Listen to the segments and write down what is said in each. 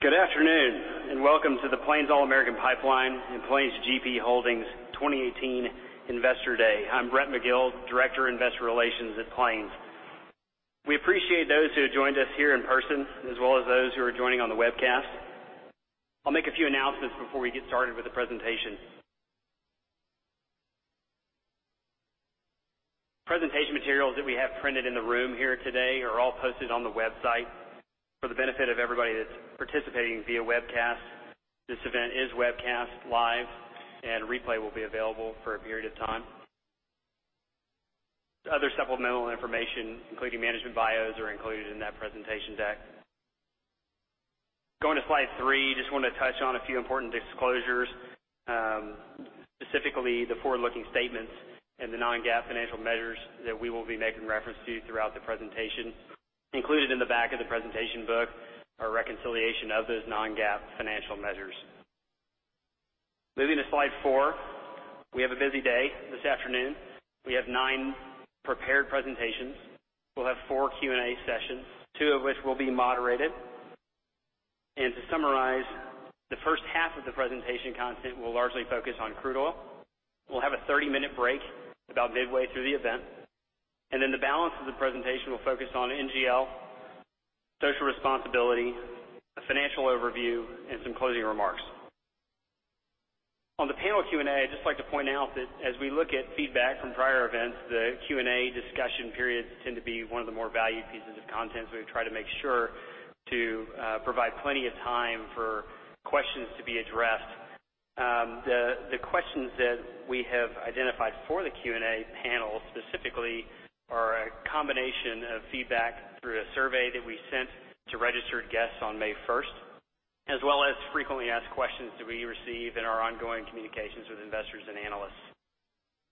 Good afternoon. Welcome to the Plains All American Pipeline and Plains GP Holdings 2018 Investor Day. I'm Brett Magill, Director of Investor Relations at Plains. We appreciate those who have joined us here in person, as well as those who are joining on the webcast. I'll make a few announcements before we get started with the presentation. Presentation materials that we have printed in the room here today are all posted on the website. For the benefit of everybody that's participating via webcast, this event is webcast live, and replay will be available for a period of time. Other supplemental information, including management bios, are included in that presentation deck. Going to slide three, just want to touch on a few important disclosures, specifically the forward-looking statements and the non-GAAP financial measures that we will be making reference to throughout the presentation. Included in the back of the presentation book are a reconciliation of those non-GAAP financial measures. Moving to slide four. We have a busy day this afternoon. We have nine prepared presentations. We'll have four Q&A sessions, two of which will be moderated. To summarize, the first half of the presentation content will largely focus on crude oil. We'll have a 30-minute break about midway through the event, then the balance of the presentation will focus on NGL, social responsibility, a financial overview, and some closing remarks. On the panel Q&A, I'd just like to point out that as we look at feedback from prior events, the Q&A discussion periods tend to be one of the more valued pieces of content, so we try to make sure to provide plenty of time for questions to be addressed. The questions that we have identified for the Q&A panel specifically are a combination of feedback through a survey that we sent to registered guests on May 1st, as well as frequently asked questions that we receive in our ongoing communications with investors and analysts.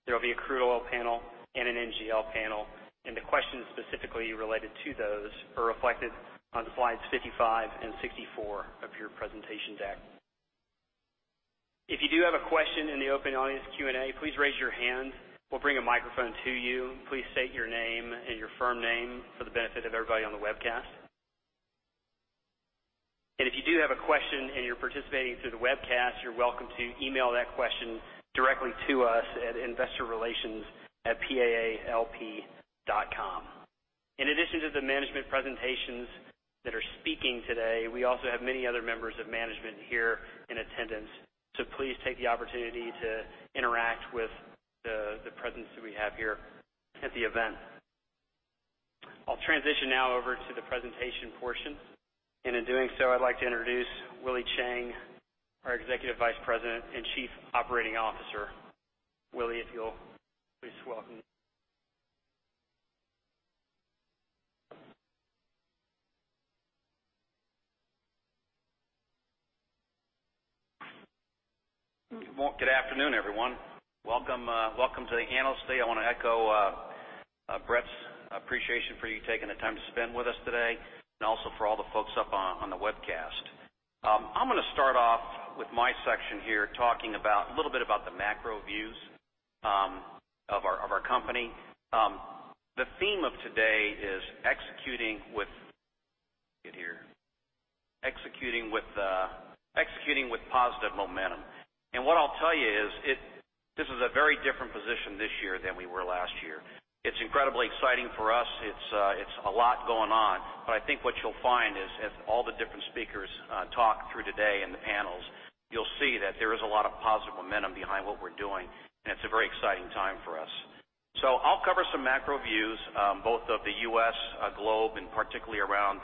There will be a crude oil panel and an NGL panel, and the questions specifically related to those are reflected on slides 55 and 64 of your presentation deck. If you do have a question in the open audience Q&A, please raise your hand. We'll bring a microphone to you. Please state your name and your firm name for the benefit of everybody on the webcast. If you do have a question and you're participating through the webcast, you're welcome to email that question directly to us at investorrelations@paalp.com. In addition to the management presentations that are speaking today, we also have many other members of management here in attendance. Please take the opportunity to interact with the presence that we have here at the event. I'll transition now over to the presentation portion. In doing so, I'd like to introduce Willie Chiang, our Executive Vice President and Chief Operating Officer. Willie, if you'll please welcome. Good afternoon, everyone. Welcome to the Analyst Day. I want to echo Brett's appreciation for you taking the time to spend with us today and also for all the folks up on the webcast. I'm going to start off with my section here, talking a little bit about the macro views of our company. The theme of today is Executing with Positive Momentum. What I'll tell you is this is a very different position this year than we were last year. It's incredibly exciting for us. It's a lot going on. I think what you'll find is as all the different speakers talk through today in the panels, you'll see that there is a lot of positive momentum behind what we're doing, and it's a very exciting time for us. I'll cover some macro views, both of the U.S. globe and particularly around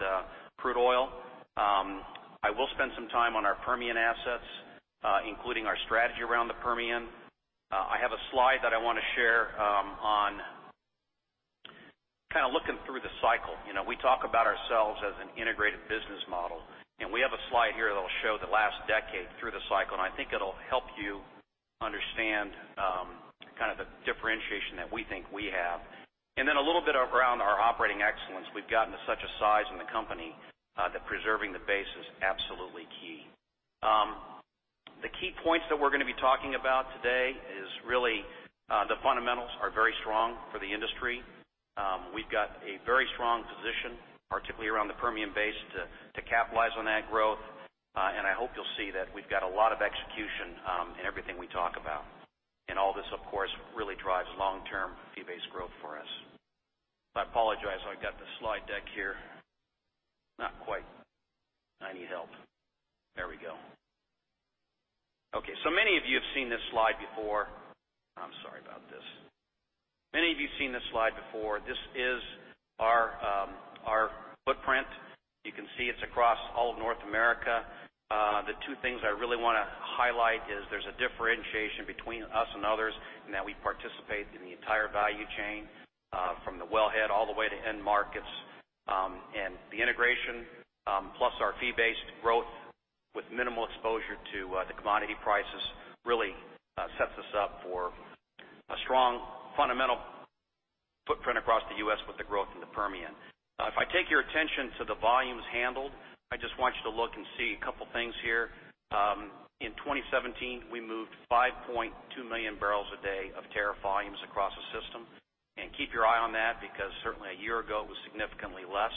crude oil. I will spend some time on our Permian assets, including our strategy around the Permian. I have a slide that I want to share on kind of looking through the cycle. We talk about ourselves as an integrated business model, and we have a slide here that'll show the last decade through the cycle, and I think it'll help you understand the differentiation that we think we have. Then a little bit around our operating excellence. We've gotten to such a size in the company that preserving the base is absolutely key. The key points that we're going to be talking about today is really the fundamentals are very strong for the industry. We've got a very strong position, particularly around the Permian Basin, to capitalize on that growth. I hope you'll see that we've got a lot of execution in everything we talk about. All this, of course, really drives long-term fee-based growth for us. I apologize. I've got the slide deck here. Not quite. I need help. There we go. Many of you have seen this slide before. I'm sorry about this. Many of you have seen this slide before. This is our footprint. You can see it's across all of North America. The two things I really want to highlight is there's a differentiation between us and others in that we participate in the entire value chain from the wellhead all the way to end markets. The integration plus our fee-based growth with minimal exposure to the commodity prices really sets us up for a strong fundamental footprint across the U.S. with the growth in the Permian. If I take your attention to the volumes handled, I just want you to look and see a couple things here. In 2017, we moved 5.2 million barrels a day of tariff volumes across the system. Keep your eye on that, because certainly a year ago it was significantly less.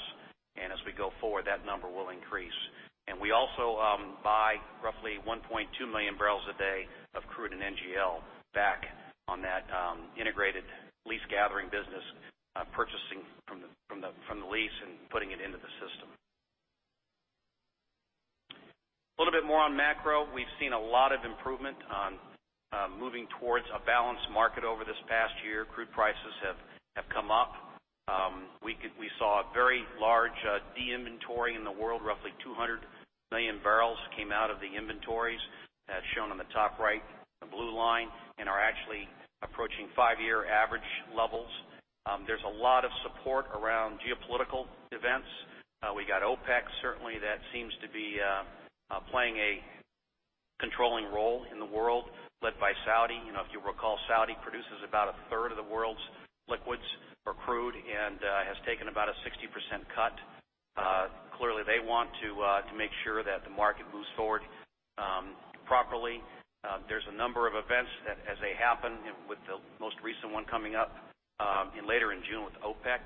As we go forward, that number will increase. We also buy roughly 1.2 million barrels a day of crude and NGL back on that integrated lease gathering business, purchasing from the lease and putting it into the system. A little bit more on macro. We've seen a lot of improvement on moving towards a balanced market over this past year. Crude prices have come up. We saw a very large de-inventory in the world. Roughly 200 million barrels came out of the inventories, as shown on the top right, the blue line, and are actually approaching five-year average levels. There's a lot of support around geopolitical events. We got OPEC, certainly, that seems to be playing a controlling role in the world, led by Saudi. If you recall, Saudi produces about a third of the world's liquids or crude, and has taken about a 60% cut. Clearly, they want to make sure that the market moves forward properly. There's a number of events that as they happen, with the most recent one coming up later in June with OPEC.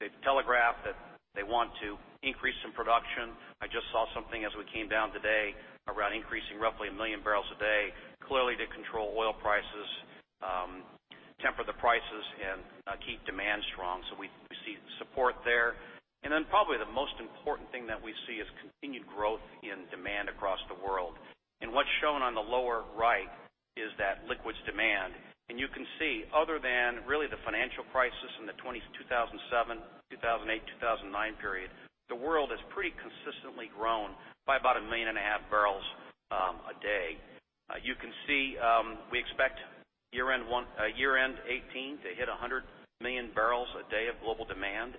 They've telegraphed that they want to increase some production. I just saw something as we came down today around increasing roughly 1 million barrels a day. Clearly to control oil prices, temper the prices, and keep demand strong. We see support there. Probably the most important thing that we see is continued growth in demand across the world. What's shown on the lower right is that liquids demand. You can see other than really the financial crisis in the 2007, 2008, 2009 period, the world has pretty consistently grown by about 1.5 million barrels a day. You can see we expect year-end 2018 to hit 100 million barrels a day of global demand.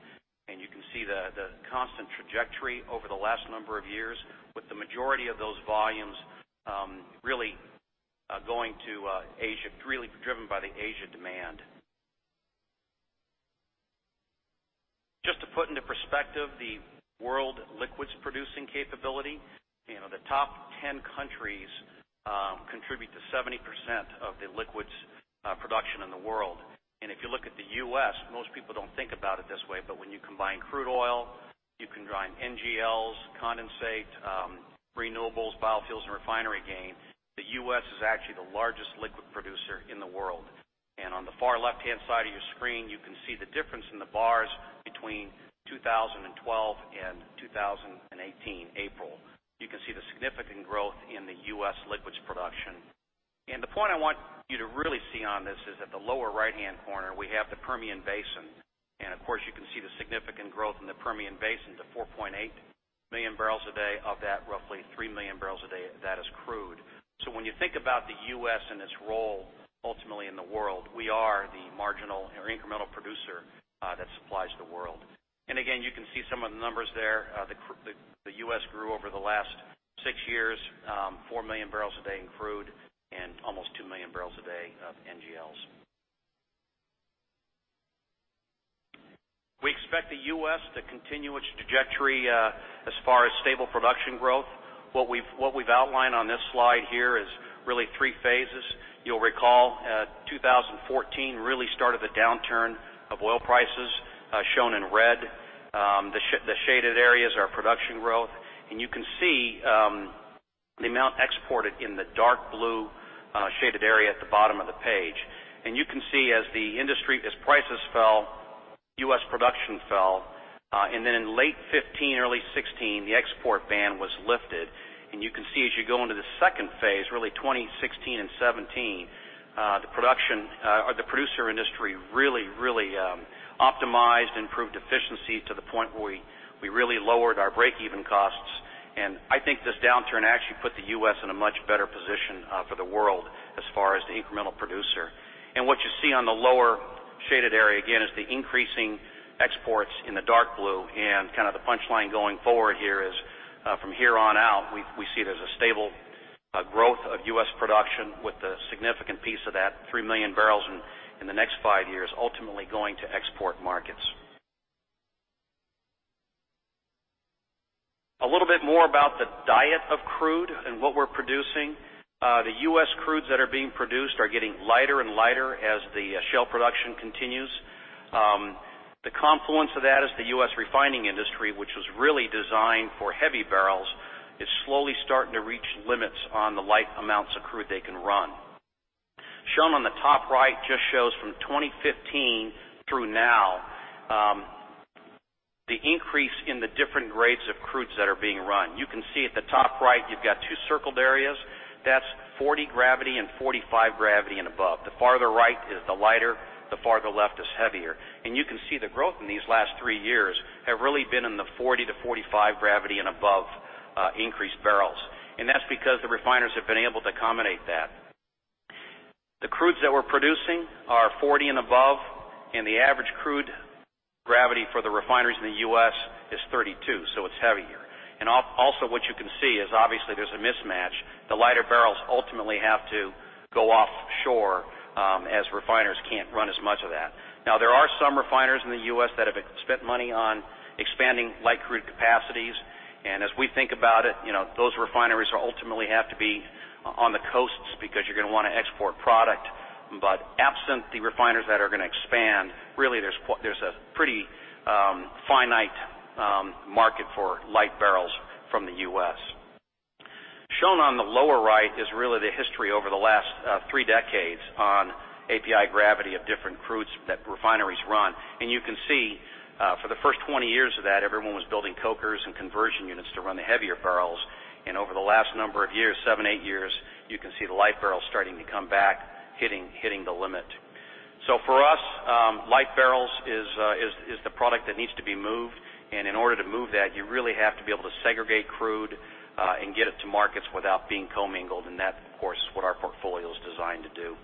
You can see the constant trajectory over the last number of years with the majority of those volumes really going to Asia, really driven by the Asia demand. Just to put into perspective the world liquids producing capability. The top 10 countries contribute to 70% of the liquids production in the world. If you look at the U.S., most people don't think about it this way, but when you combine crude oil, you combine NGLs, condensate, renewables, biofuels, and refinery gain, the U.S. is actually the largest liquid producer in the world. On the far left-hand side of your screen, you can see the difference in the bars between 2012 and 2018, April. You can see the significant growth in the U.S. liquids production. The point I want you to really see on this is at the lower right-hand corner, we have the Permian Basin. Of course, you can see the significant growth in the Permian Basin to 4.8 million barrels a day. Of that, roughly 3 million barrels a day, that is crude. When you think about the U.S. and its role ultimately in the world, we are the marginal or incremental producer that supplies the world. Again, you can see some of the numbers there. The U.S. grew over the last 6 years 4 million barrels a day in crude and almost 2 million barrels a day of NGLs. We expect the U.S. to continue its trajectory as far as stable production growth. What we've outlined on this slide here is really three phases. You'll recall 2014 really started the downturn of oil prices, shown in red. The shaded areas are production growth. You can see the amount exported in the dark blue shaded area at the bottom of the page. You can see as prices fell, U.S. production fell. In late 2015, early 2016, the export ban was lifted. You can see as you go into the second phase, really 2016 and 2017, the producer industry really optimized, improved efficiency to the point where we really lowered our break-even costs. I think this downturn actually put the U.S. in a much better position for the world as far as the incremental producer. What you see on the lower shaded area again is the increasing exports in the dark blue, the punchline going forward here is from here on out, we see there's a stable growth of U.S. production with a significant piece of that 3 million barrels in the next 5 years ultimately going to export markets. A little bit more about the diet of crude and what we're producing. The U.S. crudes that are being produced are getting lighter and lighter as the shale production continues. The confluence of that is the U.S. refining industry, which was really designed for heavy barrels, is slowly starting to reach limits on the light amounts of crude they can run. Shown on the top right just shows from 2015 through now, the increase in the different grades of crudes that are being run. You can see at the top right, you've got 2 circled areas. That's 40 gravity and 45 gravity and above. The farther right is the lighter, the farther left is heavier. You can see the growth in these last 3 years have really been in the 40 to 45 gravity and above increased barrels. That's because the refiners have been able to accommodate that. The crudes that we're producing are 40 and above, the average crude gravity for the refineries in the U.S. is 32, so it's heavier. Also what you can see is obviously there's a mismatch. The lighter barrels ultimately have to go offshore as refiners can't run as much of that. There are some refiners in the U.S. that have spent money on expanding light crude capacities. As we think about it, those refineries will ultimately have to be on the coasts because you're going to want to export product. Absent the refiners that are going to expand, really there's a pretty finite market for light barrels from the U.S. Shown on the lower right is really the history over the last 3 decades on API gravity of different crudes that refineries run. You can see, for the first 20 years of that, everyone was building cokers and conversion units to run the heavier barrels. Over the last number of years, 7, 8 years, you can see the light barrels starting to come back, hitting the limit. For us, light barrels is the product that needs to be moved. In order to move that, you really have to be able to segregate crude and get it to markets without being commingled. That, of course, is what our portfolio is designed to do.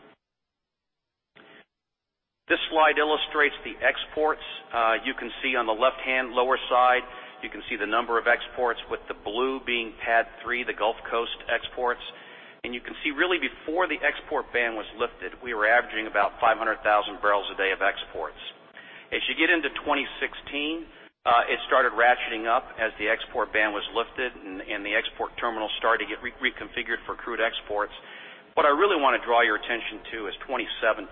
This slide illustrates the exports. You can see on the left-hand lower side, you can see the number of exports, with the blue being PADD 3, the Gulf Coast exports. You can see really before the export ban was lifted, we were averaging about 500,000 barrels a day of exports. As you get into 2016, it started ratcheting up as the export ban was lifted and the export terminals started to get reconfigured for crude exports. What I really want to draw your attention to is 2017.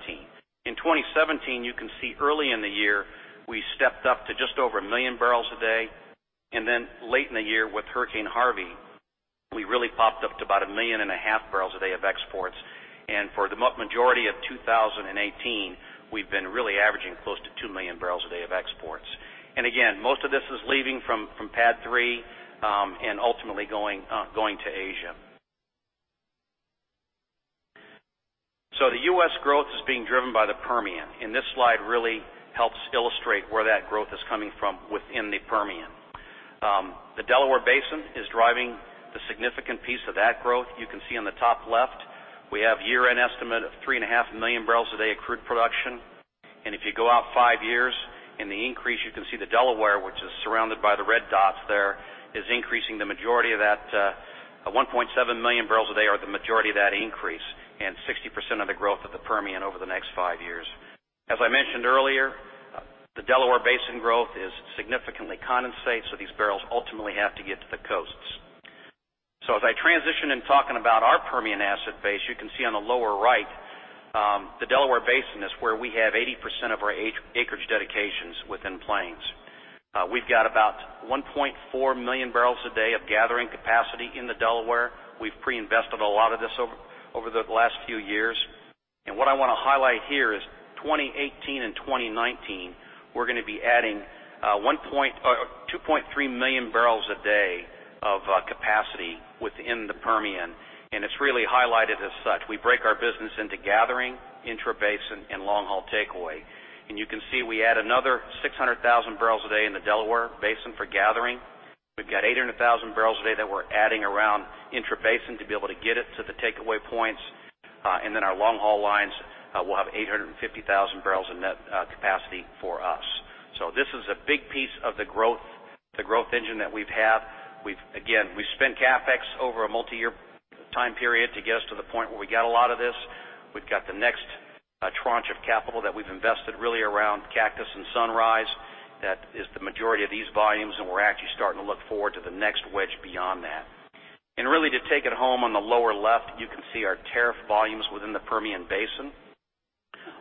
In 2017, you can see early in the year, we stepped up to just over 1 million barrels a day. Then late in the year with Hurricane Harvey, we really popped up to about 1.5 million barrels a day of exports. For the majority of 2018, we've been really averaging close to 2 million barrels a day of exports. Again, most of this is leaving from PADD 3 and ultimately going to Asia. The U.S. growth is being driven by the Permian, and this slide really helps illustrate where that growth is coming from within the Permian. The Delaware Basin is driving the significant piece of that growth. You can see on the top left, we have year-end estimate of 3.5 million barrels a day of crude production. If you go out 5 years, in the increase, you can see the Delaware, which is surrounded by the red dots there, is increasing the majority of that. 1.7 million barrels a day are the majority of that increase and 60% of the growth of the Permian over the next 5 years. As I mentioned earlier, the Delaware Basin growth is significantly condensate, these barrels ultimately have to get to the coasts. As I transition in talking about our Permian asset base, you can see on the lower right the Delaware Basin is where we have 80% of our acreage dedications within Plains. We've got about 1.4 million barrels a day of gathering capacity in the Delaware. We've pre-invested a lot of this over the last few years. What I want to highlight here is 2018 and 2019, we're going to be adding 2.3 million barrels a day of capacity within the Permian, and it's really highlighted as such. We break our business into gathering, intrabasin, and long-haul takeaway. You can see we add another 600,000 barrels a day in the Delaware Basin for gathering. We've got 800,000 barrels a day that we're adding around intrabasin to be able to get it to the takeaway points. Then our long-haul lines will have 850,000 barrels in net capacity for us. This is a big piece of the growth engine that we've had. Again, we've spent CapEx over a multi-year time period to get us to the point where we got a lot of this. We've got the next tranche of capital that we've invested really around Cactus and Sunrise. That is the majority of these volumes, and we're actually starting to look forward to the next wedge beyond that. Really to take it home, on the lower left, you can see our tariff volumes within the Permian Basin.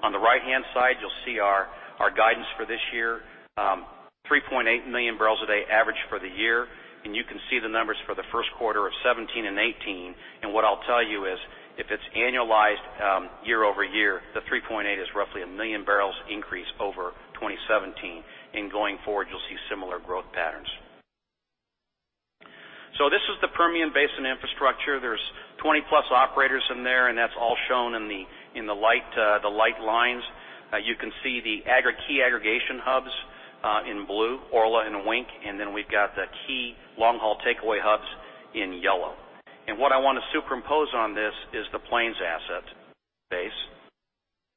On the right-hand side, you'll see our guidance for this year, 3.8 million barrels a day average for the year. You can see the numbers for the first quarter of 2017 and 2018. What I'll tell you is, if it's annualized year-over-year, the 3.8 is roughly 1 million barrels increase over 2017, and going forward, you'll see similar growth patterns. This is the Permian Basin infrastructure. There's 20-plus operators in there, and that's all shown in the light lines. You can see the key aggregation hubs in blue, Orla and Wink, and then we've got the key long-haul takeaway hubs in yellow. What I want to superimpose on this is the Plains asset base.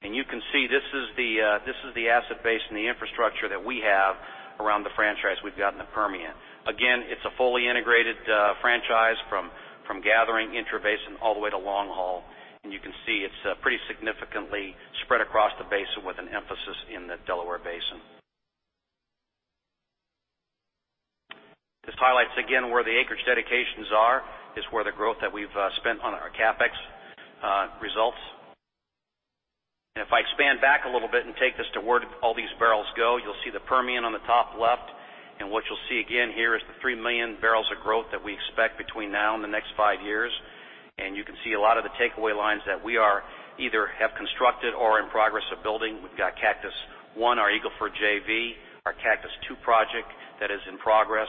You can see this is the asset base and the infrastructure that we have around the franchise we've got in the Permian. Again, it's a fully integrated franchise from gathering intrabasin all the way to long haul. You can see it's pretty significantly spread across the basin with an emphasis in the Delaware Basin. This highlights again where the acreage dedications are, is where the growth that we've spent on our CapEx results. If I expand back a little bit and take this to where all these barrels go, you'll see the Permian on the top left. What you'll see again here is the 3 million barrels of growth that we expect between now and the next 5 years. You can see a lot of the takeaway lines that we are either have constructed or in progress of building. We've got Cactus I, our Eagle Ford JV, our Cactus II project that is in progress.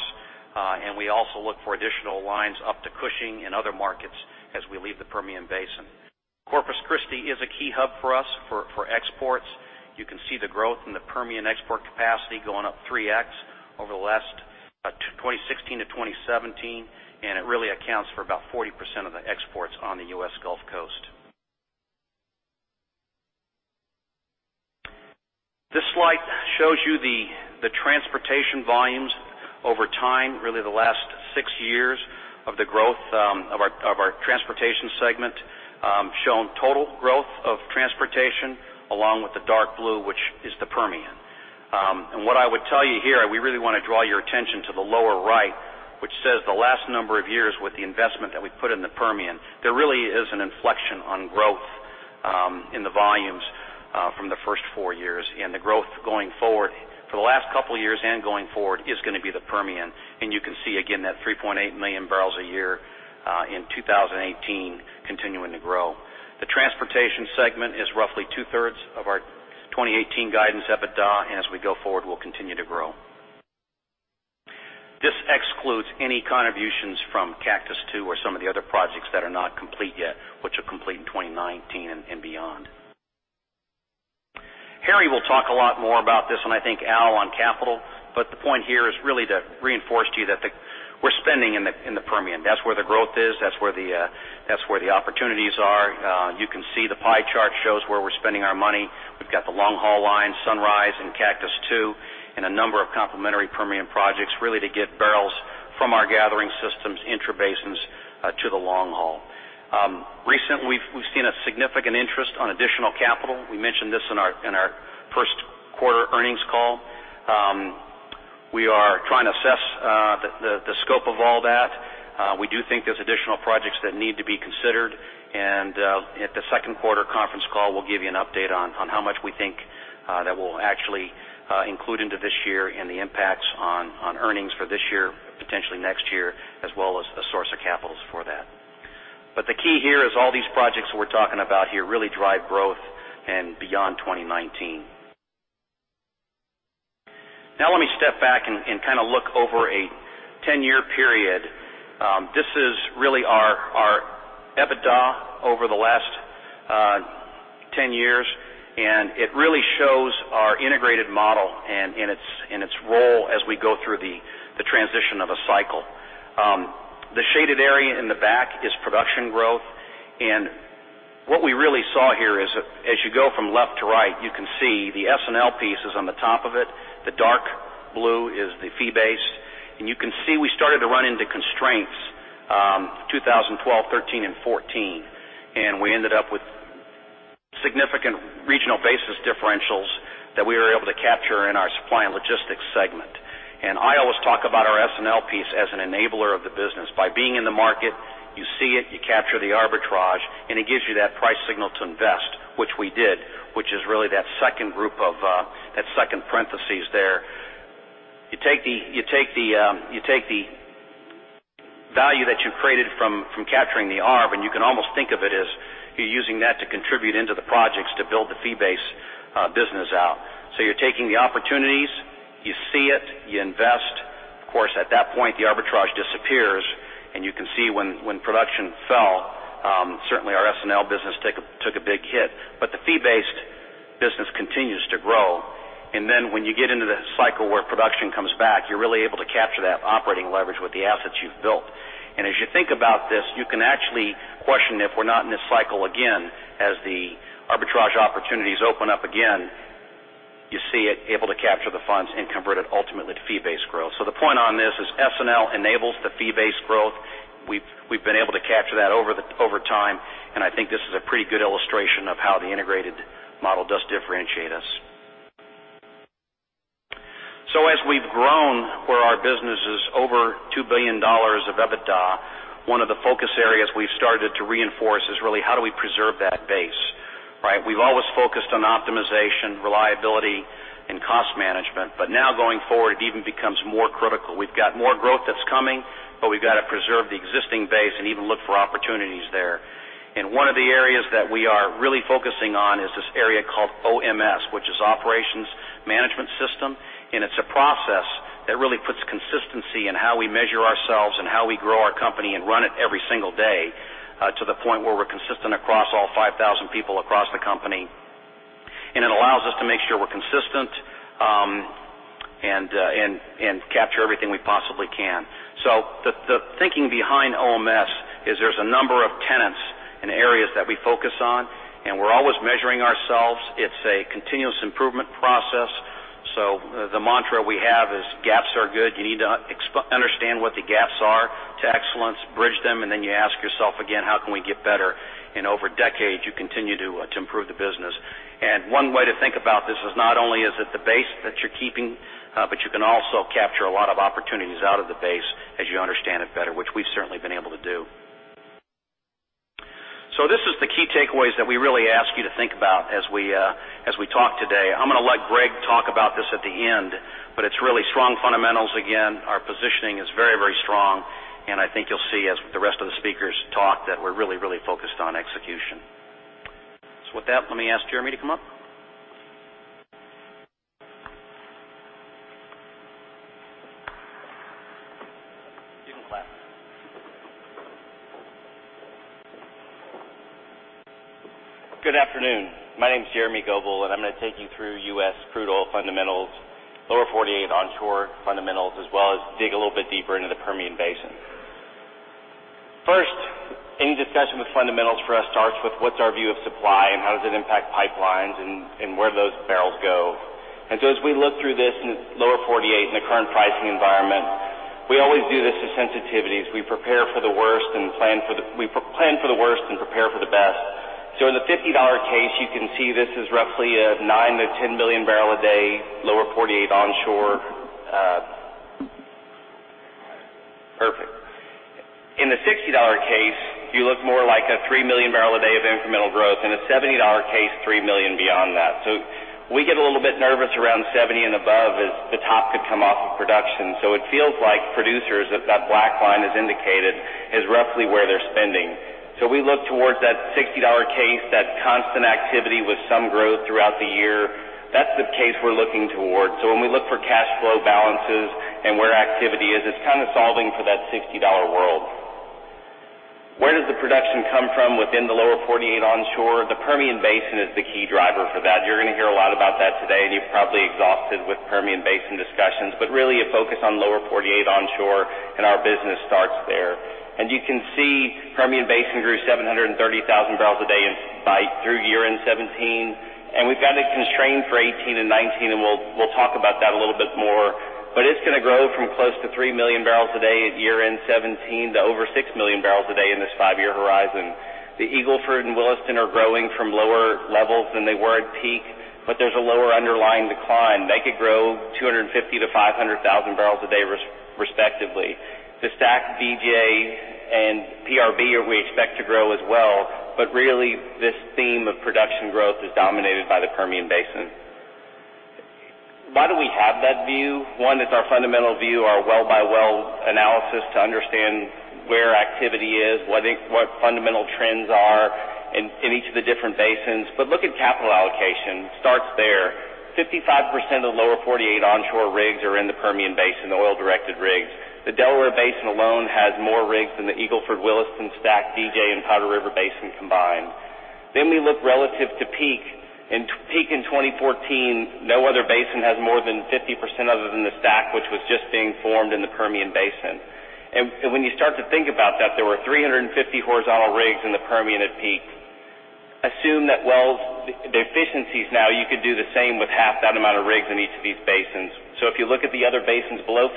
We also look for additional lines up to Cushing and other markets as we leave the Permian Basin. Corpus Christi is a key hub for us for exports. You can see the growth in the Permian export capacity going up 3X over the last 2016-2017, and it really accounts for about 40% of the exports on the U.S. Gulf Coast. This slide shows you the transportation volumes over time, really the last six years of the growth of our transportation segment shown total growth of transportation along with the dark blue, which is the Permian. What I would tell you here, we really want to draw your attention to the lower right, which says the last number of years with the investment that we put in the Permian. There really is an inflection on growth in the volumes from the first four years, and the growth going forward for the last couple of years and going forward is going to be the Permian. You can see again that 3.8 million barrels a year in 2018 continuing to grow. The transportation segment is roughly two-thirds of our 2018 guidance EBITDA, and as we go forward, we'll continue to grow. This excludes any contributions from Cactus II or some of the other projects that are not complete yet, which will complete in 2019 and beyond. Harry will talk a lot more about this, and I think Al on capital. The point here is really to reinforce to you that we're spending in the Permian. That's where the growth is. That's where the opportunities are. You can see the pie chart shows where we're spending our money. We've got the long-haul line, Sunrise, and Cactus II, and a number of complementary Permian projects really to get barrels from our gathering systems intrabasins to the long haul. Recently, we've seen a significant interest on additional capital. We mentioned this in our first quarter earnings call. We are trying to assess the scope of all that. We do think there's additional projects that need to be considered. At the second quarter conference call, we'll give you an update on how much we think that we'll actually include into this year and the impacts on earnings for this year, potentially next year, as well as the source of capitals for that. The key here is all these projects we're talking about here really drive growth and beyond 2019. Now let me step back and look over a 10-year period. This is really our EBITDA over the last 10 years, it really shows our integrated model and its role as we go through the transition of a cycle. The shaded area in the back is production growth. What we really saw here is as you go from left to right, you can see the S&L piece is on the top of it. The dark blue is the fee-based. You can see we started to run into constraints 2012, '13, and '14. We ended up with significant regional basis differentials that we were able to capture in our Supply and Logistics segment. I always talk about our S&L piece as an enabler of the business. By being in the market, you see it, you capture the arbitrage, and it gives you that price signal to invest, which we did, which is really that second parentheses there. You take the value that you created from capturing the arb, and you can almost think of it as you're using that to contribute into the projects to build the fee-based business out. You're taking the opportunities, you see it, you invest. Of course, at that point, the arbitrage disappears, and you can see when production fell. Certainly our S&L business took a big hit. The fee-based business continues to grow. When you get into the cycle where production comes back, you're really able to capture that operating leverage with the assets you've built. As you think about this, you can actually question if we're not in this cycle again. As the arbitrage opportunities open up again, you see it able to capture the funds and convert it ultimately to fee-based growth. The point on this is S&L enables the fee-based growth. We've been able to capture that over time, and I think this is a pretty good illustration of how the integrated model does differentiate us. As we've grown where our business is over $2 billion of EBITDA, one of the focus areas we've started to reinforce is really how do we preserve that base, right? We've always focused on optimization, reliability, and cost management. Now going forward, it even becomes more critical. We've got more growth that's coming, but we've got to preserve the existing base and even look for opportunities there. One of the areas that we are really focusing on is this area called OMS, which is Operations Management System, and it's a process that really puts consistency in how we measure ourselves and how we grow our company and run it every single day to the point where we're consistent across all 5,000 people across the company. It allows us to make sure we're consistent and capture everything we possibly can. The thinking behind OMS is there's a number of tenets and areas that we focus on, and we're always measuring ourselves. It's a continuous improvement process. The mantra we have is gaps are good. You need to understand what the gaps are to excellence, bridge them, and then you ask yourself again, how can we get better? Over decades, you continue to improve the business. One way to think about this is not only is it the base that you're keeping, but you can also capture a lot of opportunities out of the base as you understand it better, which we've certainly been able to do. This is the key takeaways that we really ask you to think about as we talk today. I'm going to let Greg talk about this at the end, but it's really strong fundamentals. Our positioning is very strong, and I think you'll see as the rest of the speakers talk that we're really focused on execution. With that, let me ask Jeremy to come up. You can clap. Good afternoon. My name's Jeremy Goebel, and I'm going to take you through U.S. crude oil fundamentals, Lower 48 onshore fundamentals, as well as dig a little bit deeper into the Permian Basin. Any discussion with fundamentals for us starts with what's our view of supply and how does it impact pipelines and where those barrels go. As we look through this in the Lower 48 in the current pricing environment, we always do this to sensitivities. We plan for the worst and prepare for the best. In the $50 case, you can see this is roughly a nine million to 10 million barrels a day Lower 48 onshore. Perfect. In the $60 case, you look more like a three million barrels a day of incremental growth. In a $70 case, three million beyond that. We get a little bit nervous around 70 and above as the top could come off of production. It feels like producers, that black line has indicated, is roughly where they're spending. We look towards that $60 case, that constant activity with some growth throughout the year. That's the case we're looking towards. When we look for cash flow balances and where activity is, it's kind of solving for that $60 world. Where does the production come from within the Lower 48 onshore? The Permian Basin is the key driver for that. You're going to hear a lot about that today, and you're probably exhausted with Permian Basin discussions, really a focus on Lower 48 onshore and our business starts there. You can see Permian Basin grew 730,000 barrels a day through year-end 2017, and we've got it constrained for 2018 and 2019. We'll talk about that a little bit more, it's going to grow from close to 3 million barrels a day at year-end 2017 to over 6 million barrels a day in this five-year horizon. The Eagle Ford and Williston are growing from lower levels than they were at peak, there's a lower underlying decline. They could grow 250,000 to 500,000 barrels a day respectively. The STACK, DJ, and PRB we expect to grow as well. Really this theme of production growth is dominated by the Permian Basin. Why do we have that view? One is our fundamental view, our well-by-well analysis to understand where activity is, what fundamental trends are in each of the different basins. Look at capital allocation. Starts there. 55% of the Lower 48 onshore rigs are in the Permian Basin, oil-directed rigs. The Delaware Basin alone has more rigs than the Eagle Ford, Williston, STACK, DJ, and Powder River Basin combined. We look relative to peak. In peak in 2014, no other basin has more than 50% other than the STACK, which was just being formed in the Permian Basin. When you start to think about that, there were 350 horizontal rigs in the Permian at peak. Assume that wells, the efficiencies now, you could do the same with half that amount of rigs in each of these basins. If you look at the other basins below 50%,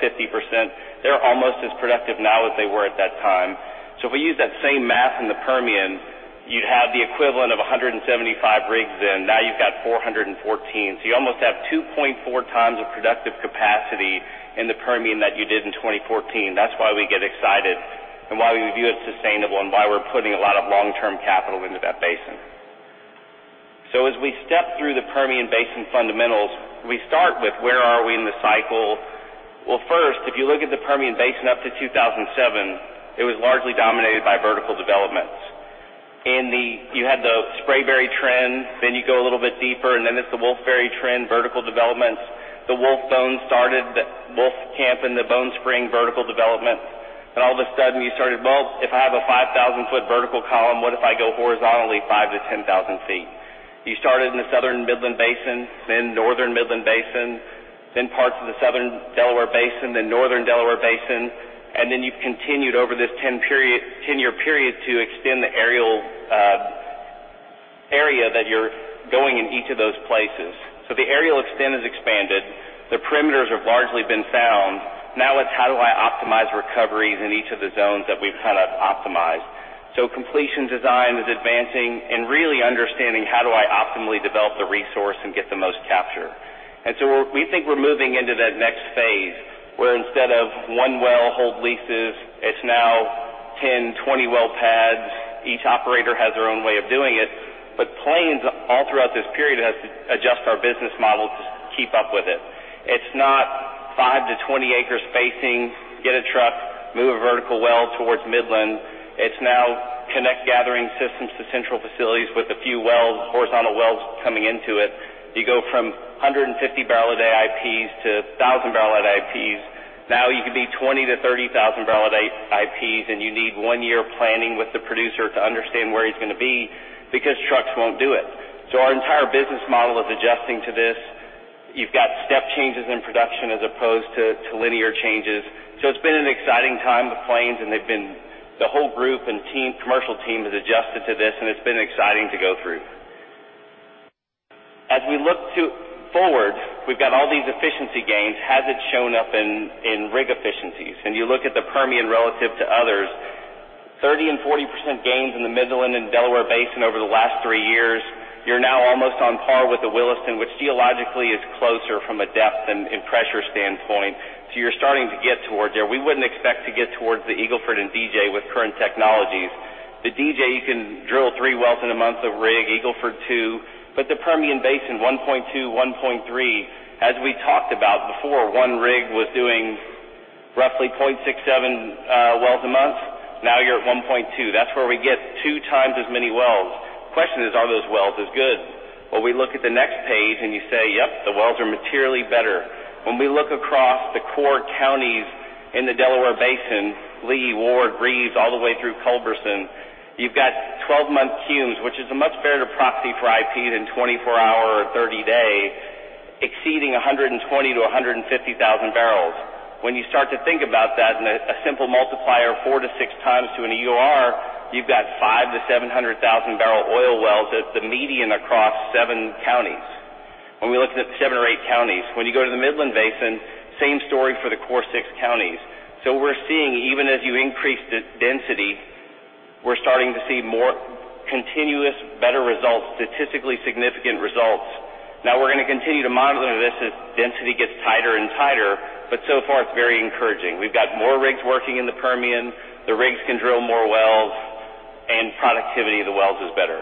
they're almost as productive now as they were at that time. If we use that same math in the Permian, you'd have the equivalent of 175 rigs in. Now you've got 414. You almost have 2.4 times the productive capacity in the Permian that you did in 2014. That's why we get excited and why we view it sustainable and why we're putting a lot of long-term capital into that basin. As we step through the Permian Basin fundamentals, we start with where are we in the cycle? First, if you look at the Permian Basin up to 2007, it was largely dominated by vertical developments. You had the Spraberry trend, you go a little bit deeper, it's the Wolfberry trend, vertical developments. The Wolf Bone started, the Wolfcamp and the Bone Spring vertical developments. All of a sudden, you started, if I have a 5,000-foot vertical column, what if I go horizontally 5 to 10,000 feet? You started in the Southern Midland Basin, then Northern Midland Basin, then parts of the Southern Delaware Basin, then Northern Delaware Basin. You've continued over this 10-year period to extend the area that you're going in each of those places. The areal extent has expanded. The perimeters have largely been found. Now it's how do I optimize recoveries in each of the zones that we've optimized. Completion design is advancing and really understanding how do I optimally develop the resource and get the most capture. We think we're moving into that next phase, where instead of one well hold leases, it's now 10, 20 well pads. Each operator has their own way of doing it. Plains, all throughout this period, has to adjust our business model to keep up with it. It's not 5-20 acres spacing, get a truck, move a vertical well towards Midland. It's now connect gathering systems to central facilities with a few wells, horizontal wells coming into it. You go from 150-barrel-a-day IPs to 1,000-barrel-a-day IPs. Now you could be 20,000-30,000-barrel-a-day IPs, and you need one year planning with the producer to understand where he's going to be because trucks won't do it. Our entire business model is adjusting to this. You've got step changes in production as opposed to linear changes. It's been an exciting time with Plains, and they've been the whole group and commercial team has adjusted to this, and it's been exciting to go through. As we look forward, we've got all these efficiency gains. Has it shown up in rig efficiencies? You look at the Permian relative to others, 30% and 40% gains in the Midland and Delaware Basin over the last three years. You're now almost on par with the Williston, which geologically is closer from a depth and pressure standpoint. You're starting to get towards there. We wouldn't expect to get towards the Eagle Ford and DJ with current technologies. The DJ, you can drill three wells in a month of rig, Eagle Ford two, but the Permian Basin, 1.2, 1.3. As we talked about before, one rig was doing roughly 0.67 wells a month. Now you're at 1.2. That's where we get two times as many wells. Question is, are those wells as good? Well, we look at the next page and you say, "Yep, the wells are materially better." When we look across the core counties in the Delaware Basin, Lea, Ward, Reeves, all the way through Culberson, you've got 12-month CUMs, which is a much better proxy for IP than 24-hour or 30-day Exceeding 120,000-150,000 barrels. When you start to think about that and a simple multiplier of four to six times to an EUR, you've got 500,000-700,000 barrel oil wells as the median across seven counties. When we looked at the seven or eight counties. When you go to the Midland Basin, same story for the core six counties. We're seeing even as you increase the density, we're starting to see more continuous, better results, statistically significant results. We're going to continue to monitor this as density gets tighter and tighter, but so far it's very encouraging. We've got more rigs working in the Permian. The rigs can drill more wells, and productivity of the wells is better.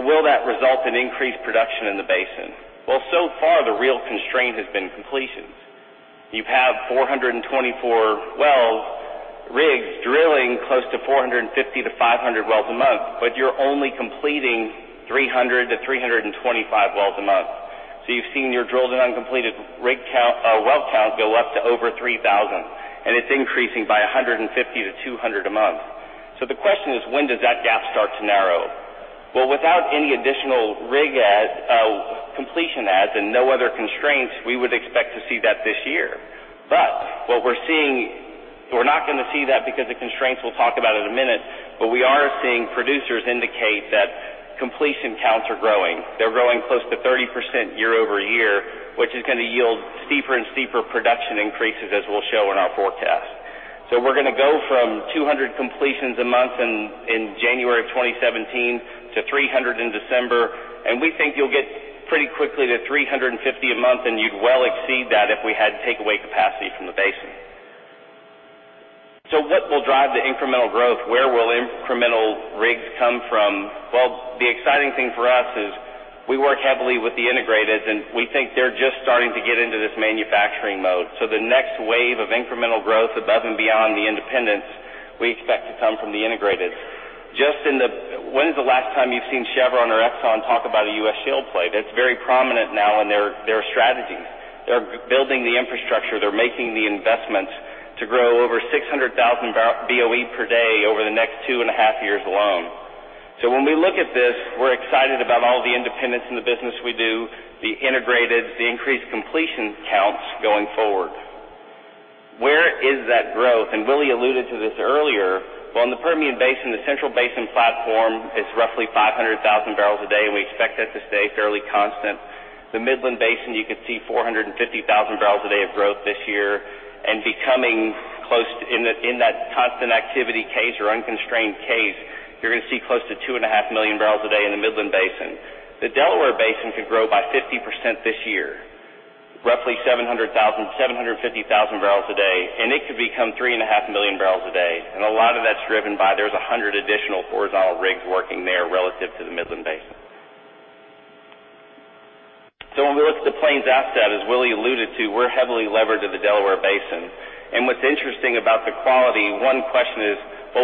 Will that result in increased production in the basin? So far the real constraint has been completions. You have 424 wells, rigs drilling close to 450 to 500 wells a month, but you're only completing 300 to 325 wells a month. You've seen your drilled and uncompleted well count go up to over 3,000, and it's increasing by 150 to 200 a month. The question is, when does that gap start to narrow? Without any additional rig adds, completion adds, and no other constraints, we would expect to see that this year. What we're seeing, we're not going to see that because the constraints we'll talk about in a minute, but we are seeing producers indicate that completion counts are growing. They're growing close to 30% year-over-year, which is going to yield steeper and steeper production increases as we'll show in our forecast. We're going to go from 200 completions a month in January of 2017 to 300 in December, and we think you'll get pretty quickly to 350 a month, and you'd well exceed that if we had to take away capacity from the basin. What will drive the incremental growth? Where will incremental rigs come from? The exciting thing for us is we work heavily with the integrated, and we think they're just starting to get into this manufacturing mode. The next wave of incremental growth above and beyond the independents, we expect to come from the integrated. When is the last time you've seen Chevron or Exxon talk about a U.S. shale play? That's very prominent now in their strategies. They're building the infrastructure, they're making the investments to grow over 600,000 BOE per day over the next two and a half years alone. When we look at this, we're excited about all the independents in the business we do, the integrated, the increased completion counts going forward. Where is that growth? Willie alluded to this earlier. In the Permian Basin, the Central Basin Platform is roughly 500,000 barrels a day, and we expect that to stay fairly constant. The Midland Basin, you could see 450,000 barrels a day of growth this year and becoming close in that constant activity case or unconstrained case, you're going to see close to two and a half million barrels a day in the Midland Basin. The Delaware Basin could grow by 50% this year, roughly 750,000 barrels a day, and it could become three and a half million barrels a day, and a lot of that's driven by there's 100 additional horizontal rigs working there relative to the Midland Basin. When we look at the Plains asset, as Willie alluded to, we're heavily levered to the Delaware Basin. What's interesting about the quality, one question is,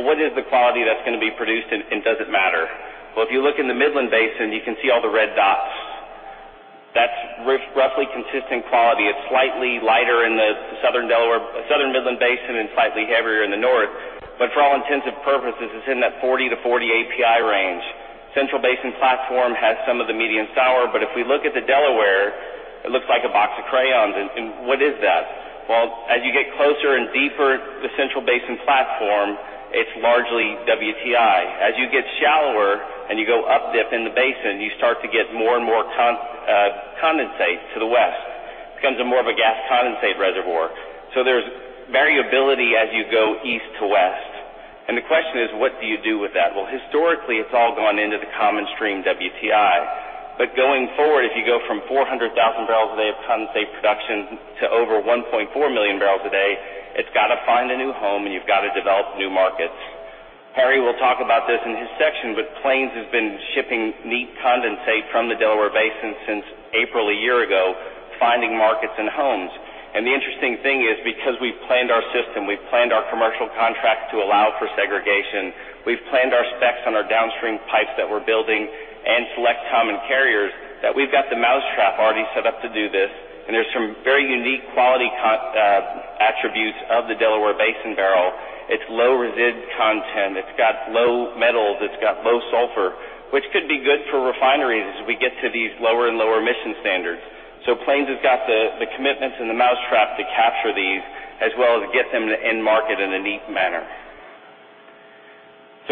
what is the quality that's going to be produced and does it matter? If you look in the Midland Basin, you can see all the red dots. That's roughly consistent quality. It's slightly lighter in the Southern Midland Basin and slightly heavier in the north. For all intents and purposes, it's in that 40-40 API range. Central Basin Platform has some of the median sour, but if we look at the Delaware, it looks like a box of crayons. What is that? Well, as you get closer and deeper to the Central Basin Platform, it's largely WTI. As you get shallower and you go up-dip in the basin, you start to get more and more condensate to the west. Becomes more of a gas condensate reservoir. There's variability as you go east to west. The question is, what do you do with that? Well, historically, it's all gone into the common stream WTI. Going forward, if you go from 400,000 barrels a day of condensate production to over 1.4 million barrels a day, it's got to find a new home and you've got to develop new markets. Harry will talk about this in his section, but Plains has been shipping neat condensate from the Delaware Basin since April a year ago, finding markets and homes. The interesting thing is, because we've planned our system, we've planned our commercial contracts to allow for segregation, we've planned our specs on our downstream pipes that we're building and select common carriers, that we've got the mousetrap already set up to do this, and there's some very unique quality attributes of the Delaware Basin barrel. It's low resid content. It's got low metals, it's got low sulfur, which could be good for refineries as we get to these lower and lower emission standards. Plains has got the commitments and the mousetrap to capture these, as well as get them to end market in a neat manner.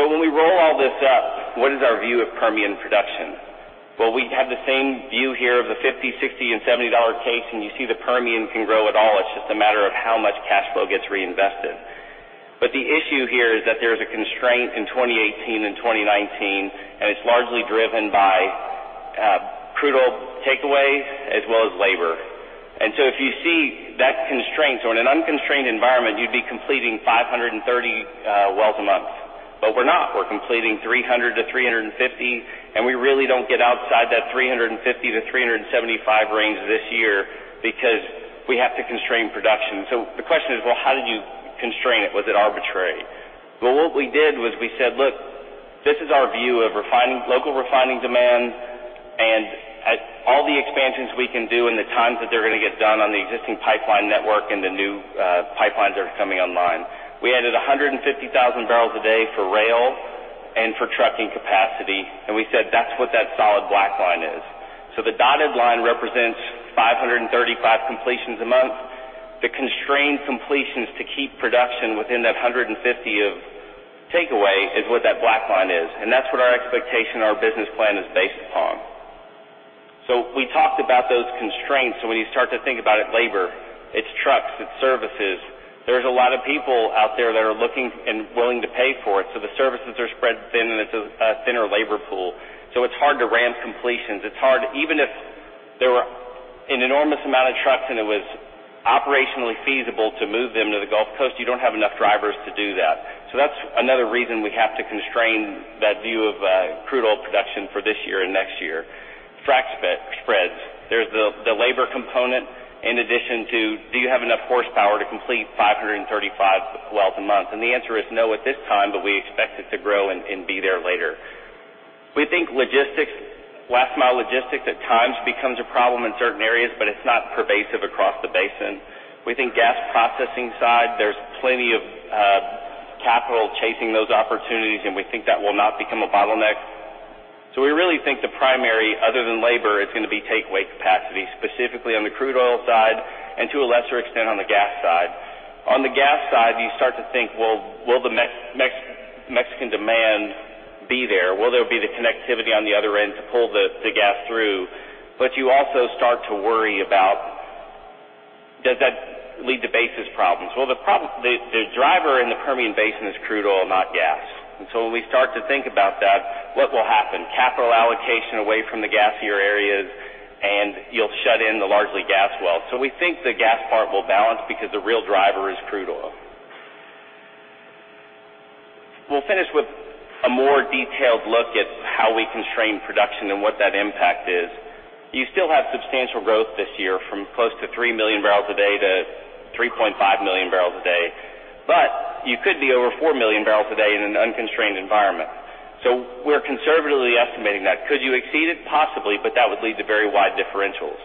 When we roll all this up, what is our view of Permian production? Well, we have the same view here of the $50, $60, and $70 case, and you see the Permian can grow at all. It's just a matter of how much cash flow gets reinvested. But the issue here is that there's a constraint in 2018 and 2019, and it's largely driven by crude oil takeaway as well as labor. If you see that constraint, so in an unconstrained environment, you'd be completing 530 wells a month. We're not. We're completing 300-350, and we really don't get outside that 350-375 range this year because we have to constrain production. The question is, well, how did you constrain it? Was it arbitrary? Well, what we did was we said, look, this is our view of local refining demand and all the expansions we can do and the times that they're going to get done on the existing pipeline network and the new pipelines that are coming online. We added 150,000 barrels a day for rail for trucking capacity, and we said that's what that solid black line is. The dotted line represents 535 completions a month. The constrained completions to keep production within that 150 of takeaway is what that black line is, and that's what our expectation, our business plan is based upon. We talked about those constraints. When you start to think about it, labor, it's trucks, it's services. There's a lot of people out there that are looking and willing to pay for it. The services are spread thin, and it's a thinner labor pool. It's hard to ramp completions. Even if there were an enormous amount of trucks and it was operationally feasible to move them to the Gulf Coast, you don't have enough drivers to do that. That's another reason we have to constrain that view of crude oil production for this year and next year. Frac spreads. There's the labor component in addition to do you have enough horsepower to complete 535 wells a month? The answer is no at this time, but we expect it to grow and be there later. We think last mile logistics at times becomes a problem in certain areas, but it's not pervasive across the basin. We think gas processing side, there's plenty of capital chasing those opportunities, and we think that will not become a bottleneck. We really think the primary, other than labor, is going to be takeaway capacity, specifically on the crude oil side and to a lesser extent, on the gas side. On the gas side, you start to think, well, will the Mexican demand be there? Will there be the connectivity on the other end to pull the gas through? You also start to worry about does that lead to basis problems? Well, the driver in the Permian Basin is crude oil, not gas. When we start to think about that, what will happen? Capital allocation away from the gassier areas, and you'll shut in the largely gas well. We think the gas part will balance because the real driver is crude oil. We'll finish with a more detailed look at how we constrain production and what that impact is. You still have substantial growth this year from close to 3 million barrels a day to 3.5 million barrels a day, but you could be over 4 million barrels a day in an unconstrained environment. We're conservatively estimating that. Could you exceed it? Possibly, but that would lead to very wide differentials.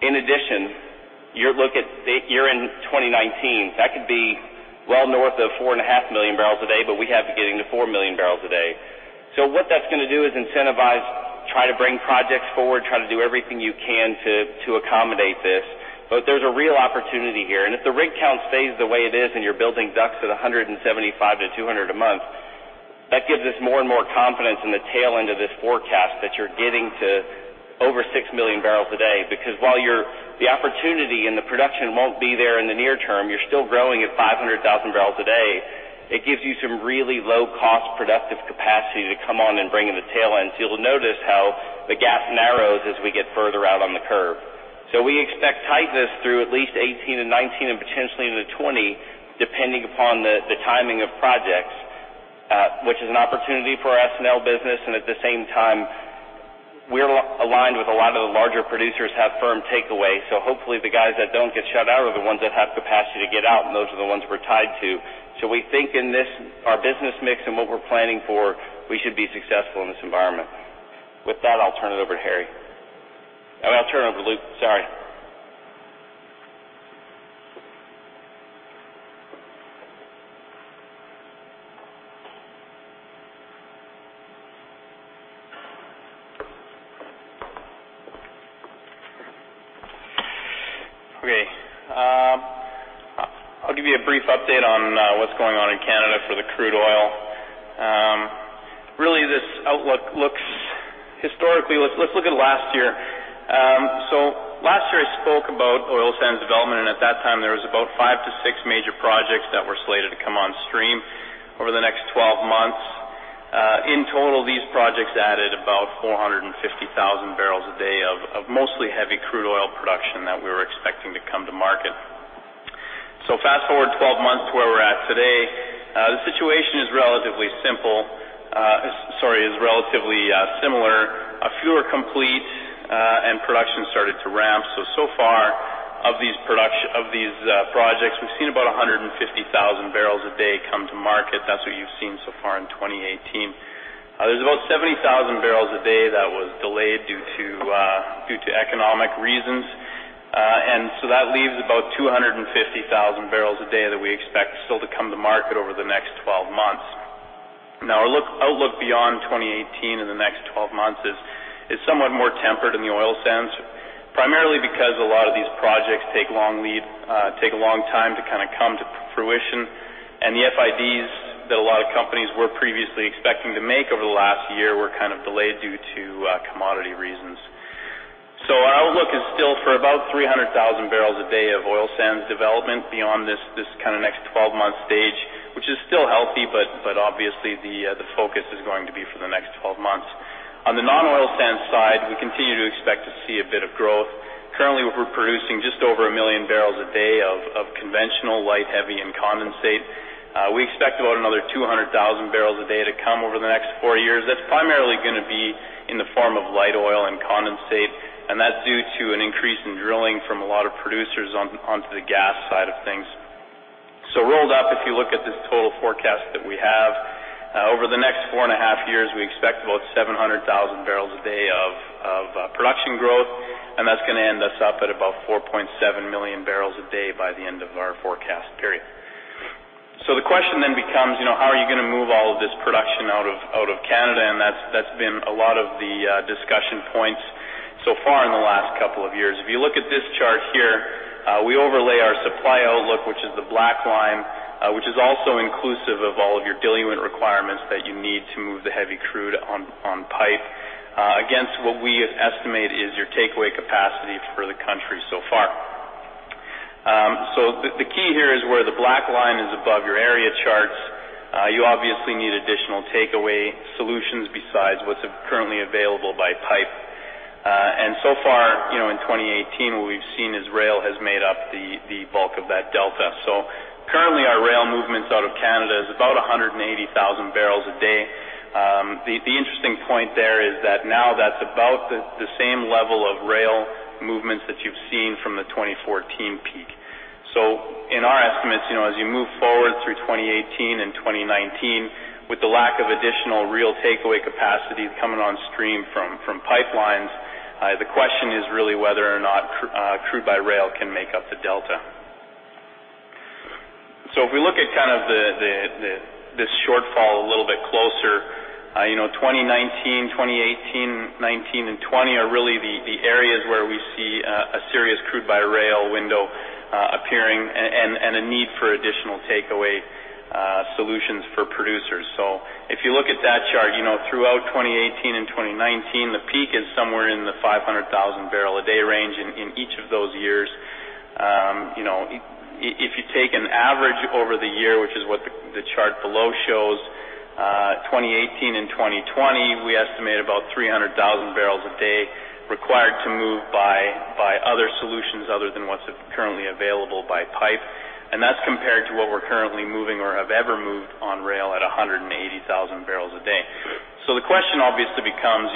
In addition, year-end 2019, that could be well north of 4.5 million barrels a day, but we have it getting to 4 million barrels a day. What that's going to do is incentivize, try to bring projects forward, try to do everything you can to accommodate this. There's a real opportunity here. If the rig count stays the way it is and you're building DUCs at 175 to 200 a month, that gives us more and more confidence in the tail end of this forecast that you're getting to over 6 million barrels a day. Because while the opportunity and the production won't be there in the near term, you're still growing at 500,000 barrels a day. It gives you some really low-cost, productive capacity to come on and bring in the tail end. You'll notice how the gap narrows as we get further out on the curve. We expect tightness through at least 2018 to 2019 and potentially into 2020, depending upon the timing of projects, which is an opportunity for our S&L business. At the same time, we're aligned with a lot of the larger producers have firm takeaway. Hopefully, the guys that don't get shut out are the ones that have capacity to get out, and those are the ones we're tied to. We think in our business mix and what we're planning for, we should be successful in this environment. With that, I'll turn it over to Harry. I'll turn it over to Luke. Sorry. Okay. I'll give you a brief update on what's going on in Canada for the crude oil. Really, this outlook looks historically Let's look at last year. Last year, I spoke about oil sands development, and at that time, there was about five to six major projects that were slated to come on stream over the next 12 months. In total, these projects added about 450,000 barrels a day of mostly heavy crude oil production that we were expecting to come to market. Fast-forward 12 months to where we're at today, the situation is relatively similar. A few are complete, and production started to ramp. So far of these projects, we've seen about 150,000 barrels a day come to market. That's what you've seen so far in 2018. There's about 70,000 barrels a day that was delayed due to economic reasons. That leaves about 250,000 barrels a day that we expect still to come to market over the next 12 months. Now, our outlook beyond 2018 in the next 12 months is somewhat more tempered in the oil sands, primarily because a lot of these projects take a long time to come to fruition. The FIDs that a lot of companies were previously expecting to make over the last year were delayed due to commodity reasons. Our outlook is still for about 300,000 barrels a day of oil sands development beyond this next 12-month stage, which is still healthy, but obviously, the focus is going to be for the next 12 months. On the non-oil sand side, we continue to expect to see a bit of growth. Currently, we're producing just over a million barrels a day of conventional light, heavy, and condensate. We expect about another 200,000 barrels a day to come over the next four years. That's primarily going to be in the form of light oil and condensate, and that's due to an increase in drilling from a lot of producers onto the gas side of things. Rolled up, if you look at this total forecast that we have, over the next four and a half years, we expect about 700,000 barrels a day of production growth, and that's going to end us up at about 4.7 million barrels a day by the end of our forecast period. The question then becomes, how are you going to move all of this production out of Canada? That's been a lot of the discussion points so far in the last couple of years. If you look at this chart here, we overlay our supply outlook, which is the black line, which is also inclusive of all of your diluent requirements that you need to move the heavy crude on pipe against what we estimate is your takeaway capacity for the country so far. The key here is where the black line is above your area charts. You obviously need additional takeaway solutions besides what's currently available by pipe. So far, in 2018, what we've seen is rail has made up the bulk of that delta. Currently, our rail movements out of Canada is about 180,000 barrels a day. The interesting point there is that now that's about the same level of rail movements that you've seen from the 2014 peak. In our estimates, as you move forward through 2018 and 2019, with the lack of additional real takeaway capacity coming on stream from pipelines, the question is really whether or not crude by rail can make up the delta. If we look at this shortfall a little bit closer, 2019, 2018, 2019, and 2020 are really the areas where we see a serious crude by rail window appearing and a need for additional takeaway solutions for producers. If you look at that chart, throughout 2018 and 2019, the peak is somewhere in the 500,000 barrel a day range in each of those years. If you take an average over the year, which is what the chart below shows, 2018 and 2020, we estimate about 300,000 barrels a day required to move by other solutions other than what's currently available by pipe. That's compared to what we're currently moving or have ever moved on rail at 180,000 barrels a day. The question obviously becomes,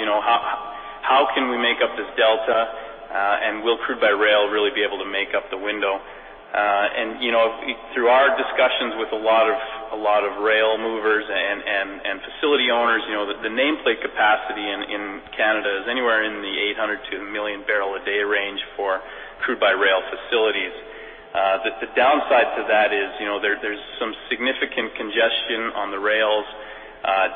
how can we make up this delta? Will crude by rail really be able to make up the window? Through our discussions with a lot of rail movers and facility owners, the nameplate capacity in Canada is anywhere in the 800 to 1 million barrel a day range for crude by rail facilities. The downside to that is there's some significant congestion on the rails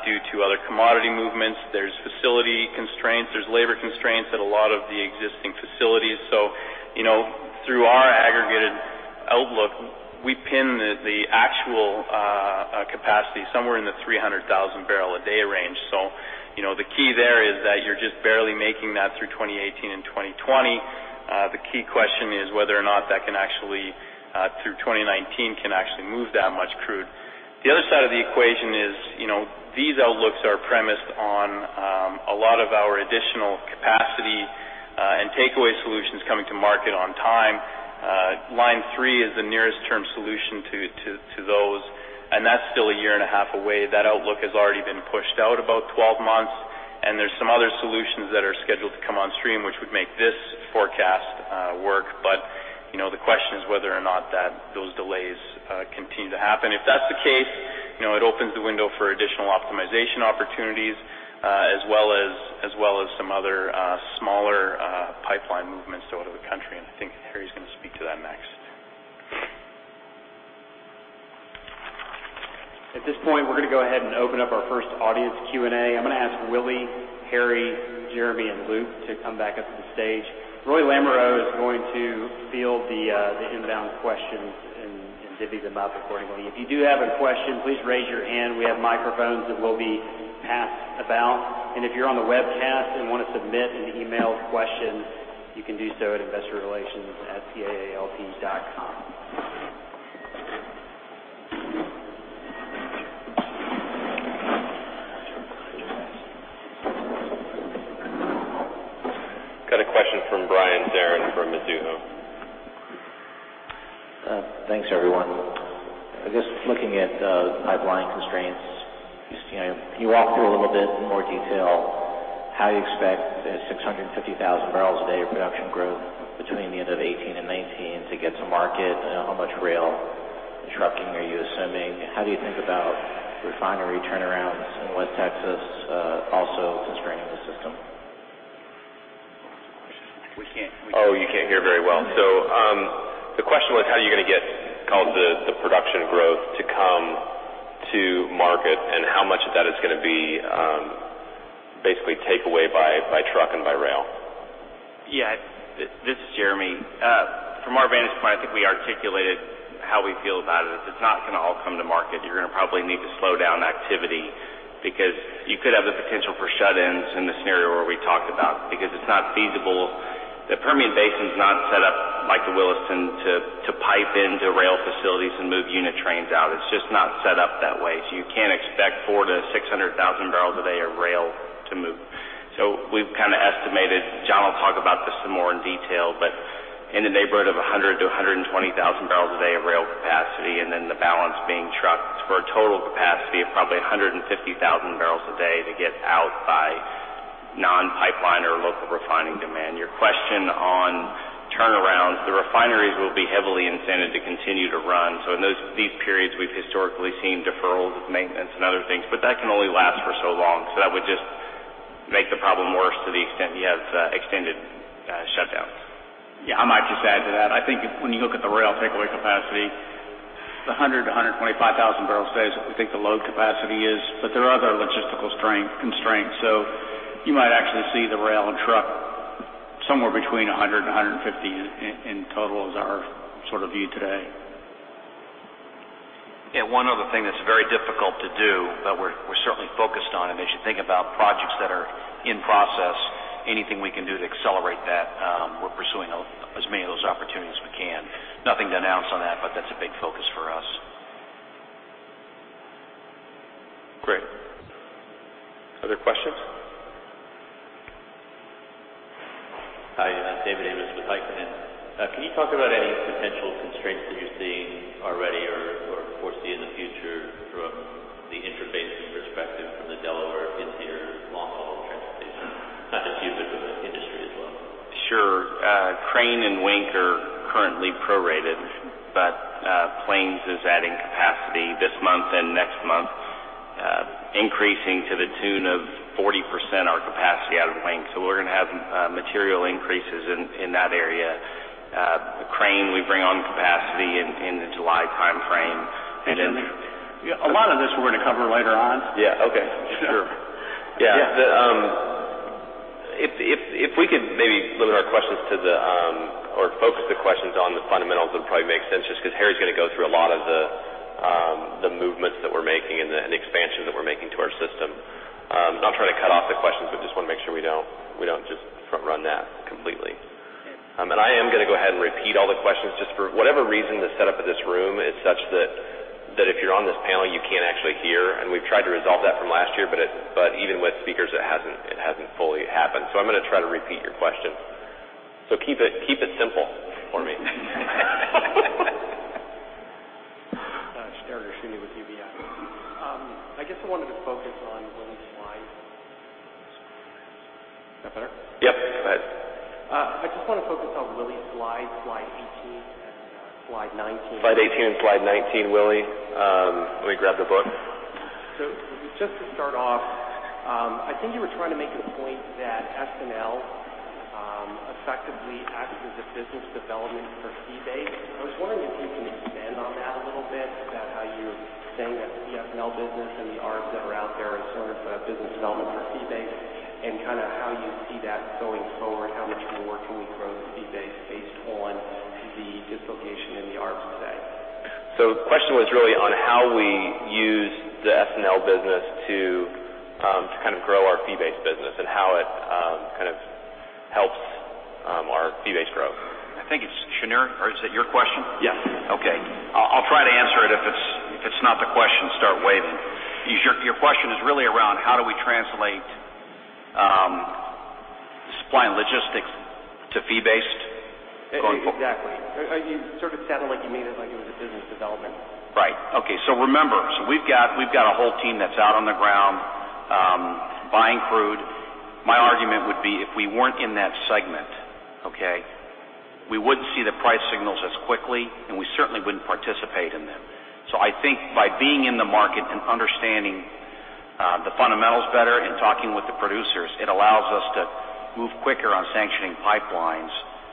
due to other commodity movements. There's facility constraints. There's labor constraints at a lot of the existing facilities. Through our aggregated outlook, we pin the actual capacity somewhere in the 300,000 barrel a day range. The key there is that you're just barely making that through 2018 and 2020. The key question is whether or not that can actually, through 2019, move that much crude. The other side of the equation is these outlooks are premised on a lot of our additional capacity and takeaway solutions coming to market on time. Line 3 is the nearest term solution to those, that's still a year and a half away. That outlook has already been pushed out about 12 months, there's some other solutions that are scheduled to come on stream, which would make this forecast work. The question is whether or not those delays continue to happen. If that's the case, it opens the window for additional optimization opportunities as well as some other smaller pipeline movements out of the country, I think Harry's going to speak to that next. At this point, we're going to go ahead and open up our first audience Q&A. I'm going to ask Willie, Harry, Jeremy, and Luke to come back up to the stage. Roy Lamoreaux is going to field the inbound questions and divvy them up accordingly. If you do have a question, please raise your hand. We have microphones that will be passed about. If you're on the webcast and want to submit an emailed question, you can do so at PlainsIR@plains.com. We've got a question from Brian Saron from Mizuho. Thanks, everyone. I guess looking at pipeline constraints, can you walk through a little bit more detail how you expect the 650,000 barrels a day of production growth between the end of 2018 and 2019 to get to market? How much rail and trucking are you assuming? How do you think about refinery turnarounds in West Texas also constraining the system? Oh, you can't hear very well. The question was how are you going to get the production growth to come to market and how much of that is going to be basically takeaway by truck and by rail? Yeah. This is Jeremy. From our vantage point, I think we articulated how we feel about it is it's not going to all come to market. You're going to probably need to slow down activity because you could have the potential for shut-ins in the scenario where we talked about because it's not feasible. The Permian Basin's not set up like the Williston to pipe into rail facilities and move unit trains out. It's just not set up that way. You can't expect four to 600,000 barrels a day of rail to move. We've kind of estimated, John will talk about this some more in detail, but in the neighborhood of 100,000 to 120,000 barrels a day of rail capacity, the balance being trucked for a total capacity of probably 150,000 barrels a day to get out by non-pipeline or local refining demand. Your question on turnaround, the refineries will be heavily incented to continue to run. In these periods, we've historically seen deferrals of maintenance and other things, that can only last for so long. That would just make the problem worse to the extent you have extended shutdowns. Yeah. I might just add to that. I think when you look at the rail takeaway capacity, it's 100,000 to 125,000 barrels a day is what we think the load capacity is, there are other logistical constraints. You might actually see the rail and truck somewhere between 100,000 and 150,000 in total is our sort of view today. Yeah. One other thing that's very difficult to do, but we're certainly focused on. As you think about projects that are in process, anything we can do to accelerate that, we're pursuing as many of those opportunities as we can. Nothing to announce on that, but that's a big focus for us. Great. Other questions? Hi, David Amoss with Piper Sandler. Can you talk about any potential constraints that you're seeing already or foresee in the future from the interbasin perspective from the Delaware into your long-haul transportation, not just you, but the industry as well? Sure. Crane and Wink are currently prorated. Plains is adding capacity this month and next month, increasing to the tune of 40% our capacity out of Plains. We're going to have material increases in that area. Crane, we bring on capacity in the July timeframe. A lot of this we're going to cover later on. Yeah. Okay. Sure. Yeah. If we could maybe limit our questions to the, or focus the questions on the fundamentals, it would probably make sense, just because Harry's going to go through a lot of the movements that we're making and the expansion that we're making to our system. Not trying to cut off the questions, but just want to make sure we don't just front run that completely. I am going to go ahead and repeat all the questions. Just for whatever reason, the setup of this room is such that if you're on this panel, you can't actually hear. We've tried to resolve that from last year, but even with speakers, it hasn't fully happened. I'm going to try to repeat your question. Keep it simple for me. Shneur Gershuni with UBS. I guess I wanted to focus on Willie's slides. Is that better? Yep. Go ahead. I just want to focus on Willie's slides, slide 18 and slide 19. Slide 18 and slide 19, Willie. Let me grab the book. Just to start off, I think you were trying to make the point that S&L effectively acts as a business development for fee-based. I was wondering if you can expand on that a little bit, about how you're saying that the S&L business and the ARPs that are out there is sort of a business development for fee-based, and how you see that going forward. How much more can we grow fee-based based on the dislocation in the ARPs today? The question was really on how we use the S&L business to grow our fee-based business and how it helps our fee-based growth. I think it's Shneur. Is that your question? Yes. I'll try to answer it. If it's not the question, start waving. Your question is really around how do we translate supply and logistics to fee-based. Exactly. You sort of sounded like you made it like it was a business development. Right. Okay. Remember, we've got a whole team that's out on the ground buying crude. My argument would be, if we weren't in that segment, okay, we wouldn't see the price signals as quickly, and we certainly wouldn't participate in them. I think by being in the market and understanding the fundamentals better and talking with the producers, it allows us to move quicker on sanctioning pipelines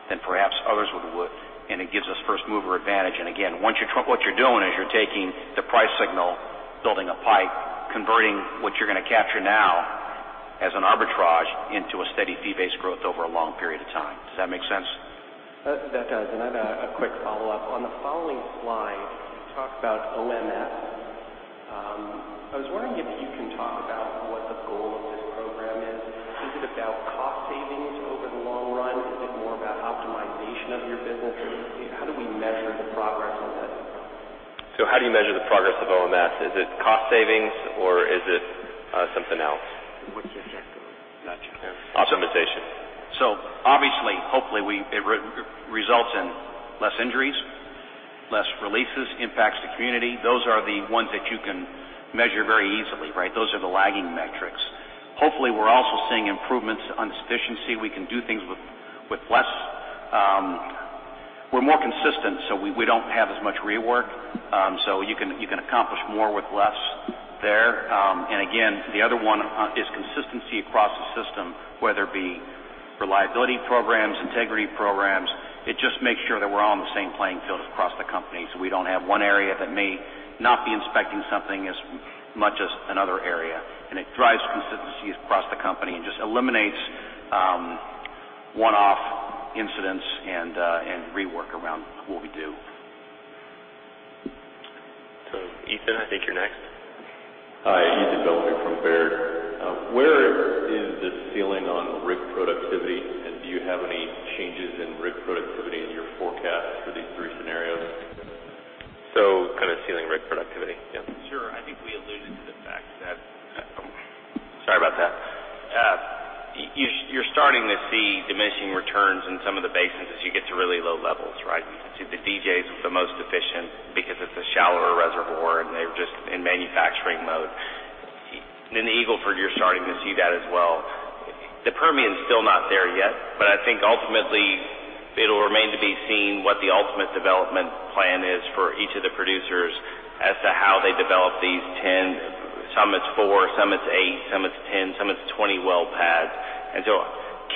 than perhaps others would, and it gives us first-mover advantage. Again, what you're doing is you're taking the price signal, building a pipe, converting what you're going to capture now as an arbitrage into a steady fee-based growth over a long period of time. Does that make sense? That does. I have a quick follow-up. On the following slide, you talk about OMS. I was wondering if you can talk about what the goal of this program is. Is it about cost savings over the long run? Is it more about optimization of your business? How do we measure the progress on that? How do you measure the progress of OMS? Is it cost savings or is it something else? What's the second goal? Not sure. Optimization. Obviously, hopefully, it results in less injuries, less releases, impacts to community. Those are the ones that you can measure very easily, right? Those are the lagging metrics. Hopefully, we're also seeing improvements on efficiency. We can do things with less. We're more consistent, so we don't have as much rework. You can accomplish more with less there. Again, the other one is consistency across the system, whether it be reliability programs, integrity programs. It just makes sure that we're all on the same playing field across the company, so we don't have one area that may not be inspecting something as much as another area. It drives consistency across the company and just eliminates one-off incidents and rework around what we do. Ethan, I think you're next. Hi, Ethan Bellamy from Baird. Where is the ceiling on rig productivity, and do you have any changes in rig productivity in your forecast for these three scenarios? Ceiling rig productivity. Yeah. Sure. I think we alluded to the fact that you're starting to see diminishing returns in some of the basins as you get to really low levels, right? The DJ's the most efficient because it's a shallower reservoir, they're just in manufacturing mode. In the Eagle Ford, you're starting to see that as well. The Permian's still not there yet, I think ultimately it'll remain to be seen what the ultimate development plan is for each of the producers as to how they develop these 10, some it's four, some it's eight, some it's 10, some it's 20 well pads.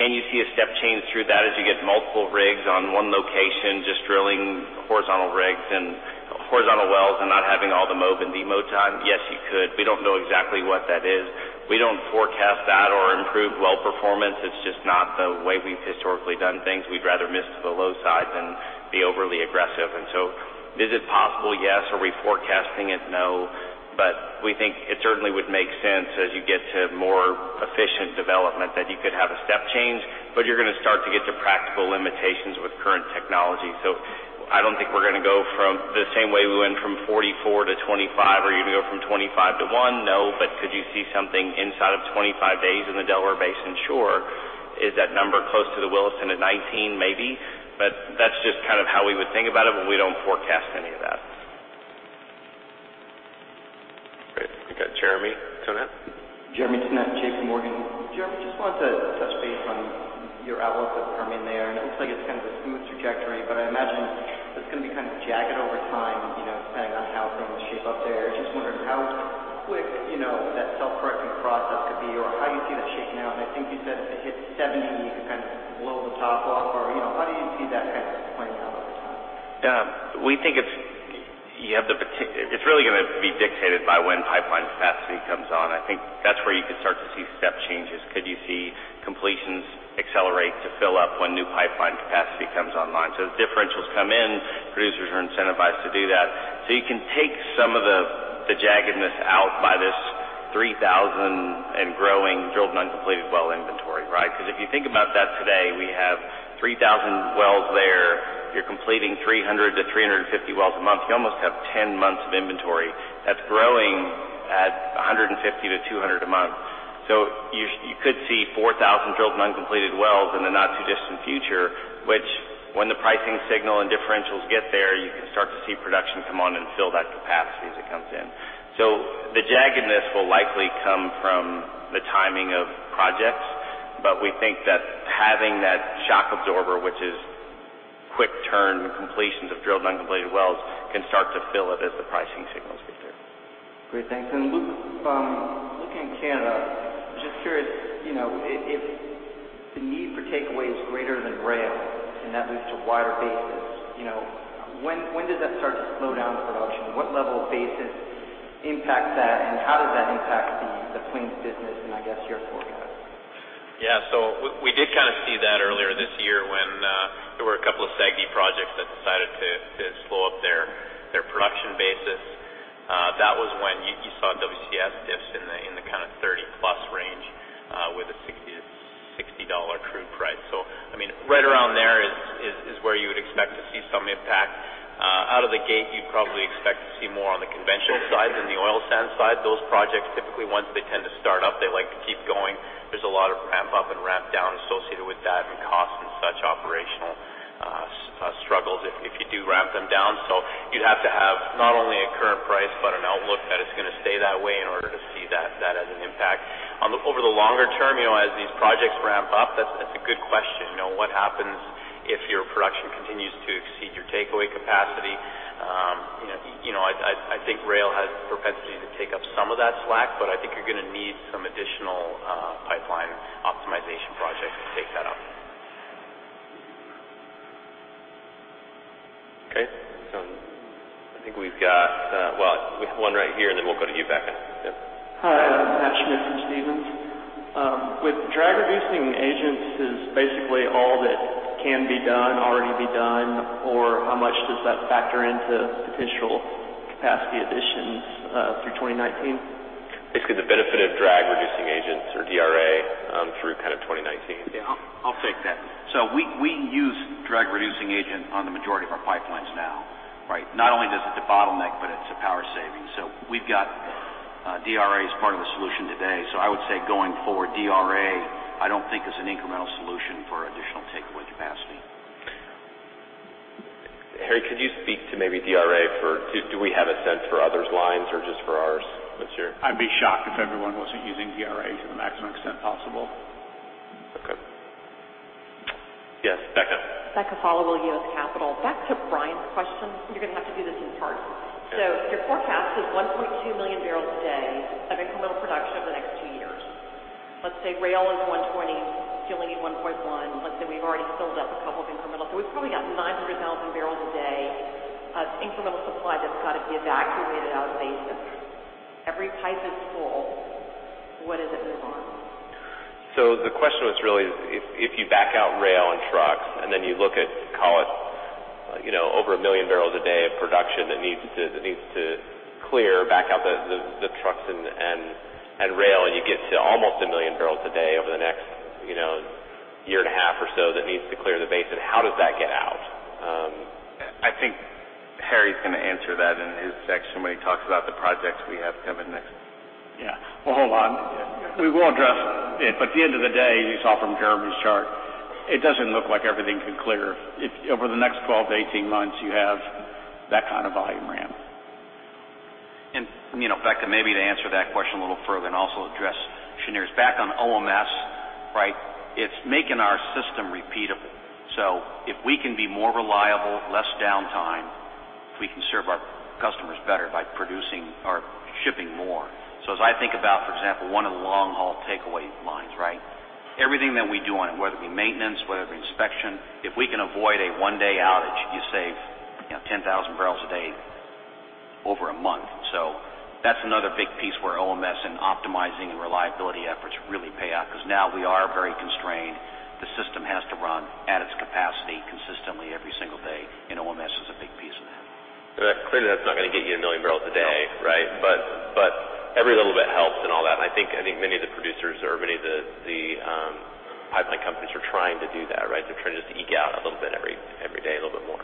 Can you see a step change through that as you get multiple rigs on one location, just drilling horizontal wells, and not having all the mob and demob time? Yes, you could. We don't know exactly what that is. We don't forecast that or improve well performance. It's just not the way we've historically done things. We'd rather miss to the low side than be overly aggressive. Is it possible? Yes. Are we forecasting it? No. We think it certainly would make sense as you get to more efficient development that you could have a step change, but you're going to start to get to practical limitations with current technology. I don't think we're going to go from the same way we went from 44 to 25. Are you going to go from 25 to one? No, could you see something inside of 25 days in the Delaware Basin? Sure. Is that number close to the Williston at 19? Maybe, but that's just how we would think about it, we don't forecast any of that. Great. We got Jeremy Tonet. Jeremy Tonet, J.P. Morgan. Jeremy, just wanted to touch base on your outlook for Permian there. It looks like it's a smooth trajectory, but I imagine it's going to be jagged over time, depending on how things shape up there. I was just wondering how quick that self-correcting process could be or how you see that shaking out. I think you said if it hits $70, you could blow the top off or how do you see that playing out over time? It's really going to be dictated by when pipeline capacity comes on. I think that's where you could start to see step changes. Could you see completions accelerate to fill up when new pipeline capacity comes online? As differentials come in, producers are incentivized to do that. You can take some of the jaggedness out by this 3,000 and growing drilled but uncompleted well inventory, right? Because if you think about that today, we have 3,000 wells there. You're completing 300 to 350 wells a month. You almost have 10 months of inventory that's growing at 150 to 200 a month. You could see 4,000 drilled but uncompleted wells in the not too distant future, which when the pricing signal and differentials get there, you can start to see production come on and fill that capacity as it comes in. The jaggedness will likely come from the timing of projects, but we think that having that shock absorber, which is quick turn completions of drilled but uncompleted wells, can start to fill it as the pricing signals get there. Great. Thanks. Luke, looking at Canada, just curious, if the need for takeaway is greater than rail and that leads to wider basis, when does that start to slow down the production? What level of basis impacts that, how does that impact the Plains business and I guess your forecast? We did see that earlier this year when there were a couple of SAGD projects that decided to slow up their production basis. That was when you saw WCS dips in the 30-plus range, with a $60 crude price. Right around there is where you would expect to see some impact. Out of the gate, you'd probably expect to see more on the conventional side than the oil sand side. Those projects, typically, once they tend to start up, they like to keep going. There's a lot of ramp up and ramp down associated with that and cost and such operational struggles if you do ramp them down. You'd have to have not only a current price, but an outlook that it's going to stay that way in order to see that as an impact. Over the longer term, as these projects ramp up, that's a good question. What happens if your production continues to exceed your takeaway capacity? I think rail has a propensity to take up some of that slack, I think you're going to need some additional pipeline optimization projects to take that up. I think we have one right here, and then we'll go to you, Becca. Hi, Tristan Richardson from Stephens. With drag reducing agents is basically all that can be done, already be done, or how much does that factor into potential capacity additions through 2019? Basically, the benefit of drag reducing agents or DRA through 2019. Yeah, I'll take that. We use drag reducing agent on the majority of our pipelines now. Right? Not only does it debottleneck, but it's a power saving. We've got DRA as part of the solution today. I would say going forward, DRA, I don't think is an incremental solution for additional takeaway capacity. Harry, could you speak to maybe DRA for Do we have a sense for others' lines or just for ours this year? I'd be shocked if everyone wasn't using DRA to the maximum extent possible. Okay. Yes, Becca. Becca Followill, U.S. Capital Advisors. Back to Brian's question, you're going to have to do this in parts. Okay. Your forecast is 1.2 million barrels a day of incremental production over the next 2 years. Let's say rail is 120, you only need 1.1. Let's say we've already filled up a couple of incremental. We've probably got 900,000 barrels a day of incremental supply that's got to be evacuated out of basin. Every pipe is full. What does it move on? The question was really, if you back out rail and trucks, and then you look at, call it, over 1 million barrels a day of production that needs to clear back out the trucks and rail, and you get to almost 1 million barrels a day over the next year and a half or so that needs to clear the basin. How does that get out? I think Harry's going to answer that in his section when he talks about the projects we have coming next. Well, hold on. We will address it, at the end of the day, as you saw from Jeremy's chart, it doesn't look like everything can clear if over the next 12 to 18 months you have that kind of volume ramp. Becca, maybe to answer that question a little further and also address Shneur's. Back on OMS, it's making our system repeatable. If we can be more reliable, less downtime, we can serve our customers better by producing or shipping more. As I think about, for example, one of the long-haul takeaway lines. Everything that we do on it, whether it be maintenance, whether it be inspection, if we can avoid a one-day outage, you save 10,000 barrels a day over a month. That's another big piece where OMS and optimizing and reliability efforts really pay off because now we are very constrained. The system has to run at its capacity consistently every single day, OMS is a big piece of that. Clearly that's not going to get you 1 million barrels a day. No. Every little bit helps and all that, and I think many of the producers or many of the pipeline companies are trying to do that. They're trying just to eke out a little bit every day, a little bit more.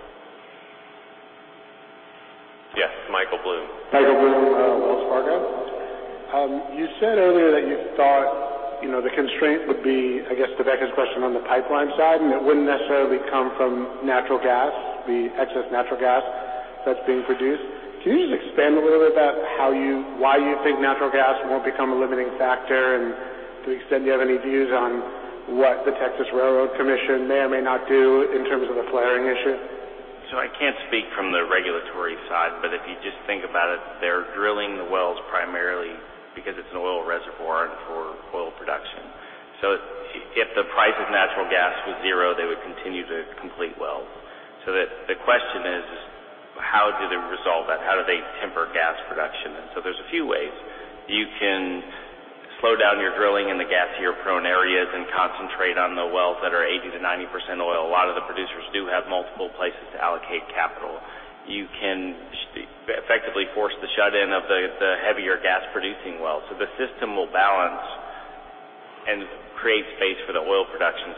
Yes, Michael Blum. Michael Blum, Wells Fargo. You said earlier that you thought the constraint would be, I guess, to Becca's question on the pipeline side, and it wouldn't necessarily come from natural gas, the excess natural gas that's being produced. Can you just expand a little bit about why you think natural gas won't become a limiting factor, and to the extent you have any views on what the Texas Railroad Commission may or may not do in terms of the flaring issue? I can't speak from the regulatory side, but if you just think about it, they're drilling the wells primarily because it's an oil reservoir and for oil production. If the price of natural gas was zero, they would continue to complete wells. The question is how do they resolve that? How do they temper gas production? There's a few ways. You can slow down your drilling in the gasier prone areas and concentrate on the wells that are 80%-90% oil. A lot of the producers do have multiple places to allocate capital. You can effectively force the shut-in of the heavier gas-producing wells. The system will balance and create space for the oil production.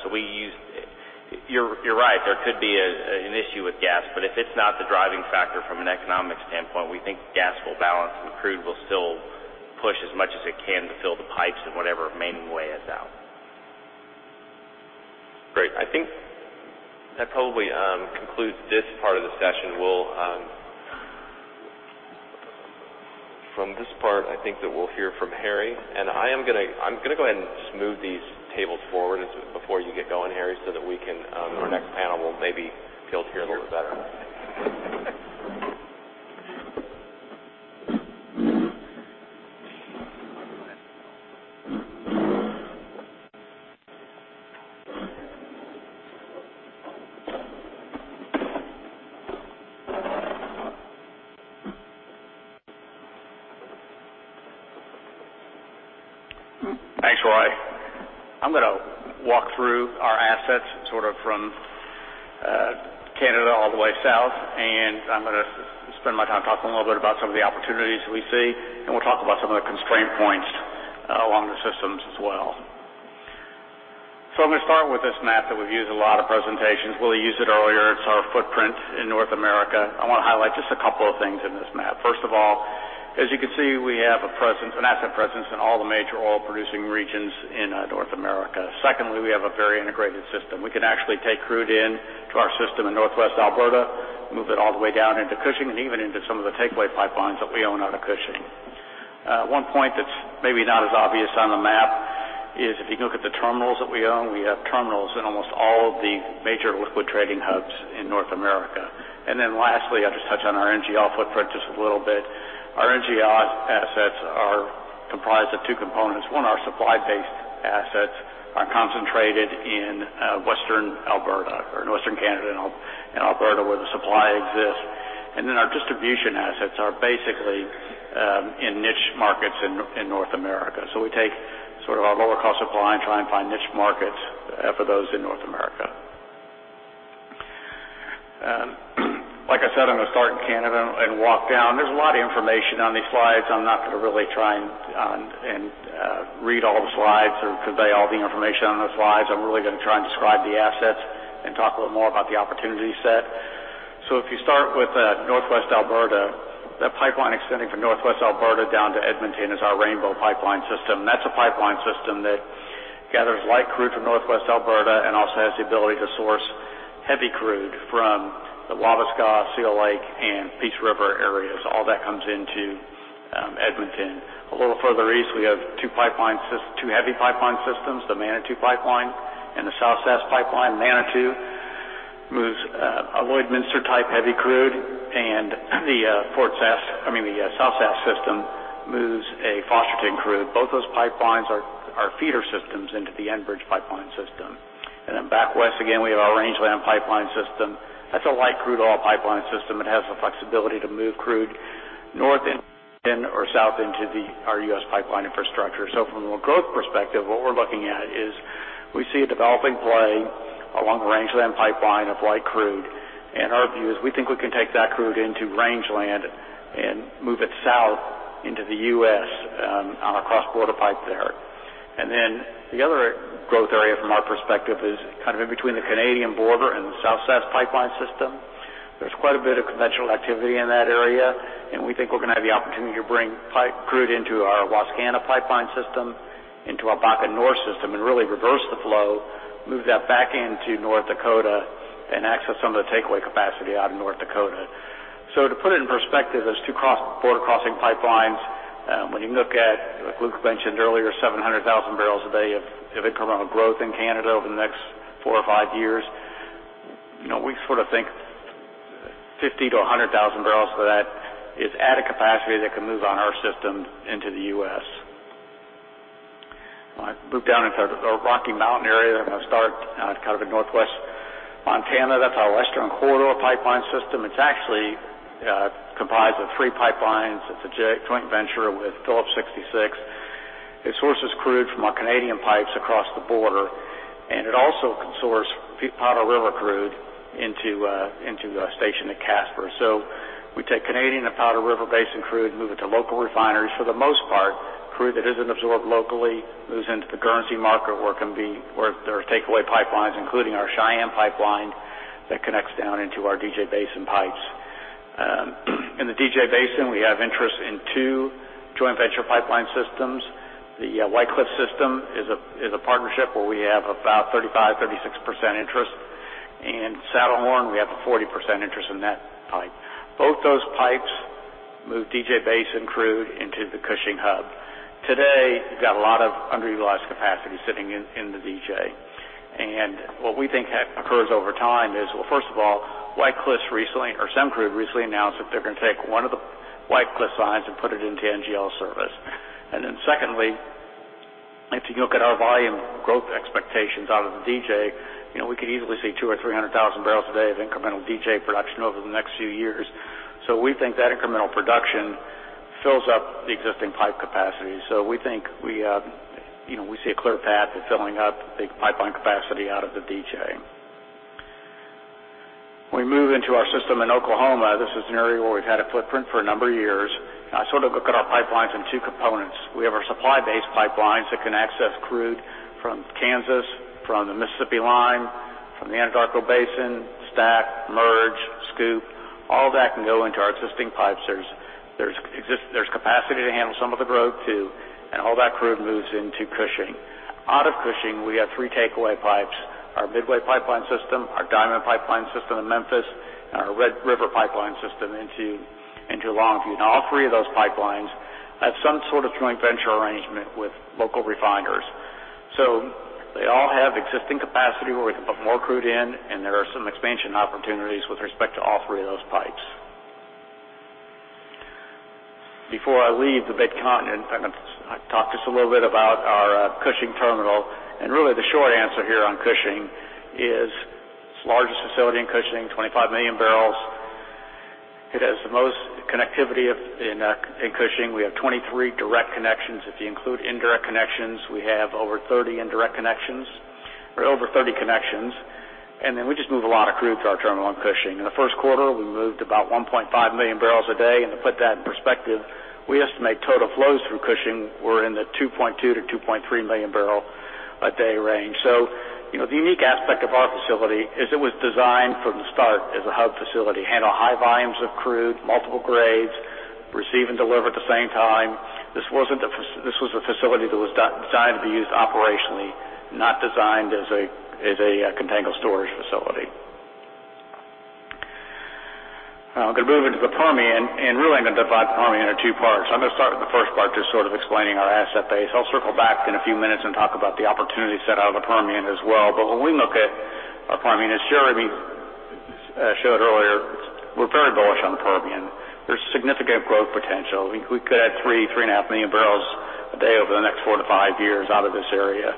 You're right. There could be an issue with gas, but if it's not the driving factor from an economic standpoint, we think gas will balance and crude will still push as much as it can to fill the pipes in whatever remaining way is out. Great. I think that probably concludes this part of the session. From this part, I think that we'll hear from Harry. I'm going to go ahead and just move these tables forward before you get going, Harry, so that our next panel will maybe be able to hear a little better. Thanks, Roy. I'm going to walk through our assets from Canada all the way south, and I'm going to spend my time talking a little bit about some of the opportunities we see, and we'll talk about some of the constraint points along the systems as well. I'm going to start with this map that we've used in a lot of presentations. Willie used it earlier. It's our footprint in North America. I want to highlight just a couple of things in this map. First of all, as you can see, we have an asset presence in all the major oil-producing regions in North America. Secondly, we have a very integrated system. We can actually take crude into our system in Northwest Alberta, move it all the way down into Cushing, and even into some of the takeaway pipelines that we own out of Cushing. One point that's maybe not as obvious on the map is if you look at the terminals that we own, we have terminals in almost all of the major liquid trading hubs in North America. Lastly, I'll just touch on our NGL footprint just a little bit. Our NGL assets are comprised of two components. One, our supply-based assets are concentrated in Western Alberta or northern Canada and Alberta where the supply exists. Our distribution assets are basically in niche markets in North America. We take our lower cost supply and try and find niche markets for those in North America. Like I said, I'm going to start in Canada and walk down. There's a lot of information on these slides. I'm not going to really try and read all the slides or convey all the information on those slides. I'm really going to try and describe the assets and talk a little more about the opportunity set. If you start with Northwest Alberta, that pipeline extending from Northwest Alberta down to Edmonton is our Rainbow Pipeline system. That's a pipeline system that gathers light crude from Northwest Alberta and also has the ability to source heavy crude from the Wabasca, Seal Lake, and Peace River areas. All that comes into Edmonton. A little further east, we have two heavy pipeline systems, the Manitou Pipeline and the South Saskatchewan Pipeline. Manitou moves a Lloydminster-type heavy crude, and the South Saskatchewan system moves a Fosterton crude. Both those pipelines are feeder systems into the Enbridge pipeline system. Back west again, we have our Rangeland Pipeline system. That's a light crude oil pipeline system. It has the flexibility to move crude north into or south into our U.S. pipeline infrastructure. From a growth perspective, what we're looking at is we see a developing play along the Rangeland Pipeline of light crude, and our view is we think we can take that crude into Rangeland and move it south into the U.S. on a cross-border pipe there. The other growth area from our perspective is in between the Canadian border and the South Saskatchewan Pipeline system. There's quite a bit of conventional activity in that area, and we think we're going to have the opportunity to bring pipe crude into our Wascana Pipeline system, into our Bakken North Pipeline system, and really reverse the flow, move that back into North Dakota and access some of the takeaway capacity out of North Dakota. To put it in perspective, those two border crossing pipelines, when you look at, like Luke mentioned earlier, 700,000 barrels a day of incremental growth in Canada over the next four or five years. We sort of think 50,000 to 100,000 barrels of that is added capacity that can move on our system into the U.S. I move down into the Rocky Mountain area. I'm going to start kind of in northwest Montana. That's our Western Corridor Pipeline System. It's actually comprised of three pipelines. It's a joint venture with Phillips 66. It sources crude from our Canadian pipes across the border, and it also can source Powder River crude into a station at Casper. We take Canadian and Powder River Basin crude and move it to local refineries. For the most part, crude that isn't absorbed locally moves into the currency market where there are takeaway pipelines, including our Cheyenne Pipeline that connects down into our DJ Basin pipes. In the DJ Basin, we have interest in two joint venture pipeline systems. The White Cliffs system is a partnership where we have about 35%, 36% interest. In Saddlehorn, we have a 40% interest in that pipe. Both those pipes move DJ Basin crude into the Cushing Hub. Today, you've got a lot of underutilized capacity sitting in the DJ. What we think occurs over time is, well, first of all, White Cliffs recently, or SemGroup recently announced that they're going to take one of the White Cliffs lines and put it into NGL service. Then secondly, if you look at our volume growth expectations out of the DJ, we could easily see 200,000 or 300,000 barrels a day of incremental DJ production over the next few years. We think that incremental production fills up the existing pipe capacity. We think we see a clear path to filling up the pipeline capacity out of the DJ. We move into our system in Oklahoma. This is an area where we've had a footprint for a number of years. I sort of look at our pipelines in two components. We have our supply-based pipelines that can access crude from Kansas, from the Mississippi line, from the Anadarko Basin, Stack, Merge, Scoop. All that can go into our existing pipes. There's capacity to handle some of the growth too, and all that crude moves into Cushing. Out of Cushing, we have three takeaway pipes, our Midway Pipeline system, our Diamond Pipeline system in Memphis, and our Red River Pipeline system into Longview. All three of those pipelines have some sort of joint venture arrangement with local refiners. They all have existing capacity where we can put more crude in, and there are some expansion opportunities with respect to all three of those pipes. Before I leave the mid-continent, I'm going to talk just a little bit about our Cushing terminal. Really the short answer here on Cushing is it's the largest facility in Cushing, 25 million barrels. It has the most connectivity in Cushing. We have 23 direct connections. If you include indirect connections, we have over 30 indirect connections or over 30 connections. Then we just move a lot of crude through our terminal in Cushing. In the first quarter, we moved about 1.5 million barrels a day. To put that in perspective, we estimate total flows through Cushing were in the 2.2 to 2.3 million barrels a day range. The unique aspect of our facility is it was designed from the start as a hub facility, handle high volumes of crude, multiple grades, receive and deliver at the same time. This was a facility that was designed to be used operationally, not designed as a container storage facility. I'm going to move into the Permian and really I'm going to divide the Permian into two parts. I'm going to start with the first part, just sort of explaining our asset base. I'll circle back in a few minutes and talk about the opportunity set out of the Permian as well. When we look at our Permian, as Jeremy showed earlier, we're very bullish on the Permian. There's significant growth potential. We could add three and a half million barrels a day over the next four to five years out of this area.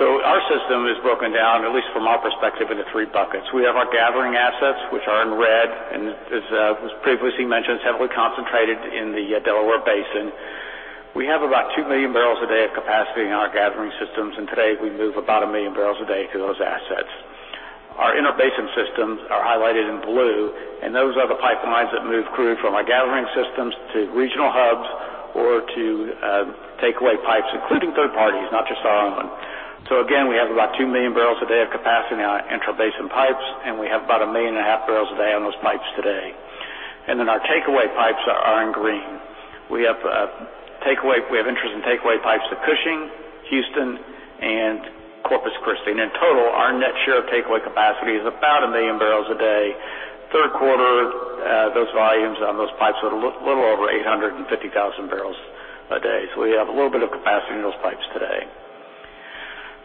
Our system is broken down, at least from our perspective, into three buckets. We have our gathering assets, which are in red, and as was previously mentioned, it's heavily concentrated in the Delaware Basin. We have about 2 million barrels a day of capacity in our gathering systems, and today we move about a million barrels a day through those assets. Our inner basin systems are highlighted in blue, and those are the pipelines that move crude from our gathering systems to regional hubs or to takeaway pipes, including third parties, not just our own. Again, we have about 2 million barrels a day of capacity in our intrabasin pipes, and we have about a million and a half barrels a day on those pipes today. Our takeaway pipes are in green. We have interest in takeaway pipes to Cushing, Houston, and Corpus Christi. In total, our net share of takeaway capacity is about a million barrels a day. Third quarter, those volumes on those pipes are a little over 850,000 barrels a day. We have a little bit of capacity in those pipes today.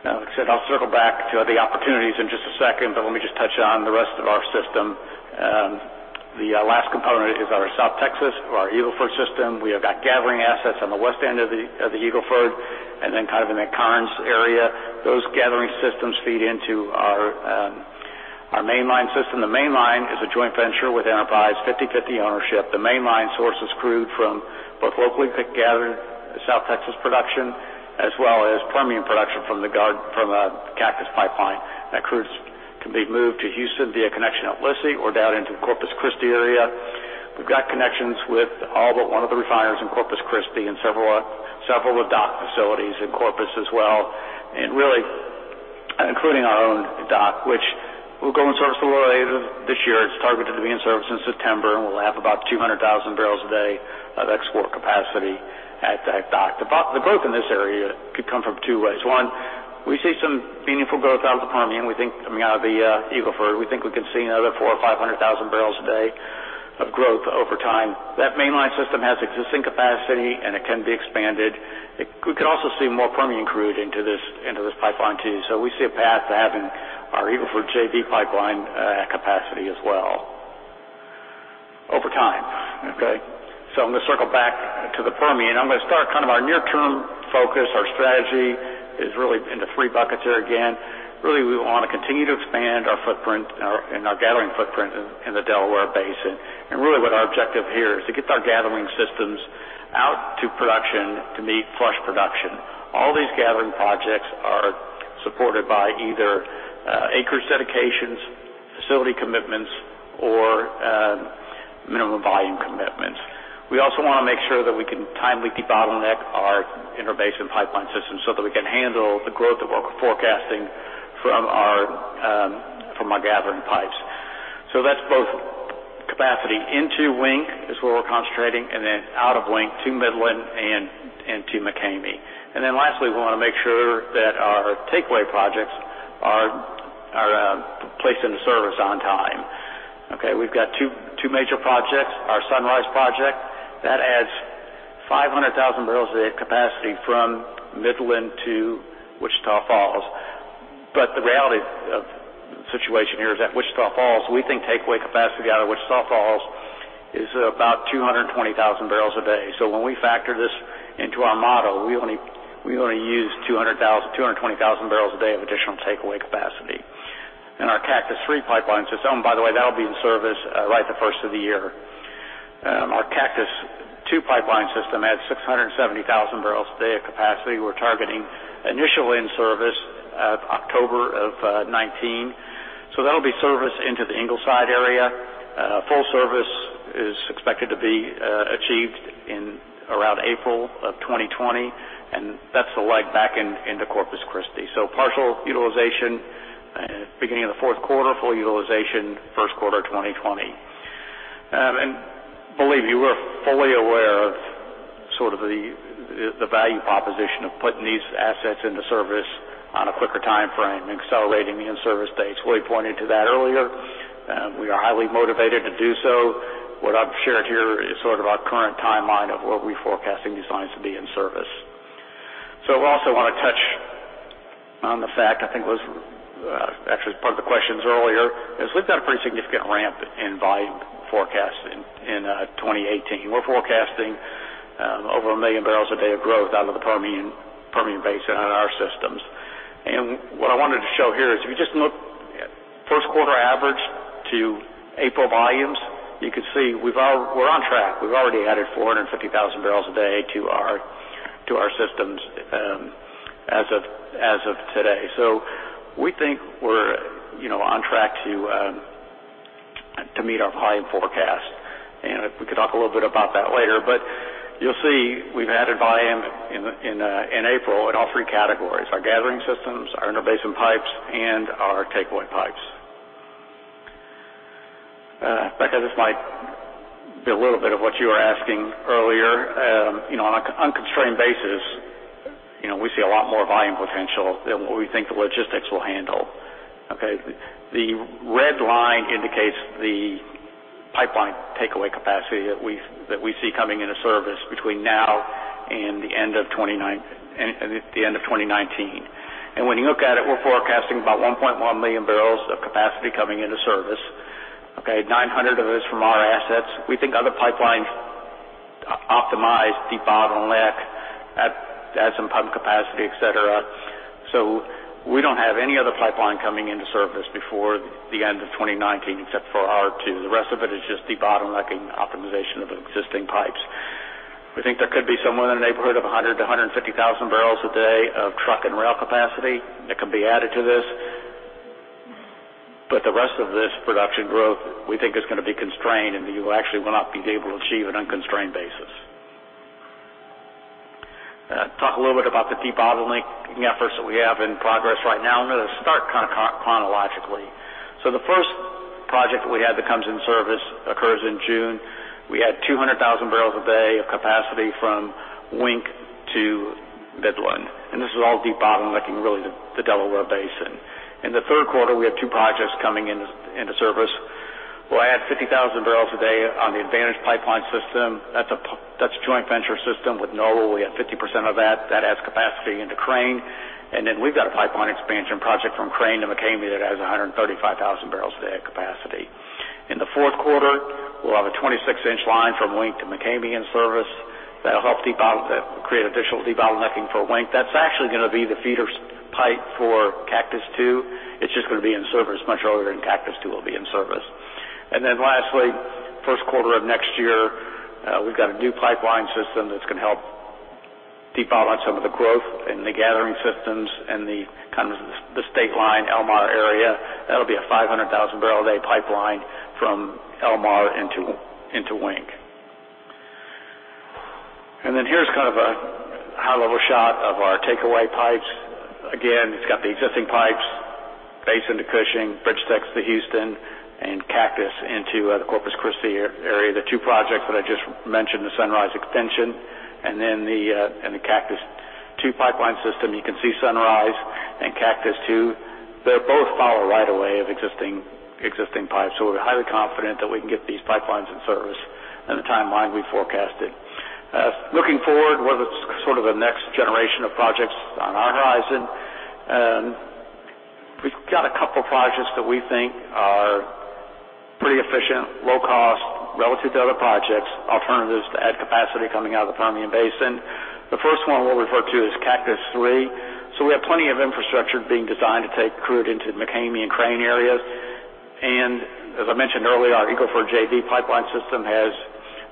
Like I said, I'll circle back to the opportunities in just a second, but let me just touch on the rest of our system. The last component is our South Texas or our Eagle Ford system. We have got gathering assets on the west end of the Eagle Ford and then kind of in the Karnes area. Those gathering systems feed into our mainline system. The mainline is a joint venture with Enterprise, 50/50 ownership. The mainline sources crude from both locally gathered South Texas production as well as Permian production from the Cactus Pipeline. That crude can be moved to Houston via connection at Lissie or down into the Corpus Christi area. We've got connections with all but one of the refiners in Corpus Christi and several dock facilities in Corpus as well, and really including our own dock, which will go in service a little later this year. It's targeted to be in service in September, and we'll have about 200,000 barrels a day of export capacity at that dock. The growth in this area could come from two ways. We see some meaningful growth out of the Permian, I mean, out of the Eagle Ford. We think we can see another four or 500,000 barrels a day of growth over time. That mainline system has existing capacity. It can be expanded. We could also see more Permian crude into this pipeline too. We see a path to having our Eagle Ford JV Pipeline capacity as well over time. Okay. I'm going to circle back to the Permian. I'm going to start our near-term focus. Our strategy is really into three buckets here again. Really, we want to continue to expand our footprint and our gathering footprint in the Delaware Basin. Really what our objective here is to get our gathering systems out to production to meet flush production. All these gathering projects are supported by either acreage dedications, facility commitments, or minimum volume commitments. We also want to make sure that we can timely debottleneck our inner basin pipeline system so that we can handle the growth that we're forecasting from our gathering pipes. That's both capacity into Wink is where we're concentrating and then out of Wink to Midland and to McCamey. Lastly, we want to make sure that our takeaway projects are placed into service on time. Okay. We've got two major projects. Our Sunrise project, that adds 500,000 barrels a day of capacity from Midland to Wichita Falls. The reality of the situation here is at Wichita Falls, we think takeaway capacity out of Wichita Falls is about 220,000 barrels a day. When we factor this into our model, we only use 220,000 barrels a day of additional takeaway capacity. Our Cactus III Pipeline system, by the way, that'll be in service right the first of the year. Our Cactus II Pipeline system adds 670,000 barrels a day of capacity. We're targeting initial in-service of October of 2019. That'll be service into the Ingleside area. Full service is expected to be achieved in around April of 2020. That's the leg back into Corpus Christi. Partial utilization beginning of the fourth quarter. Full utilization first quarter 2020. Believe you, we're fully aware of sort of the value proposition of putting these assets into service on a quicker timeframe, accelerating the in-service dates. Willie pointed to that earlier. We are highly motivated to do so. What I've shared here is sort of our current timeline of where we're forecasting these lines to be in service. We also want to touch on the fact, I think it was actually part of the questions earlier, is we've got a pretty significant ramp in volume forecast in 2018. We're forecasting over 1 million barrels a day of growth out of the Permian Basin out of our systems. What I wanted to show here is if you just look at first quarter average to April volumes, you can see we're on track. We've already added 450,000 barrels a day to our systems as of today. We think we're on track to meet our volume forecast. We can talk a little bit about that later. You'll see we've added volume in April in all three categories, our gathering systems, our inner basin pipes, and our takeaway pipes. Becca, this might be a little bit of what you were asking earlier. On an unconstrained basis, we see a lot more volume potential than what we think the logistics will handle. Okay. When you look at it, we're forecasting about 1.1 million barrels of capacity coming into service, okay, 900 of those from our assets. We think other pipelines optimize debottleneck, add some pump capacity, et cetera. We don't have any other pipeline coming into service before the end of 2019 except for our two. The rest of it is just debottlenecking optimization of existing pipes. We think there could be somewhere in the neighborhood of 100,000 to 150,000 barrels a day of truck and rail capacity that could be added to this. The rest of this production growth we think is going to be constrained, and you actually will not be able to achieve an unconstrained basis. Talk a little bit about the debottlenecking efforts that we have in progress right now. I'm going to start chronologically. The first project that we had that comes in service occurs in June. We add 200,000 barrels a day of capacity from Wink to Midland, and this is all debottlenecking really the Delaware Basin. In the third quarter, we have two projects coming into service. We'll add 50,000 barrels a day on the Advantage Pipeline system. That's a joint venture system with Noble. We have 50% of that. That adds capacity into Crane. Then we've got a pipeline expansion project from Crane to McCamey that adds 135,000 barrels a day of capacity. In the fourth quarter, we'll have a 26-inch line from Wink to McCamey in service that'll help create additional debottlenecking for Wink. That's actually going to be the feeder pipe for Cactus II. It's just going to be in service much earlier than Cactus II will be in service. Lastly, first quarter of next year, we've got a new pipeline system that's going to help debottleneck some of the growth in the gathering systems and the state line El Mar area. That'll be a 500,000 barrel a day pipeline from El Mar into Wink. Here's a high-level shot of our takeaway pipes. Again, it's got the existing pipes, Basin Pipeline to Cushing, BridgeTex Pipeline to Houston, and Cactus Pipeline into the Corpus Christi area. The two projects that I just mentioned, the Sunrise extension and the Cactus II Pipeline system. You can see Sunrise and Cactus II, they both follow right away of existing pipes. We're highly confident that we can get these pipelines in service in the timeline we forecasted. Looking forward, what is sort of the next generation of projects on our horizon? We've got a couple projects that we think are pretty efficient, low cost relative to other projects, alternatives to add capacity coming out of the Permian Basin. The first one we'll refer to is Cactus III. We have plenty of infrastructure being designed to take crude into the McCamey and Crane areas. As I mentioned earlier, our Eagle Ford JV Pipeline system has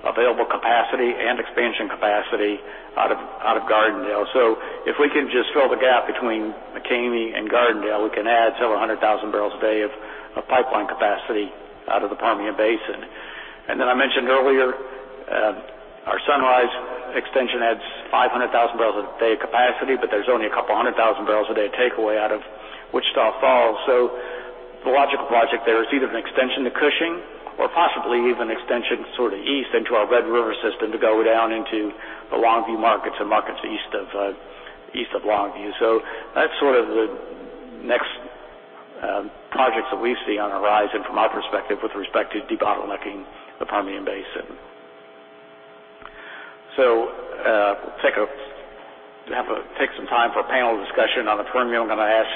available capacity and expansion capacity out of Gardendale. If we can just fill the gap between McCamey and Gardendale, we can add several hundred thousand barrels a day of pipeline capacity out of the Permian Basin. I mentioned earlier, our Sunrise extension adds 500,000 barrels a day of capacity, but there's only a couple of hundred thousand barrels a day takeaway out of Wichita Falls. The logical project there is either an extension to Cushing or possibly even extension east into our Red River system to go down into the Longview markets and markets east of Longview. That's sort of the next projects that we see on the horizon from our perspective with respect to debottlenecking the Permian Basin. Take some time for a panel discussion on the Permian. I'm going to ask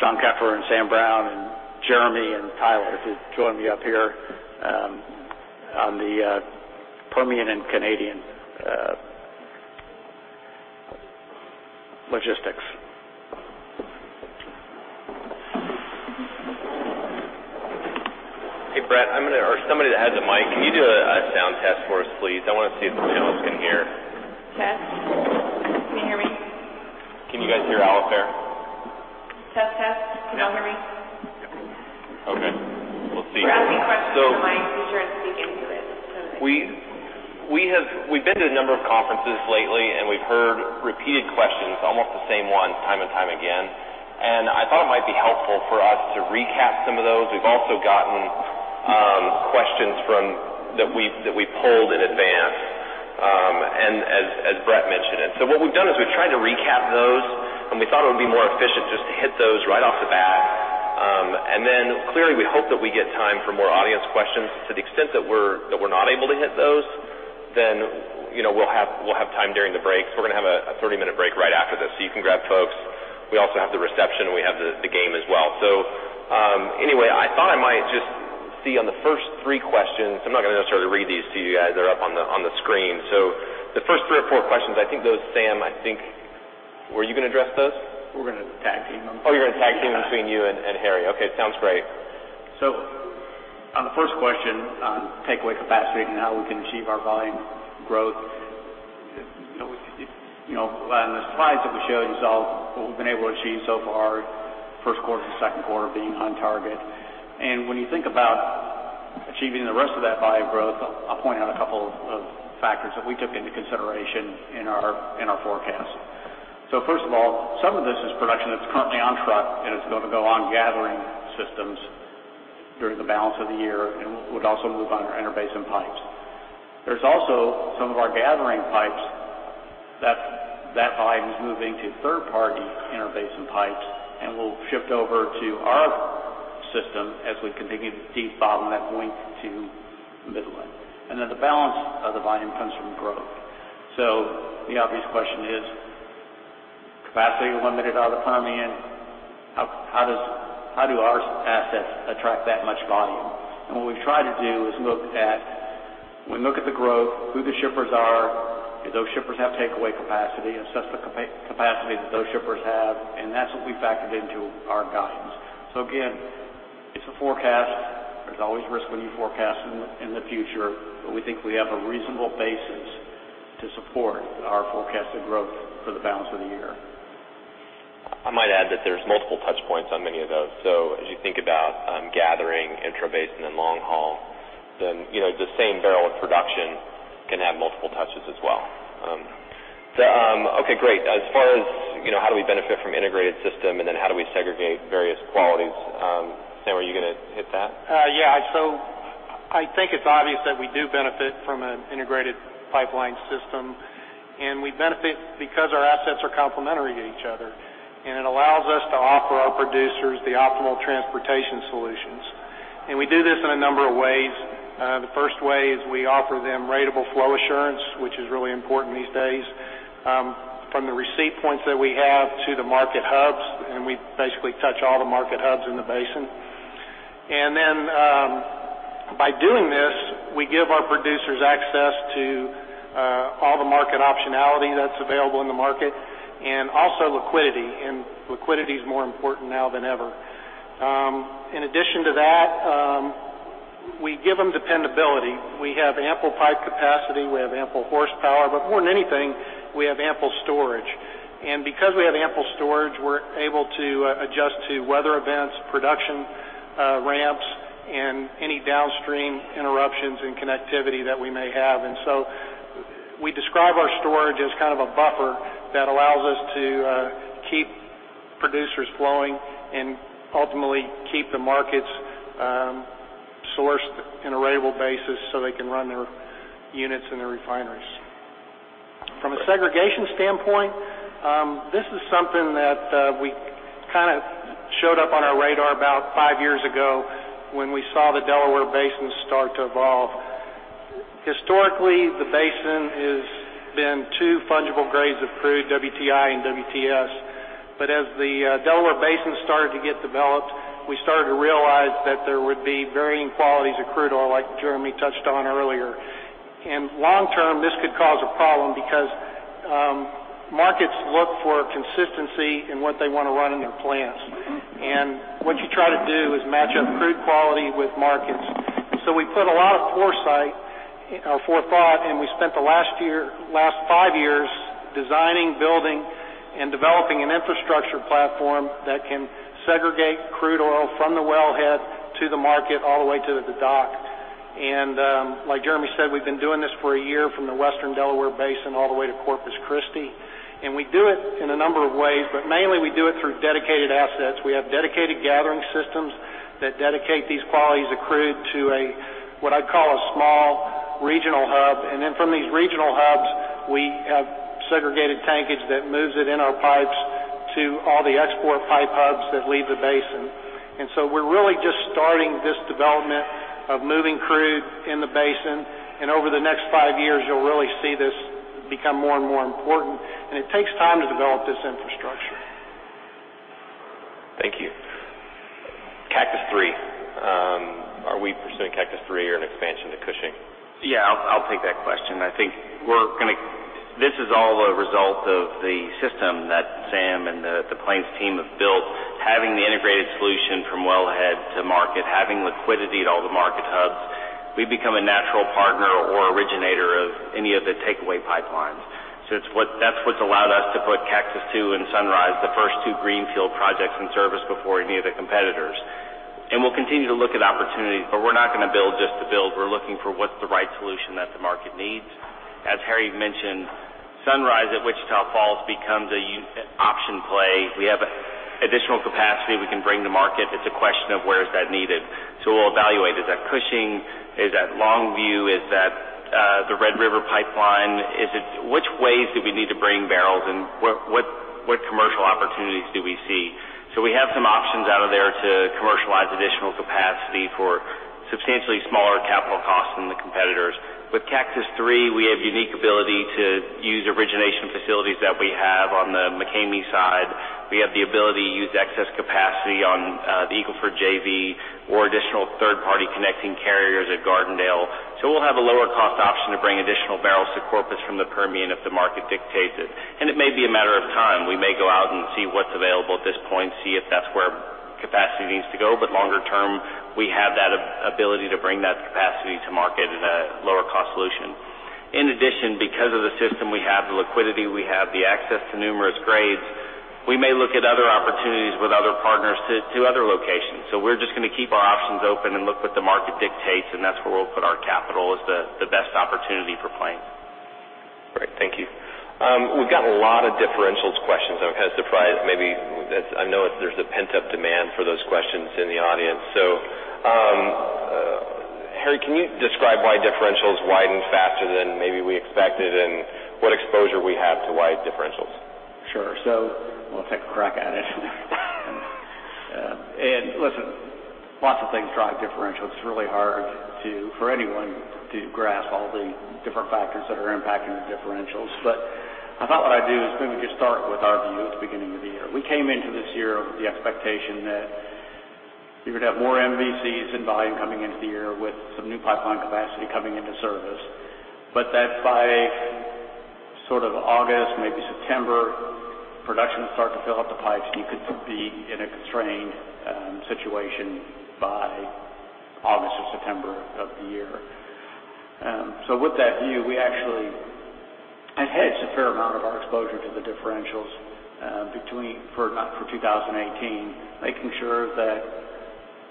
John Keffer and Sam Brown and Jeremy and Tyler to join me up here on the Permian and Canadian logistics. Hey, Brett, or somebody that has a mic, can you do a sound test for us, please? I want to see if the panelists can hear. Test. Can you hear me? Can you guys hear Alice there? Test, test. Can you all hear me? Okay. Let's see. For asking questions, am I featured to speak into this? We've been to a number of conferences lately. We've heard repeated questions, almost the same ones time and time again. I thought it might be helpful for us to recap some of those. We've also gotten questions that we polled in advance as Brett mentioned it. What we've done is we've tried to recap those, and we thought it would be more efficient just to hit those right off the bat. Clearly, we hope that we get time for more audience questions. To the extent that we're not able to hit those, then we'll have time during the breaks. We're going to have a 30-minute break right after this, so you can grab folks. We also have the reception, and we have the game as well. Anyway, I thought I might just see on the first three questions, I'm not going to necessarily read these to you guys. They're up on the screen. The first three or four questions, Sam, I think, were you going to address those? We're going to tag team them. You're going to tag team between you and Harry. Okay. Sounds great. On the first question on takeaway capacity and how we can achieve our volume growth. On the slides that we showed, you saw what we've been able to achieve so far, first quarter, second quarter being on target. When you think about achieving the rest of that volume growth, I'll point out a couple of factors that we took into consideration in our forecast. First of all, some of this is production that's currently on truck, and it's going to go on gathering systems during the balance of the year and would also move on our interbasin pipes. There's also some of our gathering pipes that volume is moving to third-party interbasin pipes, and we'll shift over to our system as we continue to debottle that Wink to Midland. The balance of the volume comes from growth. The obvious question is, capacity limited out of the Permian, how do our assets attract that much volume? What we've tried to do is look at the growth, who the shippers are. Do those shippers have takeaway capacity, assess the capacity that those shippers have, and that's what we factored into our guidance. Again, it's a forecast. There's always risk when you forecast in the future, but we think we have a reasonable basis to support our forecasted growth for the balance of the year. I might add that there's multiple touch points on many of those. As you think about gathering intrabasin and long haul, then the same barrel of production can have multiple touches as well. Okay, great. As far as how do we benefit from integrated system and then how do we segregate various qualities, Sam, are you going to hit that? Yeah. I think it's obvious that we do benefit from an integrated pipeline system, and we benefit because our assets are complementary to each other, and it allows us to offer our producers the optimal transportation solutions. We do this in a number of ways. The first way is we offer them ratable flow assurance, which is really important these days, from the receipt points that we have to the market hubs, and we basically touch all the market hubs in the basin. By doing this, we give our producers access to all the market optionality that's available in the market and also liquidity, and liquidity is more important now than ever. In addition to that, we give them dependability. We have ample pipe capacity, we have ample horsepower, but more than anything, we have ample storage. Because we have ample storage, we're able to adjust to weather events, production ramps, and any downstream interruptions in connectivity that we may have. We describe our storage as a buffer that allows us to keep producers flowing and ultimately keep the markets sourced in a reliable basis so they can run their units and their refineries. From a segregation standpoint, this is something that showed up on our radar about five years ago when we saw the Delaware Basin start to evolve. Historically, the basin has been two fungible grades of crude, WTI and WTS. As the Delaware Basin started to get developed, we started to realize that there would be varying qualities of crude oil, like Jeremy touched on earlier. Long term, this could cause a problem because markets look for consistency in what they want to run in their plants. What you try to do is match up crude quality with markets. We put a lot of forethought, and we spent the last five years designing, building, and developing an infrastructure platform that can segregate crude oil from the wellhead to the market all the way to the dock. Like Jeremy said, we've been doing this for a year from the western Delaware Basin all the way to Corpus Christi. We do it in a number of ways, but mainly we do it through dedicated assets. We have dedicated gathering systems that dedicate these qualities of crude to what I'd call a small regional hub. From these regional hubs, we have segregated tankage that moves it in our pipes to all the export pipe hubs that leave the basin. We're really just starting this development of moving crude in the basin. Over the next five years, you'll really see this become more and more important, and it takes time to develop this infrastructure. Thank you. Cactus III. Are we pursuing Cactus III or an expansion to Cushing? Yeah, I'll take that question. I think this is all a result of the system that Sam and the Plains team have built, having the integrated solution from wellhead to market, having liquidity at all the market hubs. That's what's allowed us to put Cactus II and Sunrise, the first two greenfield projects in service before any of the competitors. We'll continue to look at opportunities, but we're not going to build just to build. We're looking for what's the right solution that the market needs. As Harry mentioned, Sunrise at Wichita Falls becomes an option play. We have additional capacity we can bring to market. It's a question of where is that needed. We'll evaluate, is that Cushing? Is that Longview? Is that the Red River Pipeline? Which ways do we need to bring barrels, and what commercial opportunities do we see? We have some options out of there to commercialize additional capacity for substantially smaller capital costs than the competitors. With Cactus III, we have unique ability to use origination facilities that we have on the McCamey side. We have the ability to use excess capacity on the Eagle Ford JV or additional third-party connecting carriers at Gardendale. We'll have a lower cost option to bring additional barrels to Corpus from the Permian if the market dictates it. It may be a matter of time. We may go out and see what's available at this point, see if that's where capacity needs to go. Longer term, we have that ability to bring that capacity to market at a lower cost solution. In addition, because of the system we have, the liquidity we have, the access to numerous grades, we may look at other opportunities with other partners to other locations. We're just going to keep our options open and look what the market dictates, and that's where we'll put our capital as the best opportunity for Plains. Great. Thank you. We've got a lot of differentials questions. I'm kind of surprised, maybe. I know there's a pent-up demand for those questions in the audience. Harry, can you describe why differentials widened faster than maybe we expected and what exposure we have to wide differentials? Sure. We'll take a crack at it. Listen, lots of things drive differentials. It's really hard for anyone to grasp all the different factors that are impacting the differentials. I thought what I'd do is maybe just start with our view at the beginning of the year. We came into this year with the expectation that you would have more MVCs and volume coming into the year with some new pipeline capacity coming into service, that by sort of August, maybe September, production would start to fill up the pipes. You could be in a constrained situation by August or September of the year. With that view, we actually had hedged a fair amount of our exposure to the differentials for 2018, making sure that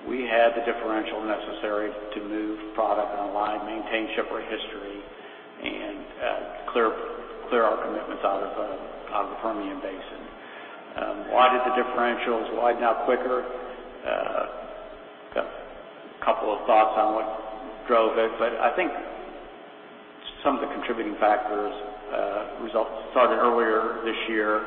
we had the differential necessary to move product and align, maintain shipper history, and clear our commitments out of the Permian Basin. Why did the differentials widen out quicker? Got a couple of thoughts on what drove it, I think some of the contributing factors started earlier this year.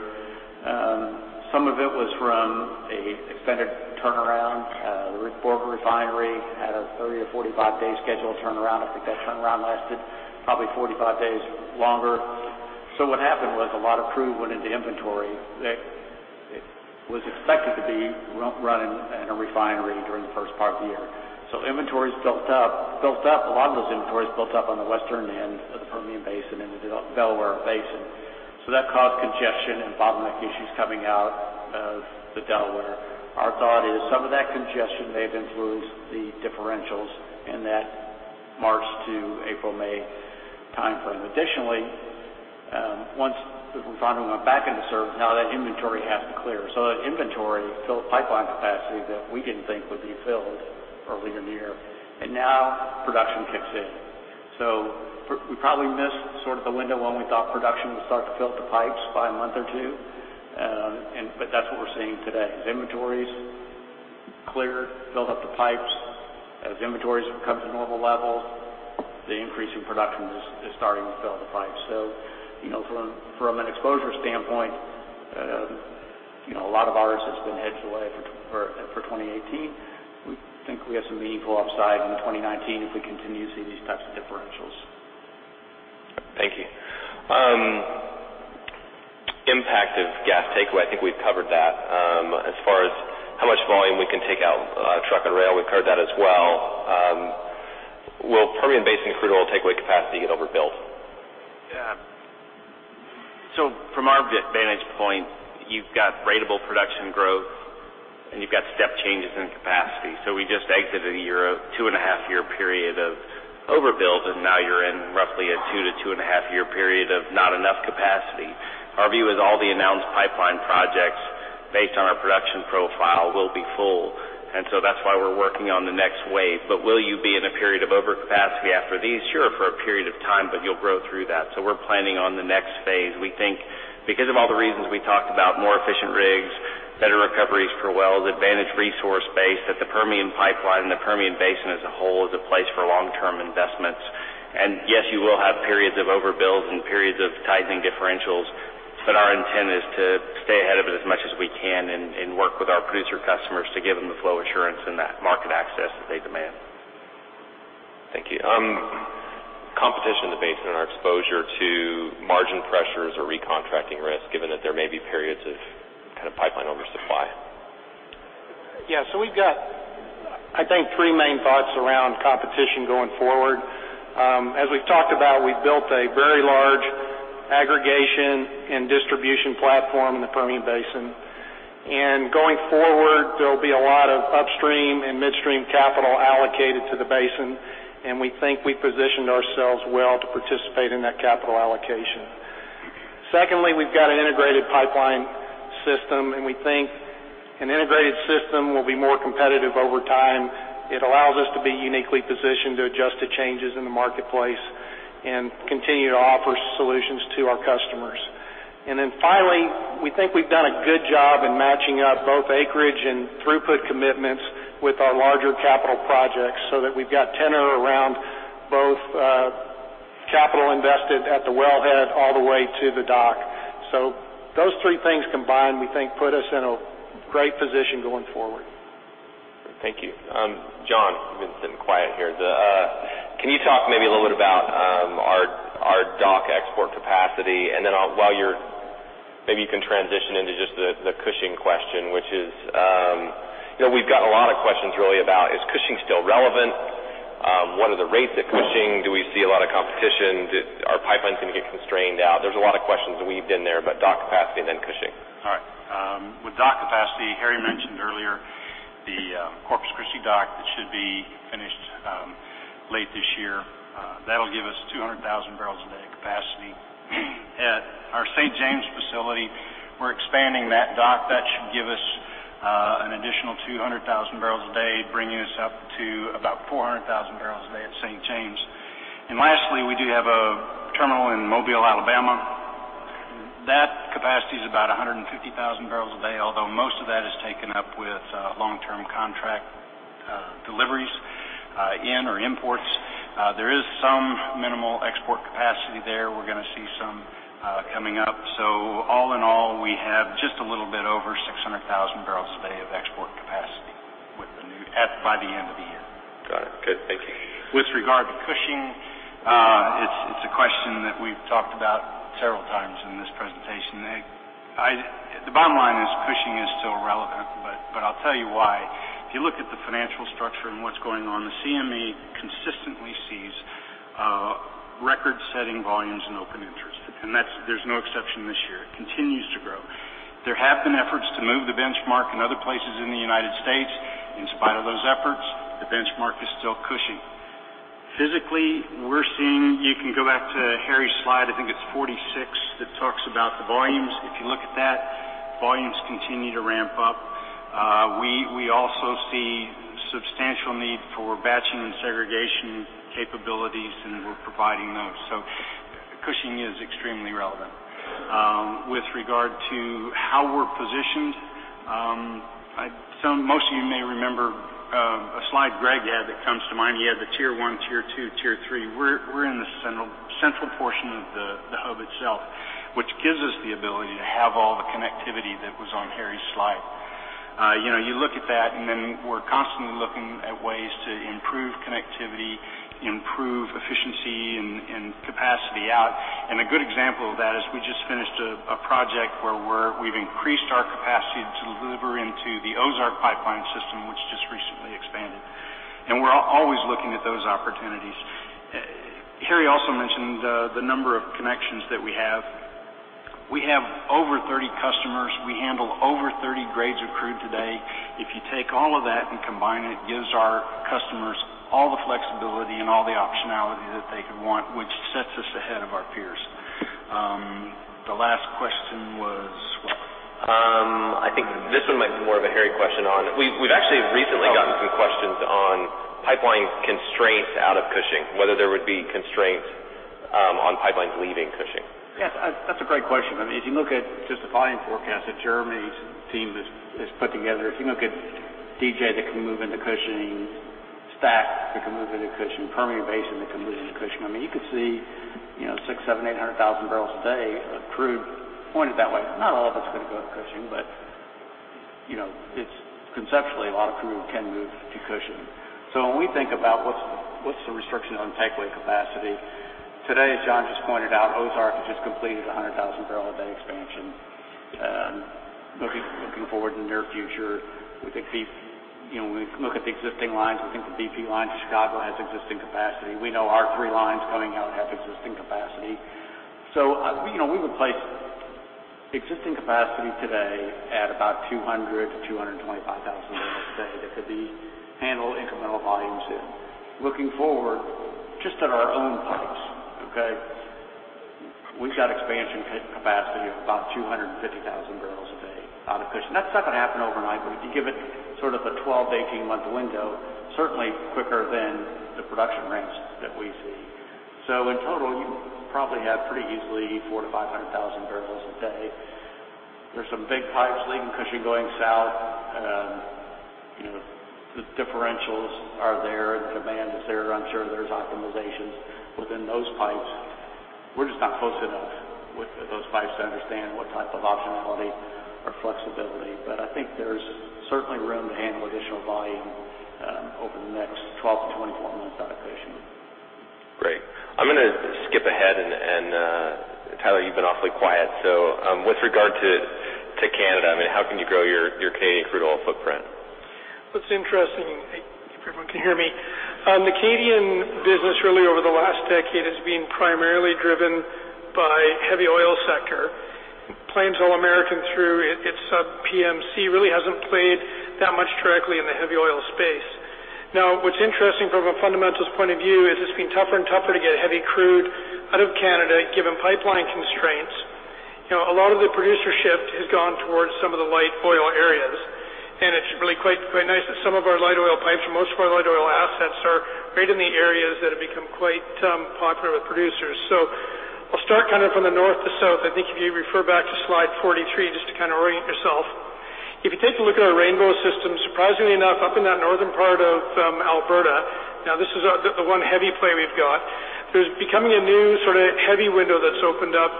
Some of it was from an extended turnaround. The [Rickbaugh] Refinery had a 30- to 45-day scheduled turnaround. I think that turnaround lasted probably 45 days longer. What happened was a lot of crude went into inventory that was expected to be running in a refinery during the first part of the year. Inventories built up. A lot of those inventories built up on the western end of the Permian Basin and the Delaware Basin. That caused congestion and bottleneck issues coming out of the Delaware. Our thought is some of that congestion may have influenced the differentials in that March to April-May timeframe. Additionally, once the refinery went back into service, now that inventory has to clear. That inventory filled pipeline capacity that we didn't think would be filled earlier in the year, and now production kicks in. We probably missed sort of the window when we thought production would start to fill up the pipes by a month or two, but that's what we're seeing today. As inventories cleared, filled up the pipes. As inventories have come to normal levels, the increase in production is starting to fill the pipes. From an exposure standpoint, a lot of ours has been hedged away for 2018. We think we have some meaningful upside in 2019 if we continue to see these types of differentials. Thank you. Impact of gas takeaway, I think we've covered that. As far as how much volume we can take out truck and rail, we've covered that as well. Will Permian Basin crude oil takeaway capacity get overbuilt? From our vantage point, you've got ratable production growth and you've got step changes in capacity. We just exited a two-and-a-half-year period of overbuild, and now you're in roughly a two to two-and-a-half-year period of not enough capacity. Our view is all the announced pipeline projects based on our production profile will be full, that's why we're working on the next wave. Will you be in a period of overcapacity after these? Sure, for a period of time, but you'll grow through that. We're planning on the next phase. We think because of all the reasons we talked about, more efficient rigs, better recoveries per well, the advantaged resource base, that the Permian pipeline and the Permian Basin as a whole is a place for long-term investments. Yes, you will have periods of overbuild and periods of tightening differentials, our intent is to stay ahead of it as much as we can and work with our producer customers to give them the flow assurance and that market access that they demand. Thank you. Competition in the basin and our exposure to margin pressures or recontracting risk, given that there may be periods of pipeline oversupply. We've got, I think, three main thoughts around competition going forward. As we've talked about, we've built a very large aggregation and distribution platform in the Permian Basin. Going forward, there'll be a lot of upstream and midstream capital allocated to the basin, we think we positioned ourselves well to participate in that capital allocation. Secondly, we've got an integrated pipeline system, we think an integrated system will be more competitive over time. It allows us to be uniquely positioned to adjust to changes in the marketplace and continue to offer solutions to our customers. Finally, we think we've done a good job in matching up both acreage and throughput commitments with our larger capital projects so that we've got tenure around both capital invested at the wellhead all the way to the dock. Those three things combined we think put us in a great position going forward. Thank you. John, you've been sitting quiet here. Can you talk maybe a little bit about our dock export capacity? Maybe you can transition into just the Cushing question, which is we've got a lot of questions really about is Cushing still relevant? What are the rates at Cushing? Do we see a lot of competition? Are pipelines going to get constrained out? There's a lot of questions weaved in there, but dock capacity and then Cushing. All right. With dock capacity, Harry mentioned earlier the Corpus Christi dock that should be finished late this year. That'll give us 200,000 barrels a day capacity. At our St. James facility, we're expanding that dock. That should give us an additional 200,000 barrels a day, bringing us up to about 400,000 barrels a day at St. James. Lastly, we do have a terminal in Mobile, Alabama. That capacity is about 150,000 barrels a day, although most of that is taken up with long-term contract deliveries in or imports. There is some minimal export capacity there. We're going to see some coming up. All in all, we have just a little bit over 600,000 barrels a day of export capacity by the end of the year. Got it. Good. Thank you. With regard to Cushing, it's a question that we've talked about several times in this presentation. The bottom line is Cushing is still relevant, but I'll tell you why. If you look at the financial structure and what's going on, the CME consistently sees record-setting volumes in open interest. There's no exception this year. It continues to grow. There have been efforts to move the benchmark in other places in the U.S. In spite of those efforts, the benchmark is still Cushing. Physically, you can go back to Harry's slide, I think it's 46, that talks about the volumes. If you look at that, volumes continue to ramp up. We also see substantial need for batching and segregation capabilities, and we're providing those. Cushing is extremely relevant. With regard to how we're positioned, most of you may remember a slide Greg had that comes to mind. He had the tier 1, tier 2, tier 3. We're in the central portion of the hub itself, which gives us the ability to have all the connectivity that was on Harry's slide. You look at that, we're constantly looking at ways to improve connectivity, improve efficiency, and capacity out. A good example of that is we just finished a project where we've increased our capacity to deliver into the Ozark Pipeline system which just We're always looking at those opportunities. Harry also mentioned the number of connections that we have. We have over 30 customers. We handle over 30 grades of crude today. If you take all of that and combine it gives our customers all the flexibility and all the optionality that they could want, which sets us ahead of our peers. The last question was what? I think this one might be more of a Harry question. We've actually recently gotten some questions on pipeline constraints out of Cushing, whether there would be constraints on pipelines leaving Cushing. Yes, that's a great question. If you look at just the volume forecast that Jeremy's team has put together, if you look at DJ that can move into Cushing, STACK that can move into Cushing, Permian Basin that can move into Cushing, you could see 600,000, 700,000, 800,000 barrels a day of crude pointed that way. Not all of it's going to go to Cushing, but conceptually, a lot of crude can move to Cushing. When we think about what's the restriction on takeaway capacity, today, as John just pointed out, Ozark has just completed 100,000 barrel a day expansion. Looking forward in the near future, when we look at the existing lines, we think the BP line to Chicago has existing capacity. We know our three lines coming out have existing capacity. We would place existing capacity today at about 200,000 to 225,000 barrels a day that could handle incremental volumes. Looking forward just at our own pipes, okay, we've got expansion capacity of about 250,000 barrels a day out of Cushing. That's not going to happen overnight, but if you give it sort of a 12 to 18 month window, certainly quicker than the production ramps that we see. In total, you probably have pretty easily 400,000 to 500,000 barrels a day. There are some big pipes leaving Cushing going south. The differentials are there. The demand is there. I'm sure there's optimizations within those pipes. We're just not close enough with those pipes to understand what type of optionality or flexibility. I think there's certainly room to handle additional volume over the next 12 to 24 months out of Cushing. Great. I'm going to skip ahead Tyler, you've been awfully quiet. With regard to Canada, how can you grow your Canadian crude oil footprint? Well, it's interesting. I hope everyone can hear me. The Canadian business really over the last decade has been primarily driven by heavy oil sector. Plains All American through its sub PMC really hasn't played that much directly in the heavy oil space. What's interesting from a fundamentals point of view is it's been tougher and tougher to get heavy crude out of Canada, given pipeline constraints. A lot of the producer shift has gone towards some of the light oil areas, it's really quite nice that some of our light oil pipes and most of our light oil assets are right in the areas that have become quite popular with producers. I'll start from the north to south. I think if you refer back to slide 43, just to orient yourself. If you take a look at our Rainbow system, surprisingly enough, up in that northern part of Alberta, this is the one heavy play we've got. There's becoming a new sort of heavy window that's opened up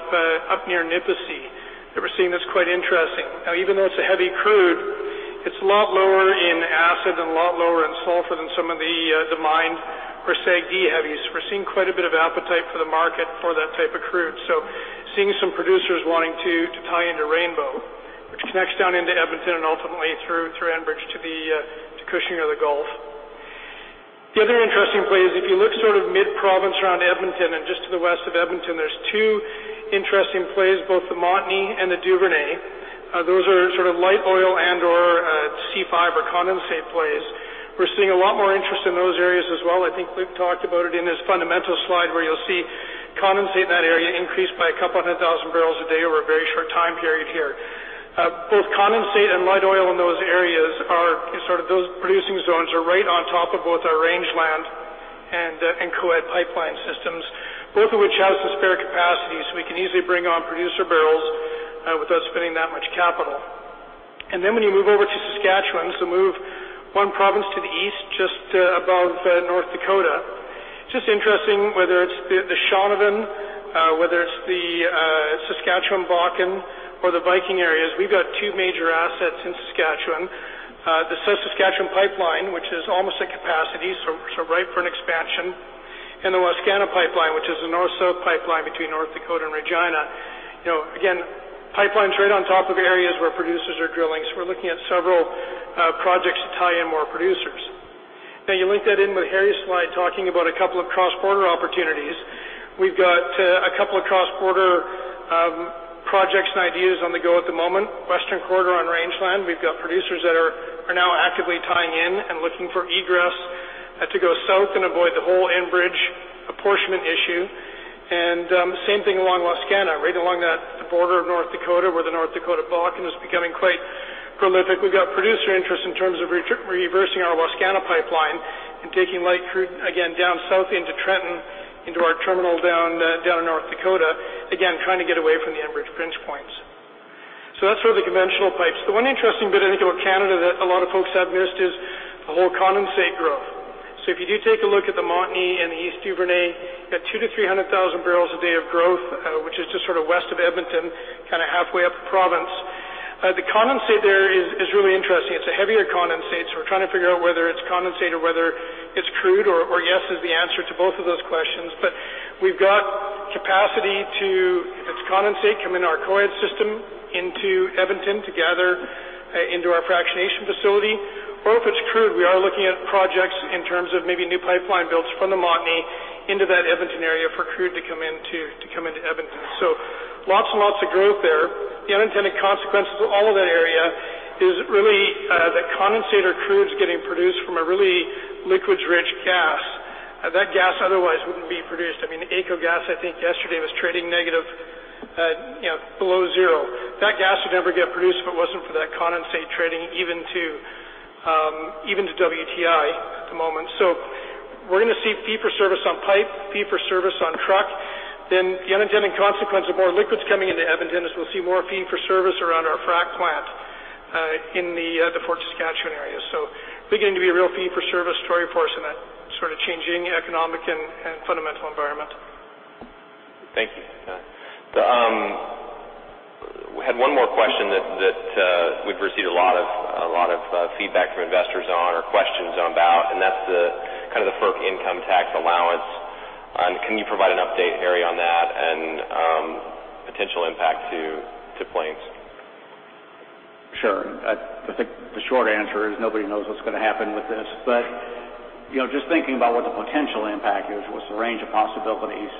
near Nipisi that we're seeing that's quite interesting. Even though it's a heavy crude, it's a lot lower in acid and a lot lower in sulfur than some of the mined or SAGD heavies. We're seeing quite a bit of appetite for the market for that type of crude. Seeing some producers wanting to tie into Rainbow, which connects down into Edmonton and ultimately through Enbridge to Cushing or the Gulf. The other interesting play is if you look mid-province around Edmonton and just to the west of Edmonton, there's two interesting plays, both the Montney and the Duvernay. Those are sort of light oil and/or C5 or condensate plays. We're seeing a lot more interest in those areas as well. I think we've talked about it in this fundamentals slide where you'll see condensate in that area increased by a couple of 100,000 barrels a day over a very short time period here. Both condensate and light oil in those areas are sort of those producing zones are right on top of both our Rangeland and Co-Ed pipeline systems, both of which have some spare capacity, we can easily bring on producer barrels without spending that much capital. When you move over to Saskatchewan, move one province to the east just above North Dakota. Just interesting whether it's the Shaunavon, whether it's the Saskatchewan Bakken or the Viking areas. We've got two major assets in Saskatchewan. The South Saskatchewan Pipeline, which is almost at capacity, ripe for an expansion. The Wascana Pipeline, which is the north-south pipeline between North Dakota and Regina. Again, pipelines right on top of areas where producers are drilling. We're looking at several projects to tie in more producers. You link that in with Harry's slide talking about a couple of cross-border opportunities. We've got a couple of cross-border projects and ideas on the go at the moment. Western Corridor on Rangeland. We've got producers that are now actively tying in and looking for egress to go south and avoid the whole Enbridge apportionment issue. Same thing along Wascana, right along the border of North Dakota where the North Dakota Bakken is becoming quite prolific. We've got producer interest in terms of reversing our Wascana Pipeline and taking light crude again down south into Trenton, into our terminal down in North Dakota. Again, trying to get away from the Enbridge pinch points. That's sort of the conventional pipes. The one interesting bit I think about Canada that a lot of folks have missed is the whole condensate growth. If you do take a look at the Montney and the East Duvernay, you've got 200,000 to 300,000 barrels a day of growth, which is just sort of west of Edmonton, halfway up the province. The condensate there is really interesting. It's a heavier condensate, we're trying to figure out whether it's condensate or whether it's crude or yes is the answer to both of those questions. We've got capacity to, if it's condensate, come in our Co-Ed system into Edmonton to gather into our fractionation facility. Or if it's crude, we are looking at projects in terms of maybe new pipeline builds from the Montney into that Edmonton area for crude to come into Edmonton. Lots and lots of growth there. The unintended consequences of all of that area is really that condensate or crude's getting produced from a really liquids-rich gas. That gas otherwise wouldn't be produced. AECO Gas, I think, yesterday was trading below zero. That gas would never get produced if it wasn't for that condensate trading even to WTI at the moment. We're going to see fee for service on pipe, fee for service on truck. The unintended consequence of more liquids coming into Edmonton is we'll see more fee for service around our frack plant in the Fort Saskatchewan area. Beginning to be a real fee for service story for us in that sort of changing economic and fundamental environment. Thank you. We had one more question that we've received a lot of feedback from investors on or questions about, and that's the FERC income tax allowance. Can you provide an update, Harry, on that and potential impact to Plains? Sure. I think the short answer is nobody knows what's going to happen with this, but just thinking about what the potential impact is, what's the range of possibilities?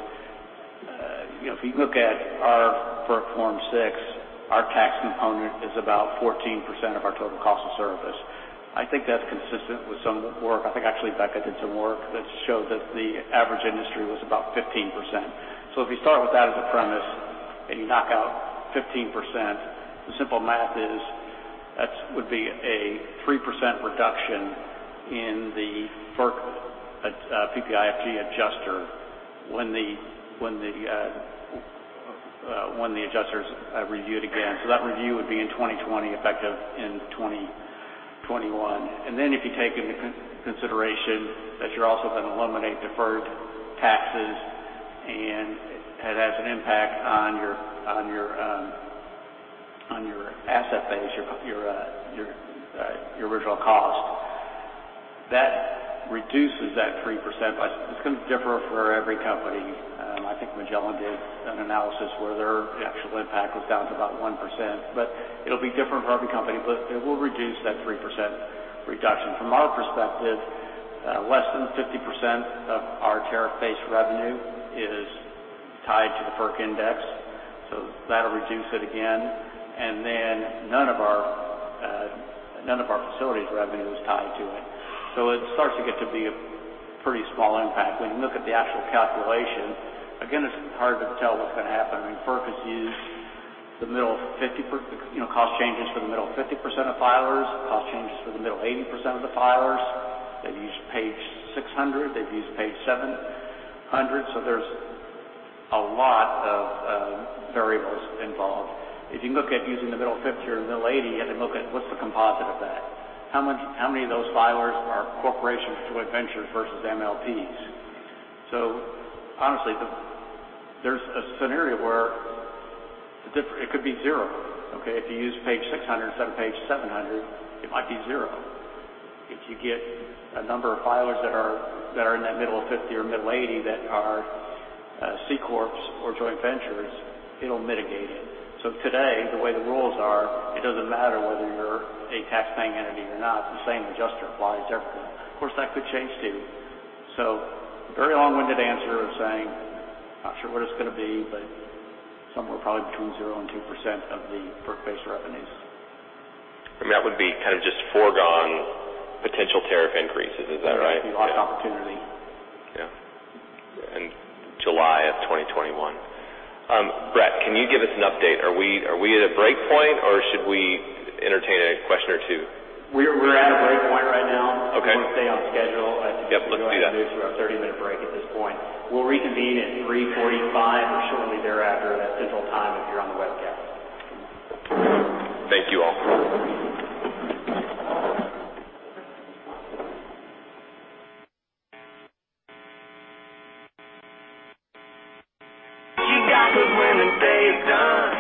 If you look at our FERC Form 6, our tax component is about 14% of our total cost of service. I think that's consistent with some work. I think actually Becca did some work that showed that the average industry was about 15%. If you start with that as a premise and you knock out 15%, the simple math is that would be a 3% reduction in the FERC PPI-FG adjuster when the adjuster's reviewed again. That review would be in 2020, effective in 2021. Then if you take into consideration that you're also going to eliminate deferred taxes and it has an impact on your asset base, your original cost. It reduces that 3%, but it's going to differ for every company. I think Magellan did an analysis where their actual impact was down to about 1%, but it'll be different for every company. It will reduce that 3% reduction. From our perspective, less than 50% of our tariff-based revenue is tied to the FERC index, that'll reduce it again. None of our facilities revenue is tied to it. It starts to get to be a pretty small impact. When you look at the actual calculation, again, it's hard to tell what's going to happen. FERC has used cost changes for the middle 50% of filers, cost changes for the middle 80% of the filers. They've used page 600, they've used page 700. There's a lot of variables involved. If you look at using the middle 50 or the middle 80, you have to look at what's the composite of that. How many of those filers are corporations, joint ventures versus MLPs? Honestly, there's a scenario where it could be zero. Okay? If you use page 600 instead of page 700, it might be zero. If you get a number of filers that are in that middle 50 or middle 80 that are C-corps or joint ventures, it'll mitigate it. Today, the way the rules are, it doesn't matter whether you're a taxpaying entity or not. The same adjuster applies to everyone. Of course, that could change, too. Very long-winded answer of saying, not sure what it's going to be, but somewhere probably between 0 and 2% of the FERC-based revenues. That would be just foregone potential tariff increases. Is that right? That would be lost opportunity. Yeah. In July of 2021. Brett, can you give us an update? Are we at a break point or should we entertain a question or two? We're at a break point right now. Okay. If we want to stay on schedule. Yep, let's do that. I suggest we do introduce our 30-minute break at this point. We'll reconvene at 3:45 or shortly thereafter at Central Time if you're on the webcast. Thank you all. I'm going to let everybody take their seats.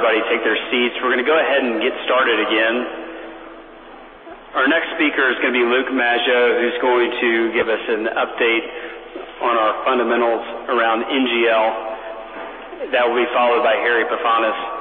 We're going to go ahead and get started again. Our next speaker is going to be Luke Maggio, who's going to give us an update on our fundamentals around NGL. That will be followed by Harry Pefanis. Okay. Start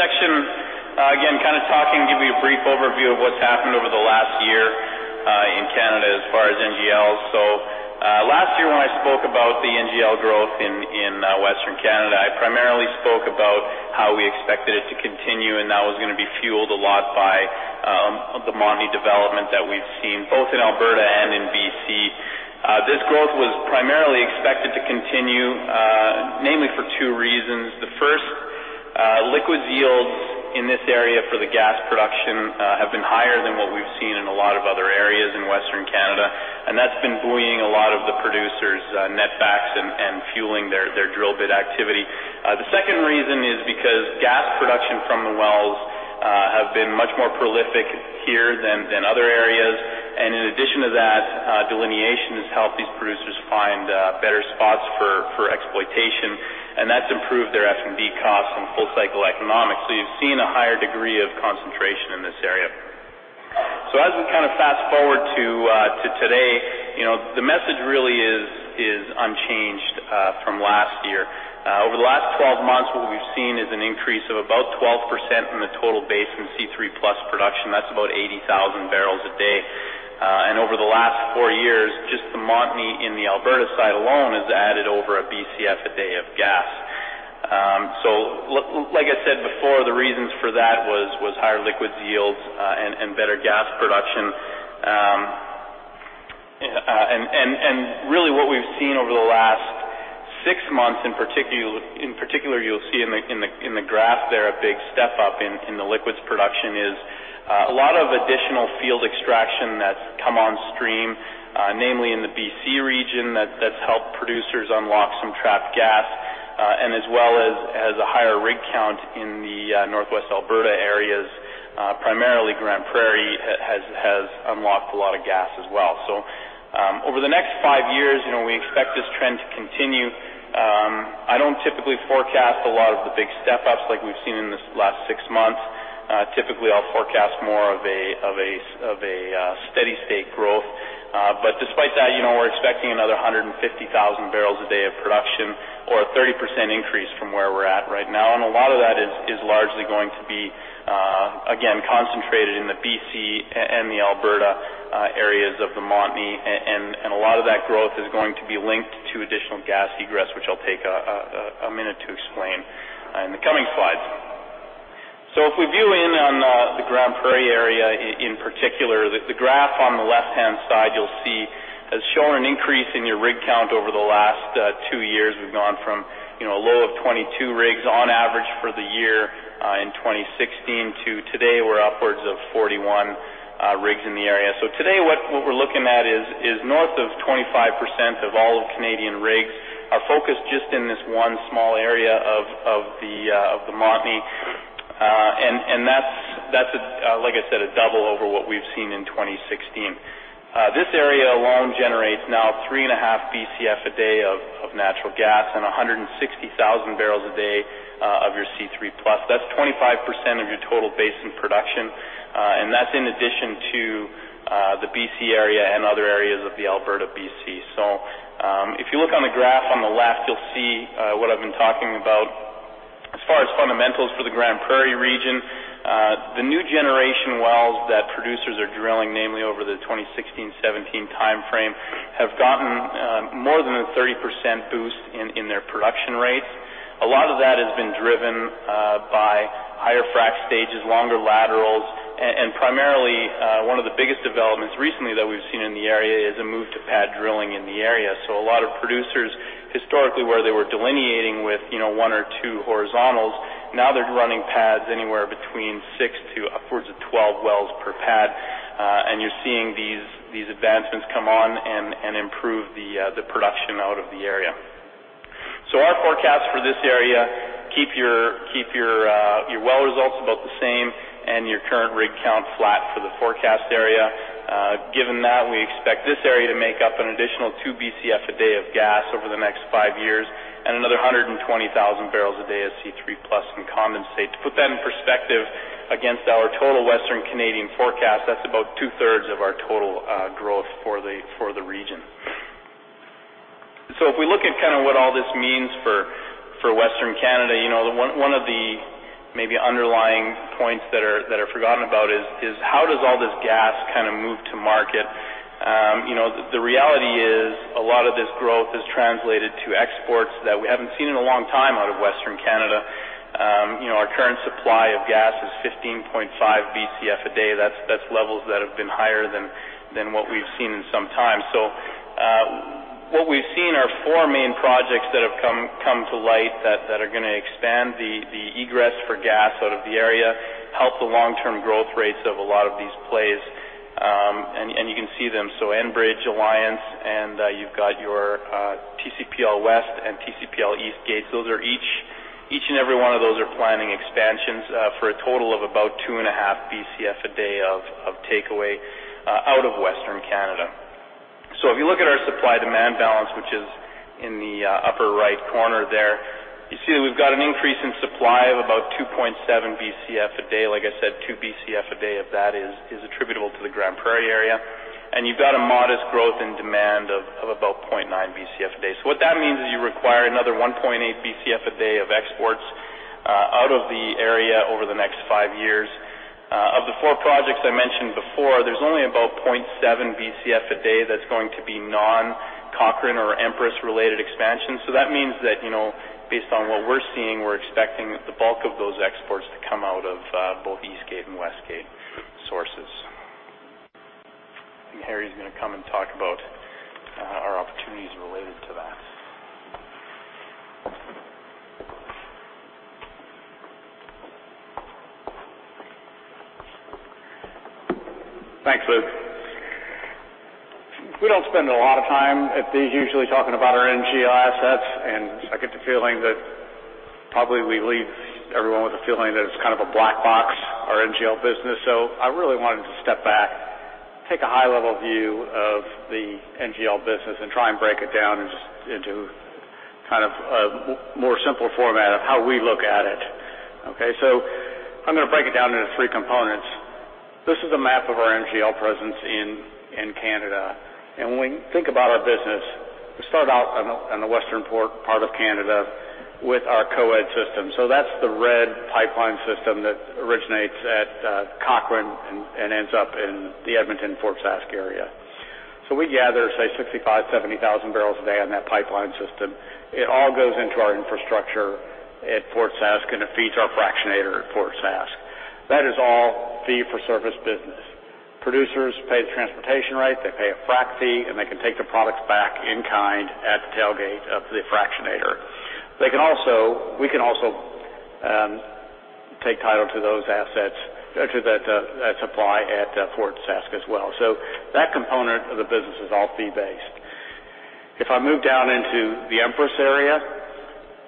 this section, again, kind of talking, give you a brief overview of what's happened over the last year in Canada as far as NGLs. Last year when I spoke about the NGL growth in Western Canada, I primarily spoke about how we expected it to continue, and that was going to be fueled a lot by the Montney development that we've seen both in Alberta and in B.C. This growth was primarily expected to continue, namely for two reasons. The first, liquids yields in this area for the gas production have been higher than what we've seen in a lot of other areas in Western Canada, and that's been buoying a lot of the producers' net backs and fueling their drill bit activity. The second reason is because gas production from the wells have been much more prolific here than other areas. In addition to that, delineation has helped these producers find better spots for exploitation, and that's improved their F&D costs and full cycle economics. You've seen a higher degree of concentration in this area. As we kind of fast-forward to today, the message really is unchanged from last year. Over the last 12 months, what we've seen is an increase of about 12% in the total basin C3+ production. That's about 80,000 barrels a day. Over the last four years, just the Montney in the Alberta side alone has added over a Bcf a day of gas. Like I said before, the reasons for that was higher liquids yields and better gas production. Really what we've seen over the last six months, in particular, you'll see in the graph there a big step up in the liquids production, is a lot of additional field extraction that's come on stream, namely in the BC region that's helped producers unlock some trapped gas, and as well as a higher rig count in the Northwest Alberta areas. Primarily Grande Prairie has unlocked a lot of gas as well. Over the next five years, we expect this trend to continue. I don't typically forecast a lot of the big step-ups like we've seen in this last six months. Typically, I'll forecast more of a steady state growth. Despite that, we're expecting another 150,000 barrels a day of production or a 30% increase from where we're at right now. A lot of that is largely going to be, again, concentrated in the BC and the Alberta areas of the Montney. A lot of that growth is going to be linked to additional gas egress, which I'll take a minute to explain in the coming slides. If we view in on the Grande Prairie area in particular, the graph on the left-hand side you'll see has shown an increase in your rig count over the last two years. We've gone from a low of 22 rigs on average for the year in 2016 to today, we're upwards of 41 rigs in the area. Today, what we're looking at is north of 25% of all Canadian rigs are focused just in this one small area of the Montney. That's, like I said, a double over what we've seen in 2016. This area alone generates now 3.5 Bcf a day of natural gas and 160,000 barrels a day of your C3+. That's 25% of your total basin production. That's in addition to the BC area and other areas of the Alberta BC. If you look on the graph on the left, you'll see what I've been talking about. As far as fundamentals for the Grande Prairie region, the new generation wells that producers are drilling, namely over the 2016-2017 timeframe, have gotten more than a 30% boost in their production rates. A lot of that has been driven by higher frack stages, longer laterals, and primarily one of the biggest developments recently that we've seen in the area is a move to pad drilling in the area. A lot of producers, historically, where they were delineating with one or two horizontals, now they're running pads anywhere between six to upwards of 12 wells per pad. You're seeing these advancements come on and improve the production out of the area. Our forecast for this area, keep your well results about the same and your current rig count flat for the forecast area. Given that, we expect this area to make up an additional two Bcf a day of gas over the next five years and another 120,000 barrels a day of C3+ and condensate. To put that in perspective against our total Western Canadian forecast, that's about two-thirds of our total growth for the region. If we look at kind of what all this means for Western Canada, one of the maybe underlying points that are forgotten about is how does all this gas kind of move to market? The reality is a lot of this growth has translated to exports that we haven't seen in a long time out of Western Canada. Our current supply of gas is 15.5 Bcf a day. That's levels that have been higher than what we've seen in some time. What we've seen are four main projects that have come to light that are going to expand the egress for gas out of the area, help the long-term growth rates of a lot of these plays, and you can see them. Enbridge Alliance, and you've got your TCPL West and TCPL East gates. Each and every one of those are planning expansions for a total of about 2.5 Bcf a day of takeaway out of Western Canada. If you look at our supply-demand balance, which is in the upper right corner there, you see that we've got an increase in supply of about 2.7 Bcf a day. Like I said, two Bcf a day of that is attributable to the Grande Prairie area. You've got a modest growth in demand of about 0.9 Bcf a day. What that means is you require another 1.8 Bcf a day of exports out of the area over the next five years. Of the four projects I mentioned before, there's only about 0.7 Bcf a day that's going to be non-Cochrane or Empress-related expansion. That means that based on what we're seeing, we're expecting the bulk of those exports to come out of both Eastgate and Westgate sources. Harry's going to come and talk about our opportunities related to that. Thanks, Luke. We don't spend a lot of time at these usually talking about our NGL assets, and I get the feeling that probably we leave everyone with a feeling that it's kind of a black box, our NGL business. I really wanted to step back, take a high-level view of the NGL business, and try and break it down into more simple format of how we look at it. I'm going to break it down into three components. This is a map of our NGL presence in Canada. When we think about our business, we start out on the western part of Canada with our Co-Ed system. That's the red pipeline system that originates at Cochrane and ends up in the Edmonton-Fort Sask area. We gather, say, 65,000, 70,000 barrels a day on that pipeline system. It all goes into our infrastructure at Fort Sask, and it feeds our fractionator at Fort Sask. That is all fee for service business. Producers pay the transportation rate, they pay a frack fee, and they can take the products back in kind at the tailgate of the fractionator. We can also take title to those assets, to that supply at Fort Sask as well. That component of the business is all fee-based. If I move down into the Empress area,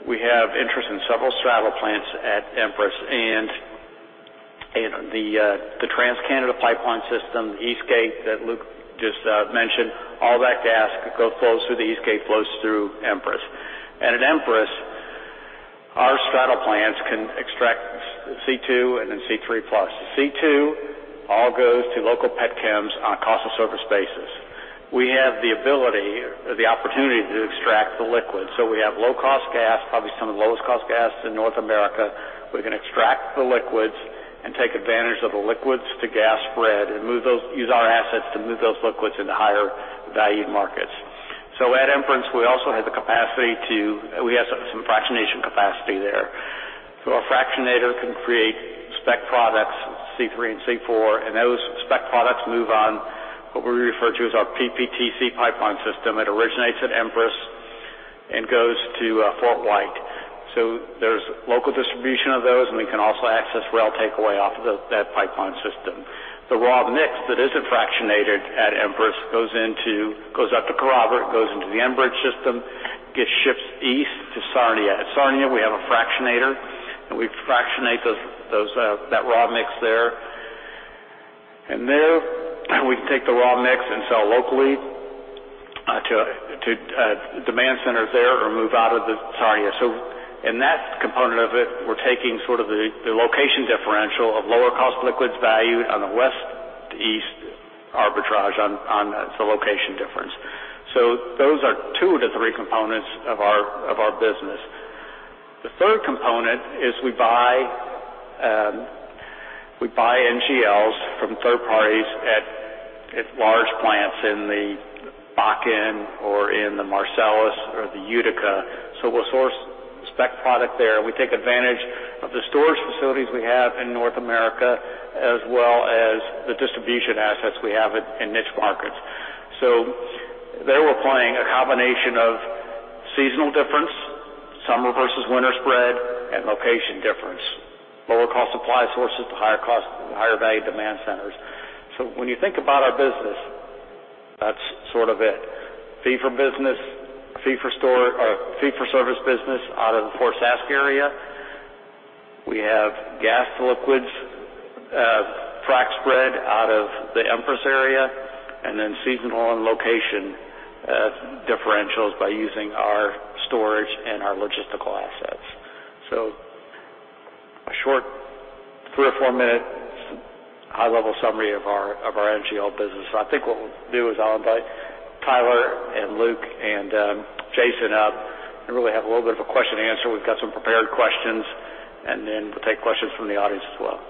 we have interest in several straddle plants at Empress and the TransCanada pipeline system, Eastgate that Luke just mentioned. All that gas that goes through the Eastgate flows through Empress. At Empress, our straddle plants can extract C2 and then C3+. The C2 all goes to local petchems on a cost of service basis. We have the ability or the opportunity to extract the liquid. We have low-cost gas, probably some of the lowest cost gas in North America. We can extract the liquids and take advantage of the liquids to gas spread and use our assets to move those liquids into higher valued markets. At Empress, we also have some fractionation capacity there. Our fractionator can create spec products, C3 and C4, and those spec products move on what we refer to as our PPTC Pipeline system. It originates at Empress and goes to Fort Whyte. There's local distribution of those, and we can also access rail takeaway off of that pipeline system. The raw mix that isn't fractionated at Empress goes up to Kerrobert, goes into the Enbridge system, gets shipped east to Sarnia. At Sarnia, we have a fractionator, and we fractionate that raw mix there. There we can take the raw mix and sell locally to demand centers there or move out of the Sarnia. In that component of it, we're taking sort of the location differential of lower cost liquids value on the west to east arbitrage on the location difference. Those are two of the three components of our business. The third component is we buy NGLs from third parties at large plants in the Bakken or in the Marcellus or the Utica. We'll source spec product there. We take advantage of the storage facilities we have in North America, as well as the distribution assets we have in niche markets. There we're playing a combination of seasonal difference, summer versus winter spread, and location difference. Lower cost supply sources to higher value demand centers. When you think about our business, that's sort of it. Fee for service business out of the Fort Sask area. We have gas to liquids frack spread out of the Empress area, then seasonal and location differentials by using our storage and our logistical assets. A short three or four-minute high-level summary of our NGL business. I think what we'll do is I'll invite Tyler and Luke and Jason up and really have a little bit of a question and answer. We've got some prepared questions, and then we'll take questions from the audience as well.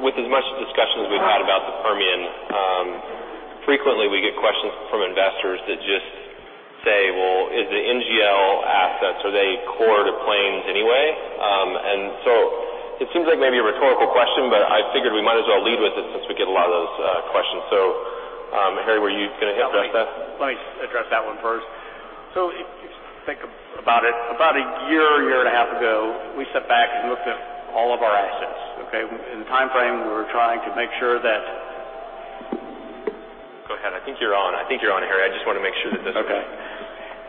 With as much discussion as we've had about the Permian, frequently we get questions from investors that just say, "Well, is the NGL assets, are they core to Plains anyway?" It seems like maybe a rhetorical question, but I figured we might as well lead with it since we get a lot of those questions. Harry, were you going to address that? Let me address that one first. If you think about it, about a year and a half ago, we sat back and looked at all of our assets, okay? In the time frame, we were trying to make sure that- Go ahead. I think you're on, Harry. I just want to make sure that this is- Okay.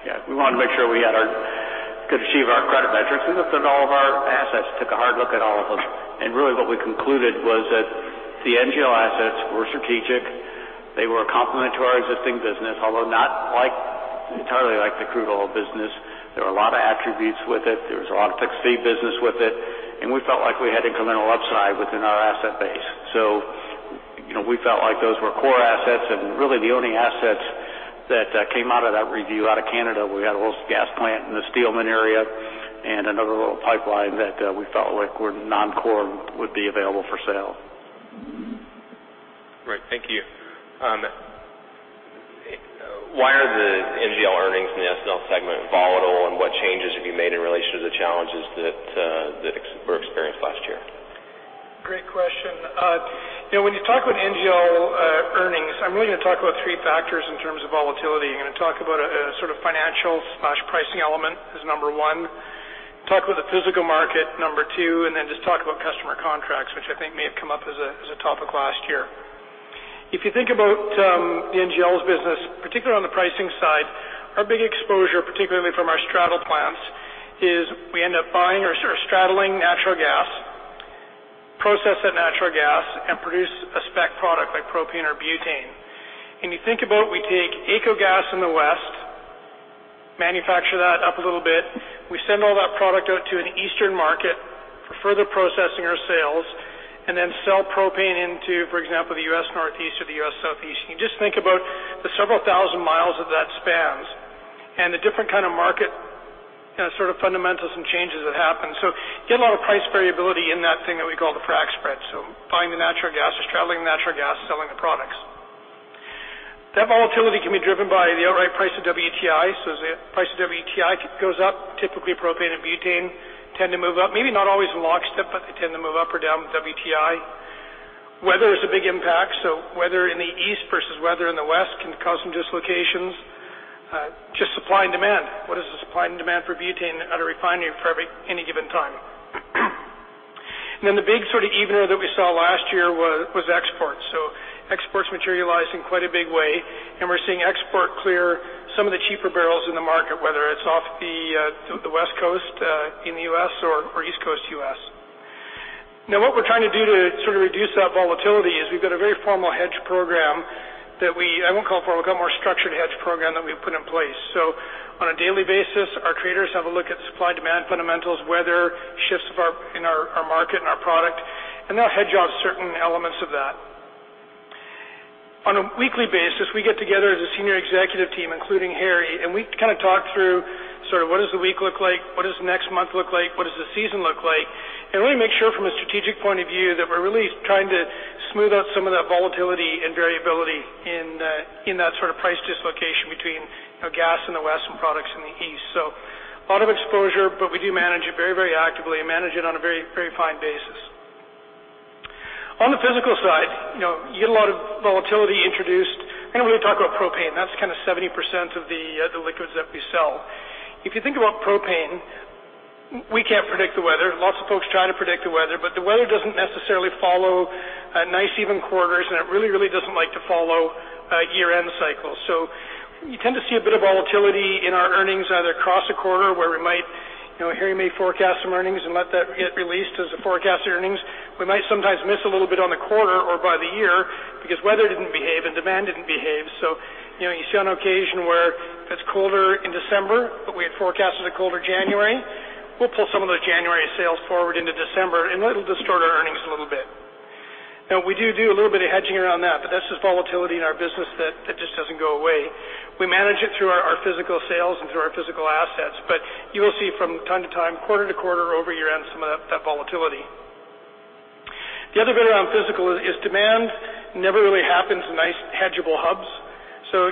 Yeah, we wanted to make sure we could achieve our credit metrics. We looked at all of our assets, took a hard look at all of them. Really what we concluded was that the NGL assets were strategic. They were complementary to our existing business, although not entirely like the crude oil business. There were a lot of attributes with it. There was a lot of fixed fee business with it, and we felt like we had incremental upside within our asset base. We felt like those were core assets. Really, the only assets that came out of that review out of Canada, we had a little gas plant in the Steelman area and another little pipeline that we felt like were non-core, would be available for sale. Right. Thank you. Why are the NGL earnings in the S&L segment volatile, and what changes have you made in relation to the challenges that were experienced last year? Great question. When you talk about NGL earnings, I'm really going to talk about three factors in terms of volatility. I'm going to talk about a sort of financial/pricing element as number one, talk about the physical market, number two, and then just talk about customer contracts, which I think may have come up as a topic last year. If you think about the NGLs business, particularly on the pricing side, our big exposure, particularly from our straddle plants, is we end up buying or straddling natural gas, process that natural gas, and produce a spec product like propane or butane. We take AECO gas in the West, manufacture that up a little bit. We send all that product out to an eastern market for further processing or sales, and then sell propane into, for example, the U.S. Northeast or the U.S. Southeast. You can just think about the several thousand miles that that spans and the different kind of market sort of fundamentals and changes that happen. You get a lot of price variability in that thing that we call the frac spread. Buying the natural gas or straddling the natural gas, selling the products. That volatility can be driven by the outright price of WTI. As the price of WTI goes up, typically propane and butane tend to move up, maybe not always in lockstep, but they tend to move up or down with WTI. Weather is a big impact. Weather in the East versus weather in the West can cause some dislocations. Just supply and demand. What is the supply and demand for butane at a refinery for any given time? Then the big sort of evener that we saw last year was exports. Exports materialized in quite a big way, and we're seeing export clear some of the cheaper barrels in the market, whether it's off the West Coast in the U.S. or East Coast U.S. What we're trying to do to sort of reduce that volatility is we've got a very formal hedge program that we I won't call it formal, call it more structured hedge program that we've put in place. On a daily basis, our traders have a look at supply-demand fundamentals, weather, shifts in our market and our product, and they'll hedge out certain elements of that. On a weekly basis, we get together as a senior executive team, including Harry, and we talk through sort of what does the week look like, what does next month look like, what does the season look like? Really make sure from a strategic point of view that we're really trying to smooth out some of that volatility and variability in that sort of price dislocation between gas in the West and products in the East. A lot of exposure, but we do manage it very actively and manage it on a very fine basis. On the physical side, you get a lot of volatility introduced. I'm going to really talk about propane. That's 70% of the liquids that we sell. If you think about propane, we can't predict the weather. Lots of folks try to predict the weather, but the weather doesn't necessarily follow nice, even quarters, and it really doesn't like to follow year-end cycles. You tend to see a bit of volatility in our earnings either across a quarter where Harry may forecast some earnings and let that get released as a forecast earnings. We might sometimes miss a little bit on the quarter or by the year because weather didn't behave and demand didn't behave. You see on occasion where it's colder in December, but we had forecasted a colder January. We'll pull some of those January sales forward into December, and that'll distort our earnings a little bit. We do a little bit of hedging around that, but that's just volatility in our business that just doesn't go away. We manage it through our physical sales and through our physical assets. You will see from time to time, quarter to quarter, over year-end, some of that volatility. The other bit around physical is demand never really happens in nice hedgeable hubs.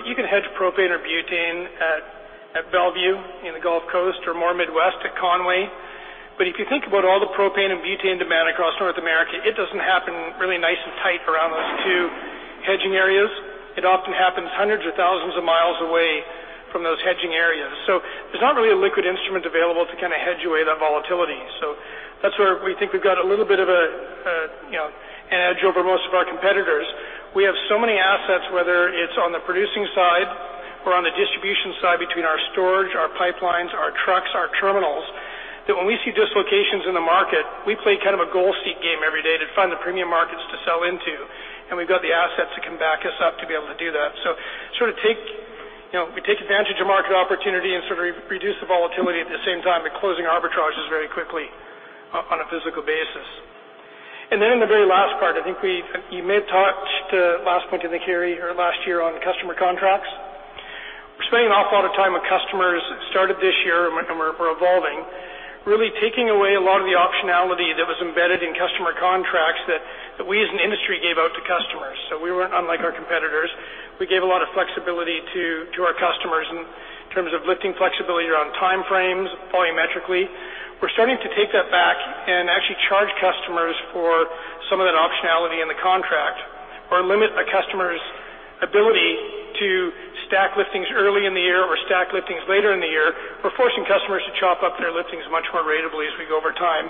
You can hedge propane or butane at Mont Belvieu in the Gulf Coast or more Midwest at Conway. If you think about all the propane and butane demand across North America, it doesn't happen really nice and tight around those two hedging areas. It often happens hundreds of thousands of miles away from those hedging areas. There's not really a liquid instrument available to hedge away that volatility. That's where we think we've got a little bit of an edge over most of our competitors. We have so many assets, whether it's on the producing side or on the distribution side, between our storage, our pipelines, our trucks, our terminals, that when we see dislocations in the market, we play kind of a goal seek game every day to find the premium markets to sell into, and we've got the assets that can back us up to be able to do that. We take advantage of market opportunity and sort of reduce the volatility at the same time by closing arbitrages very quickly on a physical basis. In the very last part, I think you may have touched last point, I think, Harry, or last year on customer contracts. We're spending an awful lot of time with customers. It started this year, we're evolving, really taking away a lot of the optionality that was embedded in customer contracts that we as an industry gave out to customers. We weren't unlike our competitors. We gave a lot of flexibility to our customers in terms of lifting flexibility around time frames, volumetrically. We're starting to take that back and actually charge customers for some of that optionality in the contract or limit a customer's ability to stack liftings early in the year or stack liftings later in the year. We're forcing customers to chop up their liftings much more ratably as we go over time.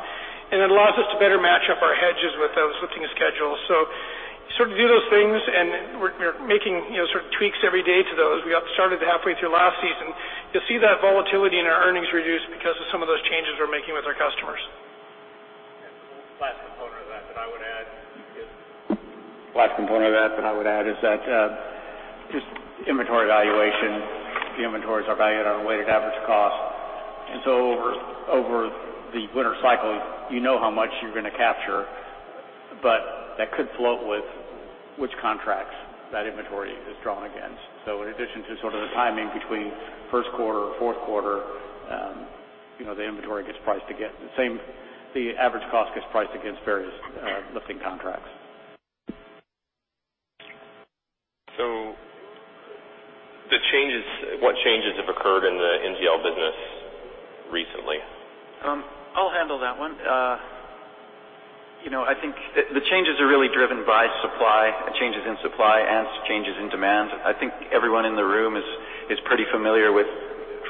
It allows us to better match up our hedges with those lifting schedules. You sort of do those things, and we're making sort of tweaks every day to those. We got started halfway through last season. You'll see that volatility in our earnings reduce because of some of those changes we're making with our customers. Last component of that I would add is that just inventory valuation. The inventories are valued on a weighted average cost. Over the winter cycle, you know how much you're going to capture, but that could float with which contracts that inventory is drawn against. In addition to sort of the timing between first quarter or fourth quarter, the inventory gets priced against The average cost gets priced against various lifting contracts. What changes have occurred in the NGL business recently? I'll handle that one. I think the changes are really driven by supply, changes in supply, and changes in demand. I think everyone in the room is pretty familiar with,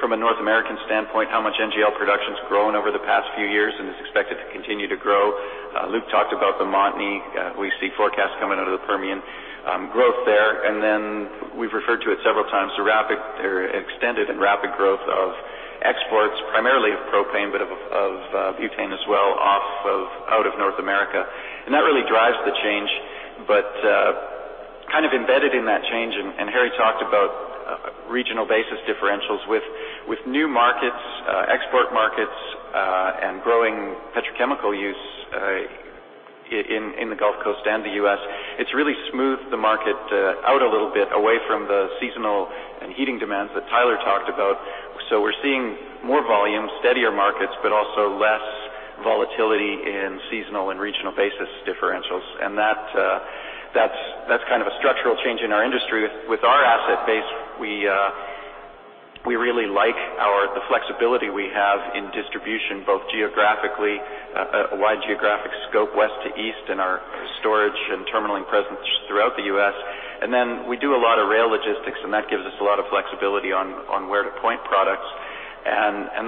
from a North American standpoint, how much NGL production's grown over the past few years and is expected to continue to grow. Luke talked about the Montney. We see forecasts coming out of the Permian growth there, we've referred to it several times, the extended and rapid growth of exports, primarily of propane, but of butane as well, out of North America. That really drives the change. Kind of embedded in that change, Harry talked about regional basis differentials with new markets, export markets, and growing petrochemical use in the Gulf Coast and the U.S. It's really smoothed the market out a little bit away from the seasonal and heating demands that Tyler talked about. We're seeing more volume, steadier markets, but also less volatility in seasonal and regional basis differentials. That's kind of a structural change in our industry. With our asset base, we really like the flexibility we have in distribution, both geographically, a wide geographic scope west to east in our storage and terminaling presence throughout the U.S. We do a lot of rail logistics, and that gives us a lot of flexibility on where to point products.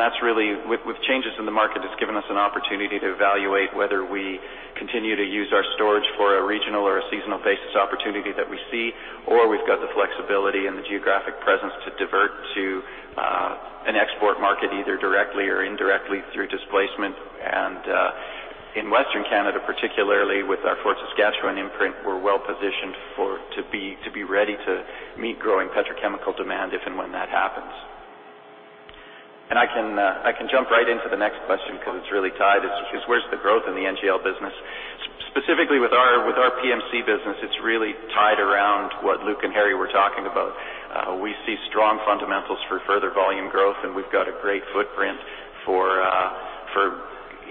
That's really, with changes in the market, it's given us an opportunity to evaluate whether we continue to use our storage for a regional or a seasonal basis opportunity that we see, or we've got the flexibility and the geographic presence to divert to an export market, either directly or indirectly through displacement. In Western Canada, particularly with our Fort Saskatchewan imprint, we're well-positioned to be ready to meet growing petrochemical demand if and when that happens. I can jump right into the next question because it's really tied, is where's the growth in the NGL business? Specifically with our PMC business, it's really tied around what Luke and Harry were talking about. We see strong fundamentals for further volume growth, we've got a great footprint for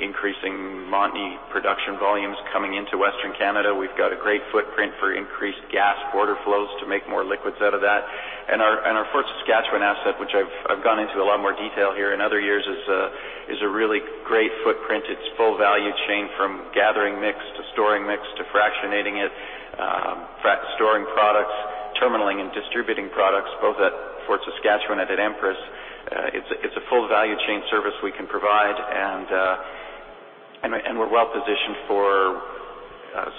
increasing Montney production volumes coming into Western Canada. We've got a great footprint for increased gas border flows to make more liquids out of that. Our Fort Saskatchewan asset, which I've gone into a lot more detail here in other years, is a really great footprint. It's full value chain from gathering mix to storing mix to fractionating it, storing products, terminaling and distributing products both at Fort Saskatchewan and at Empress. It's a full value chain service we can provide, and we're well-positioned for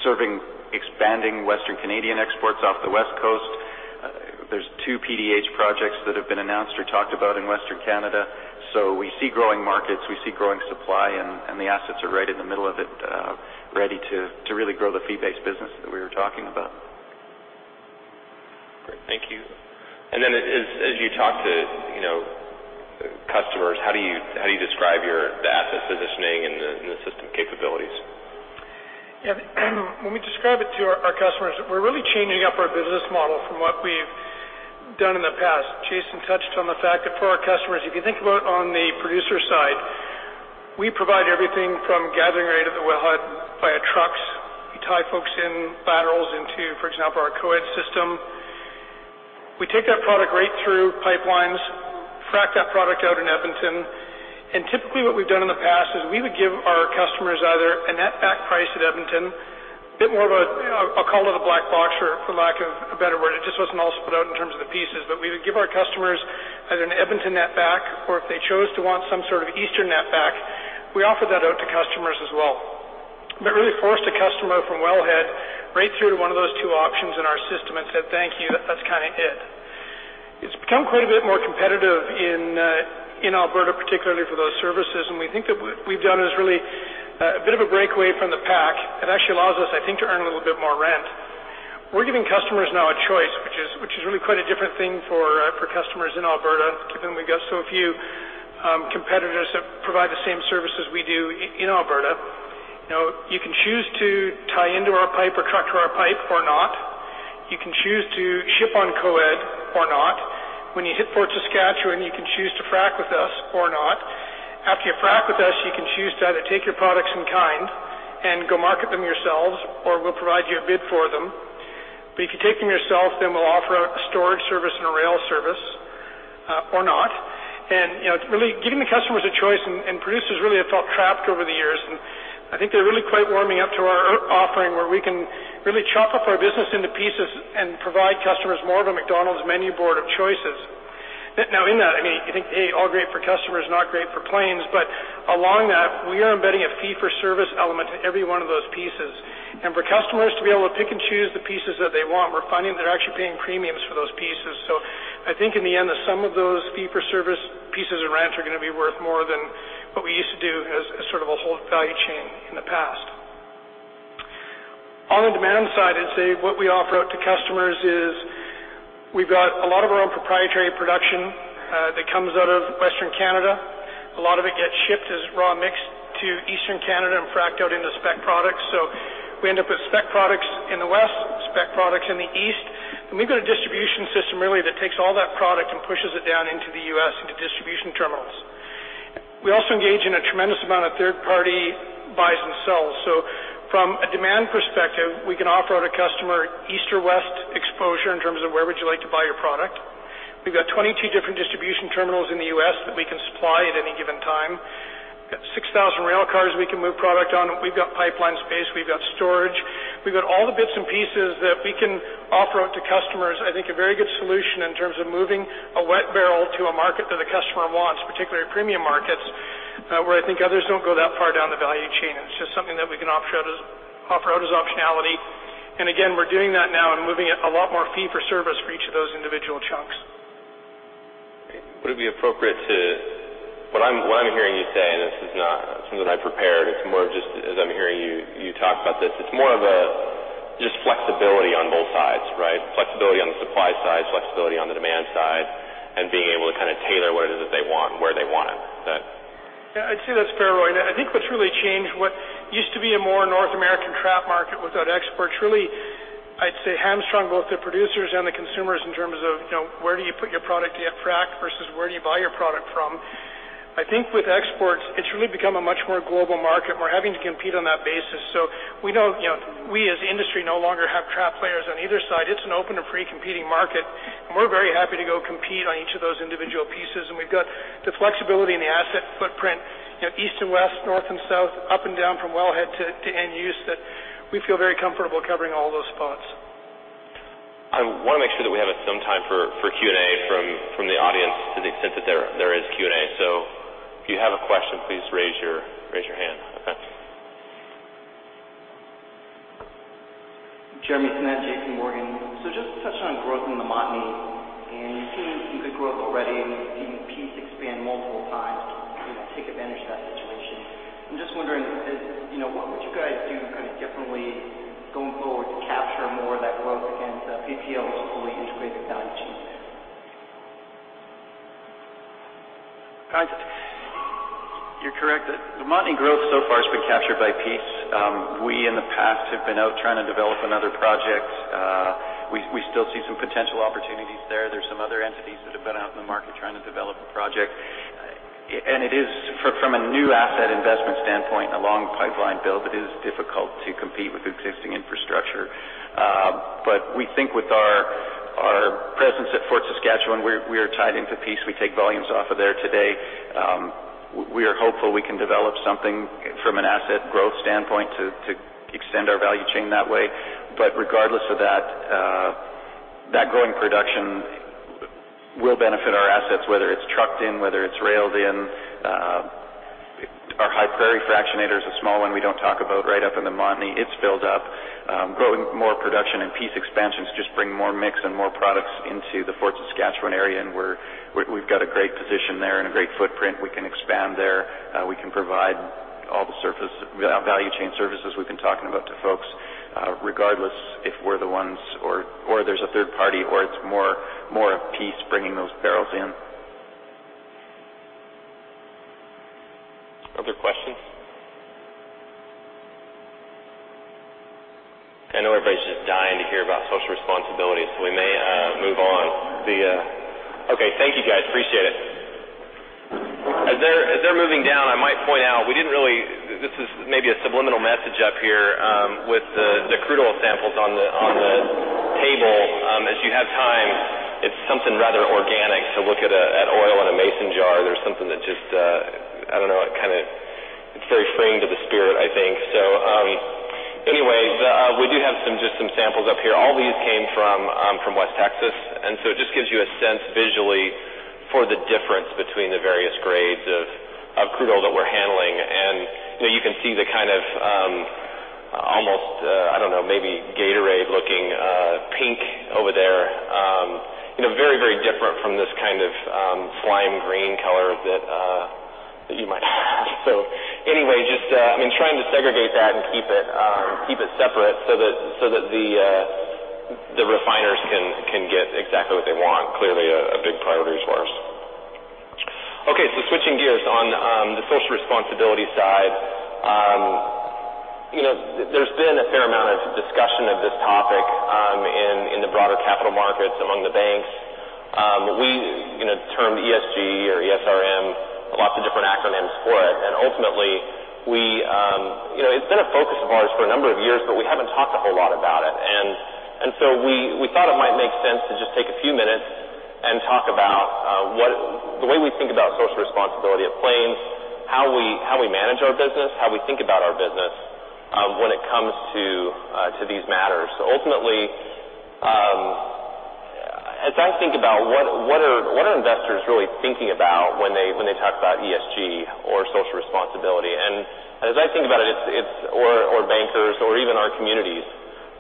serving expanding Western Canadian exports off the West Coast. There's two PDH projects that have been announced or talked about in Western Canada. We see growing markets, we see growing supply, and the assets are right in the middle of it, ready to really grow the fee-based business that we were talking about. Great. Thank you. As you talk to customers, how do you describe your asset positioning and the system capabilities? When we describe it to our customers, we're really changing up our business model from what we've done in the past. Jason touched on the fact that for our customers, if you think about on the producer side, we provide everything from gathering right at the wellhead via trucks. We tie folks in laterals into, for example, our Co-Ed system. We take that product right through pipelines, frack that product out in Edmonton. Typically, what we've done in the past is we would give our customers either a net back price at Edmonton, a bit more of a call it a black box or for lack of a better word. It just wasn't all split out in terms of the pieces. We would give our customers either an Edmonton net back, or if they chose to want some sort of Eastern net back, we offer that out to customers as well. Really forced a customer from wellhead right through to one of those two options in our system and said, "Thank you." That's kind of it. It's become quite a bit more competitive in Alberta, particularly for those services, and we think that what we've done is really a bit of a breakaway from the pack. It actually allows us, I think, to earn a little bit more rent. We're giving customers now a choice, which is really quite a different thing for customers in Alberta, given we've got so few competitors that provide the same services we do in Alberta. You can choose to tie into our pipe or truck to our pipe or not. You can choose to ship on Co-Ed or not. When you hit Fort Saskatchewan, you can choose to frack with us or not. After you frack with us, you can choose to either take your products in kind and go market them yourselves, or we'll provide you a bid for them. If you take them yourself, we'll offer a storage service and a rail service or not. It's really giving the customers a choice, and producers really have felt trapped over the years. I think they're really quite warming up to our offering, where we can really chop up our business into pieces and provide customers more of a McDonald's menu board of choices. In that, I think all great for customers, not great for Plains, along that, we are embedding a fee-for-service element to every one of those pieces. For customers to be able to pick and choose the pieces that they want, we're finding they're actually paying premiums for those pieces. I think in the end, the sum of those fee-for-service pieces of rent are going to be worth more than what we used to do as sort of a whole value chain in the past. On the demand side, I'd say what we offer out to customers is we've got a lot of our own proprietary production that comes out of Western Canada. A lot of it gets shipped as raw mix to Eastern Canada and fracked out into spec products. We end up with spec products in the West, spec products in the East, and we've got a distribution system really that takes all that product and pushes it down into the U.S. into distribution terminals. We also engage in a tremendous amount of third-party buys and sells. From a demand perspective, we can offer the customer East or West exposure in terms of where would you like to buy your product. We've got 22 different distribution terminals in the U.S. that we can supply at any given time. We've got 6,000 rail cars we can move product on. We've got pipeline space. We've got storage. We've got all the bits and pieces that we can offer out to customers, I think, a very good solution in terms of moving a wet barrel to a market that a customer wants, particularly premium markets, where I think others don't go that far down the value chain. It's just something that we can offer out as optionality. Again, we're doing that now and moving a lot more fee for service for each of those individual chunks. What I'm hearing you say, this is not something I prepared, it's more just as I'm hearing you talk about this, it's more of a just flexibility on both sides, right? Flexibility on the supply side, flexibility on the demand side, being able to tailor what it is that they want and where they want it. I'd say that's fair, Roy. I think what's really changed, what used to be a more North American trap market without exports really, I'd say, hamstrung both the producers and the consumers in terms of where do you put your product to get fracked versus where do you buy your product from. I think with exports, it's really become a much more global market. We're having to compete on that basis. We know we as the industry no longer have trap players on either side. It's an open and free competing market, and we're very happy to go compete on each of those individual pieces. We've got the flexibility and the asset footprint, East and West, North and South, up and down from wellhead to end use that we feel very comfortable covering all those spots. I want to make sure that we have some time for Q&A from the audience to the extent that there is Q&A. If you have a question, please raise your hand. Okay. Jeremy Tonet, J.P. Morgan. Just to touch on growth in the Montney, and you're seeing some good growth already. You've seen Peace expand multiple times to take advantage of that situation. I'm just wondering, what would you guys do differently going forward to capture more of that growth against PPL's fully integrated value chain there? You're correct. The Montney growth so far has been captured by Peace. We in the past have been out trying to develop another project. We still see some potential opportunities there. There's some other entities that have been out in the market trying to develop a project. It is from a new asset investment standpoint and a long pipeline build, it is difficult to compete with existing infrastructure. We think with our presence at Fort Saskatchewan, we are tied into Peace. We take volumes off of there today. We are hopeful we can develop something from an asset growth standpoint to extend our value chain that way. Regardless of that growing production will benefit our assets, whether it's trucked in, whether it's railed in. Our High Prairie fractionator is a small one we don't talk about right up in the Montney. It's built up. Growing more production and Peace expansions just bring more mix and more products into the Fort Saskatchewan area. We've got a great position there and a great footprint. We can expand there. We can provide all the value chain services we've been talking about to folks, regardless if we're the ones or there's a third party, or it's more of Peace bringing those barrels in. Other questions? I know everybody's just dying to hear about social responsibility. We may move on. Okay. Thank you, guys. Appreciate it. As they're moving down, I might point out This is maybe a subliminal message up here with the crude oil samples on the table. As you have time, it's something rather organic to look at oil in a mason jar. There's something that just, I don't know, it's very freeing to the spirit, I think. Anyways, we do have just some samples up here. All these came from West Texas. It just gives you a sense visually for the difference between the various grades of crude oil that we're handling. You can see the almost, I don't know, maybe Gatorade-looking pink over there. Very, very different from this kind of slime green color that you might have. Anyway, just trying to segregate that and keep it separate so that the refiners can get exactly what they want. Clearly a big priority for us. Okay. Switching gears on the social responsibility side. There's been a fair amount of discussion of this topic in the broader capital markets among the banks. We term ESG or ESRM, lots of different acronyms for it. Ultimately, it's been a focus of ours for a number of years, but we haven't talked a whole lot about it. We thought it might make sense to just take a few minutes and talk about the way we think about social responsibility at Plains, how we manage our business, how we think about our business when it comes to these matters. Ultimately, as I think about what are investors really thinking about when they talk about ESG or social responsibility. As I think about it, or bankers or even our communities,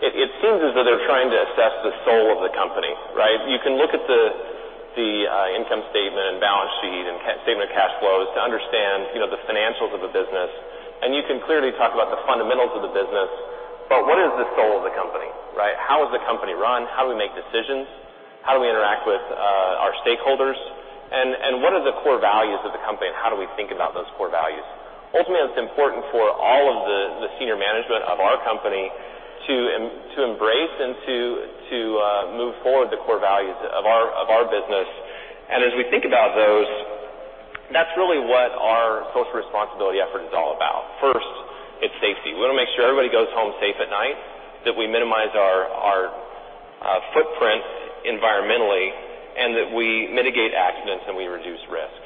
it seems as though they're trying to assess the soul of the company, right? You can look at the income statement and balance sheet and statement of cash flows to understand the financials of the business. You can clearly talk about the fundamentals of the business. What is the soul of the company, right? How is the company run? How do we make decisions? How do we interact with our stakeholders? What are the core values of the company, and how do we think about those core values? Ultimately, it's important for all of the senior management of our company to embrace and to move forward the core values of our business. As we think about those, that's really what our social responsibility effort is all about. First, it's safety. We want to make sure everybody goes home safe at night, that we minimize our footprint environmentally, and that we mitigate accidents, and we reduce risk.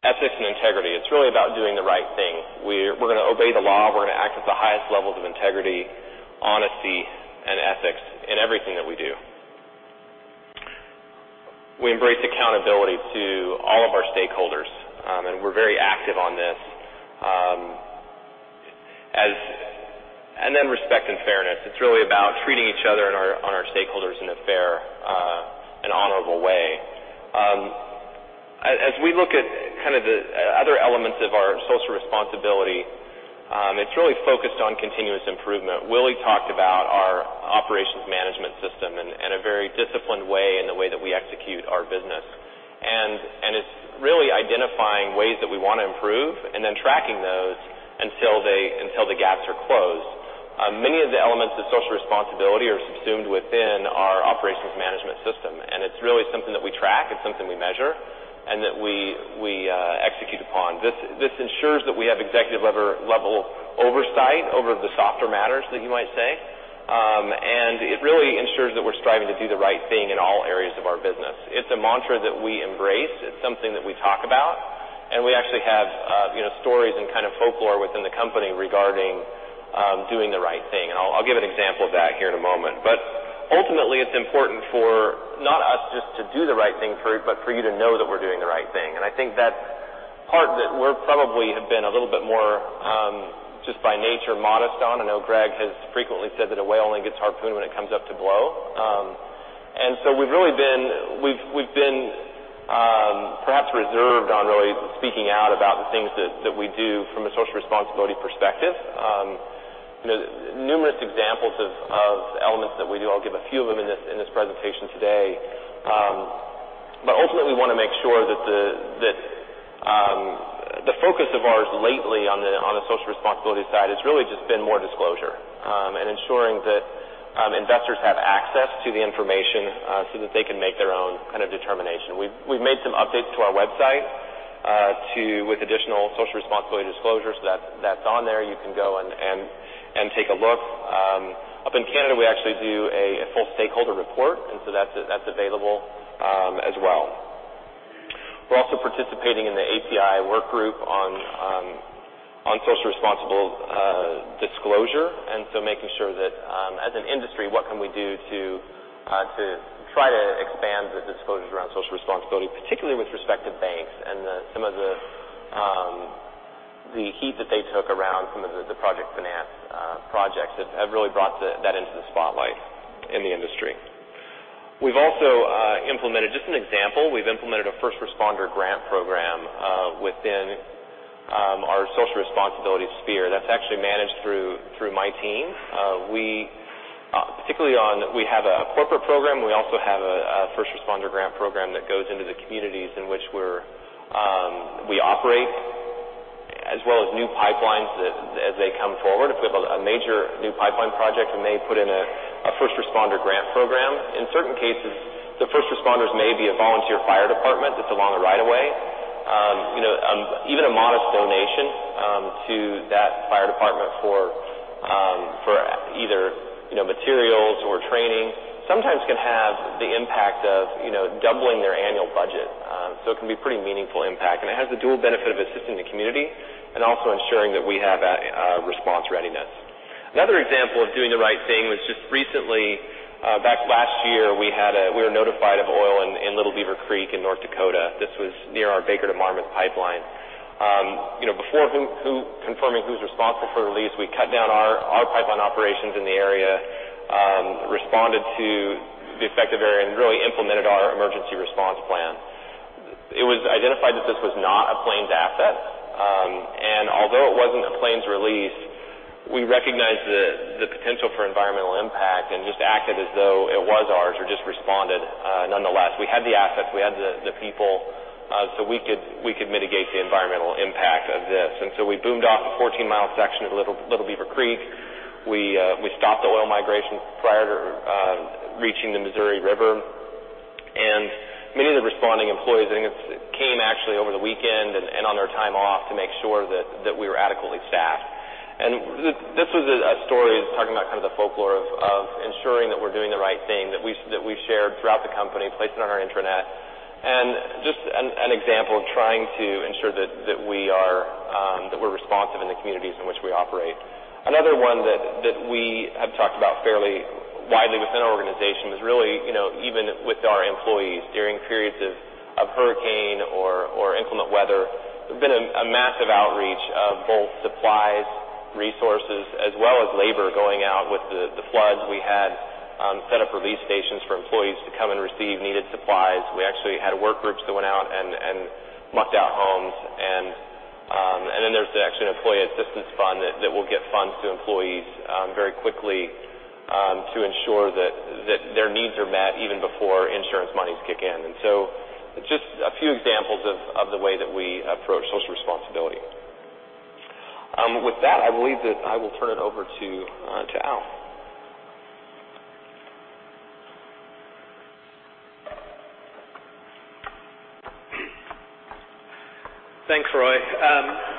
Ethics and integrity. It's really about doing the right thing. We're going to obey the law. We're going to act with the highest levels of integrity, honesty, and ethics in everything that we do. We embrace accountability to all of our stakeholders, and we're very active on this. Then respect and fairness. It's really about treating each other and our stakeholders in a fair and honorable way. As we look at the other elements of our social responsibility, it's really focused on continuous improvement. Willie talked about our Operations Management System and a very disciplined way in the way that we execute our business. It's really identifying ways that we want to improve and then tracking those until the gaps are closed. Many of the elements of social responsibility are subsumed within our Operations Management System, and it's really something that we track. It's something we measure and that we execute upon. This ensures that we have executive-level oversight over the softer matters that you might say. It really ensures that we're striving to do the right thing in all areas of our business. It's a mantra that we embrace. It's something that we talk about, and we actually have stories and folklore within the company regarding doing the right thing. I'll give an example of that here in a moment. Ultimately, it's important for not us just to do the right thing, but for you to know that we're doing the right thing. I think that's part that we probably have been a little bit more, just by nature, modest on. I know Greg has frequently said that a whale only gets harpooned when it comes up to blow. We've been perhaps reserved on really speaking out about the things that we do from a social responsibility perspective. Numerous examples of elements that we do. I'll give a few of them in this presentation today. Ultimately, we want to make sure that the focus of ours lately on the social responsibility side has really just been more disclosure and ensuring that investors have access to the information so that they can make their own determination. We've made some updates to our website with additional social responsibility disclosures. That's on there. You can go and take a look. Up in Canada, we actually do a full stakeholder report, and that's available as well. We're also participating in the API work group on social responsible disclosure, making sure that as an industry, what can we do to try to expand the disclosures around social responsibility, particularly with respect to banks and some of the heat that they took around some of the project finance projects that have really brought that into the spotlight in the industry. Just an example. We've implemented a first responder grant program within our social responsibility sphere. That's actually managed through my team. Particularly, we have a corporate program. We also have a first responder grant program that goes into the communities in which we operate, as well as new pipelines as they come forward. If we have a major new pipeline project, we may put in a first responder grant program. In certain cases, the first responders may be a volunteer fire department that's along the right of way. Even a modest donation to that fire department for either materials or training sometimes can have the impact of doubling their annual budget. It can be a pretty meaningful impact, and it has the dual benefit of assisting the community and also ensuring that we have response readiness. Another example of doing the right thing was just recently, back last year, we were notified of oil in Little Beaver Creek in North Dakota. This was near our Baker to Marmot pipeline. Before confirming who's responsible for the release, we cut down our pipeline operations in the area, responded to the affected area, and really implemented our emergency response plan. It was identified that this was not a Plains asset. Although it wasn't a Plains release, we recognized the potential for environmental impact and just acted as though it was ours or just responded nonetheless. We had the assets. We had the people. We could mitigate the environmental impact of this. We boomed off a 14-mile section of Little Beaver Creek. We stopped the oil migration prior to reaching the Missouri River. Many of the responding employees, I think, came actually over the weekend and on their time off to make sure that we were adequately staffed. This was a story talking about the folklore of ensuring that we're doing the right thing, that we shared throughout the company, placed it on our internet, and just an example of trying to ensure that we're responsive in the communities in which we operate. Another one that we have talked about fairly widely within our organization is really, even with our employees, during periods of hurricane or inclement weather, there's been a massive outreach of both supplies, resources, as well as labor going out. With the floods, we had set up relief stations for employees to come and receive needed supplies. We actually had work groups that went out and mucked out homes. There's actually an employee assistance fund that will get funds to employees very quickly to ensure that their needs are met even before insurance monies kick in. Just a few examples of the way that we approach social responsibility. With that, I believe that I will turn it over to Al. Thanks, Roy.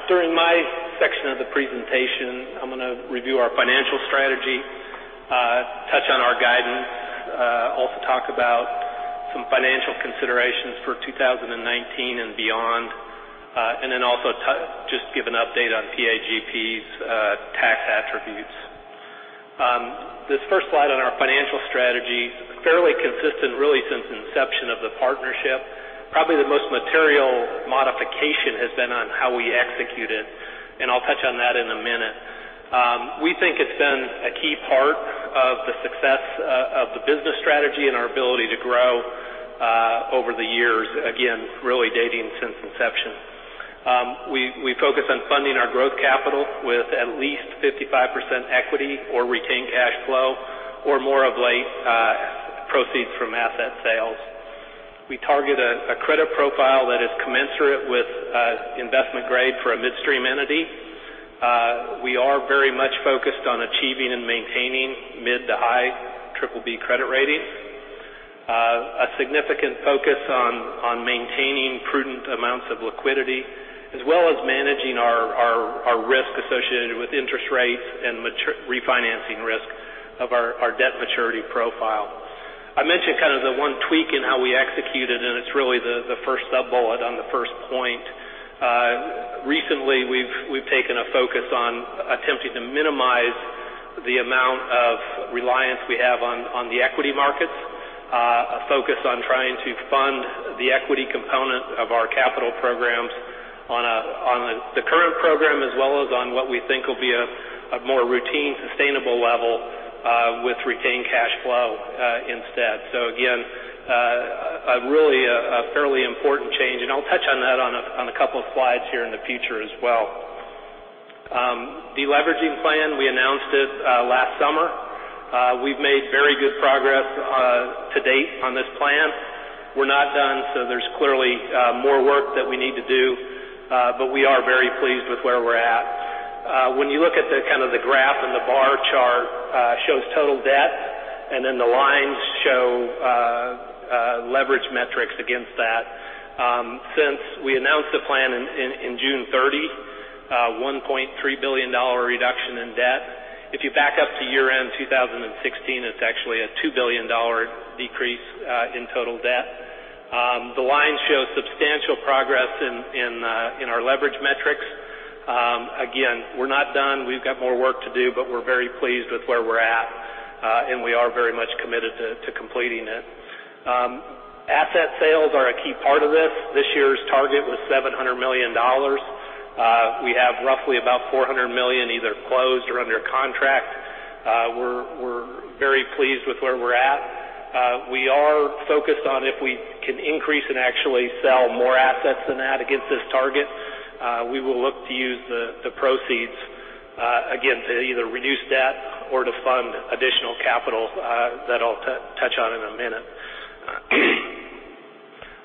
During my section of the presentation, I'm going to review our financial strategy, touch on our guidance, also talk about some financial considerations for 2019 and beyond, and then also just give an update on PAGP's tax attributes. This first slide on our financial strategy, fairly consistent really since inception of the partnership. Probably the most material modification has been on how we execute it, and I'll touch on that in a minute. We think it's been a key part of the success of the business strategy and our ability to grow over the years, again, really dating since inception. We focus on funding our growth capital with at least 55% equity or retained cash flow or more of late proceeds from asset sales. We target a credit profile that is commensurate with investment grade for a midstream entity. We are very much focused on achieving and maintaining mid to high BBB credit ratings. A significant focus on maintaining prudent amounts of liquidity, as well as managing our risk associated with interest rates and refinancing risk of our debt maturity profile. I mentioned kind of the one tweak in how we executed, and it's really the first sub-bullet on the first point. Recently, we've taken a focus on attempting to minimize the amount of reliance we have on the equity markets, a focus on trying to fund the equity component of our capital programs on the current program, as well as on what we think will be a more routine sustainable level with retained cash flow instead. Again, really a fairly important change, and I'll touch on that on a couple of slides here in the future as well. Deleveraging plan, we announced it last summer. We've made very good progress to date on this plan. We're not done, so there's clearly more work that we need to do, but we are very pleased with where we're at. When you look at the graph and the bar chart, shows total debt, and then the lines show leverage metrics against that. Since we announced the plan in June 30, $1.3 billion reduction in debt. If you back up to year-end 2016, it's actually a $2 billion decrease in total debt. The line shows substantial progress in our leverage metrics. Again, we're not done. We've got more work to do, but we're very pleased with where we're at, and we are very much committed to completing it. Asset sales are a key part of this. This year's target was $700 million. We have roughly about $400 million either closed or under contract. We're very pleased with where we're at. We are focused on if we can increase and actually sell more assets than that against this target. We will look to use the proceeds, again, to either reduce debt or to fund additional capital that I'll touch on in a minute.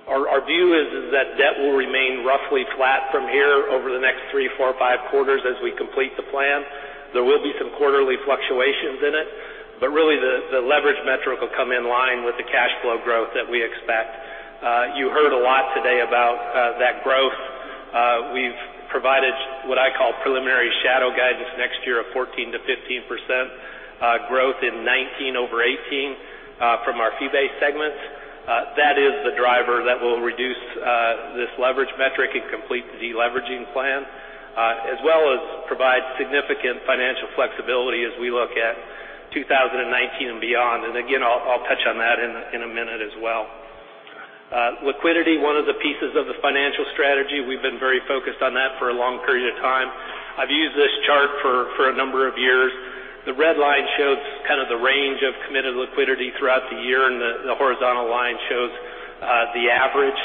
Our view is that debt will remain roughly flat from here over the next three, four, five quarters as we complete the plan. Really, the leverage metric will come in line with the cash flow growth that we expect. You heard a lot today about that growth. We've provided what I call preliminary shadow guidance next year of 14%-15% growth in 2019 over 2018 from our fee-based segments. That is the driver that will reduce this leverage metric and complete the deleveraging plan, as well as provide significant financial flexibility as we look at 2019 and beyond. Again, I'll touch on that in a minute as well. Liquidity, one of the pieces of the financial strategy. We've been very focused on that for a long period of time. I've used this chart for a number of years. The red line shows kind of the range of committed liquidity throughout the year, and the horizontal line shows the average.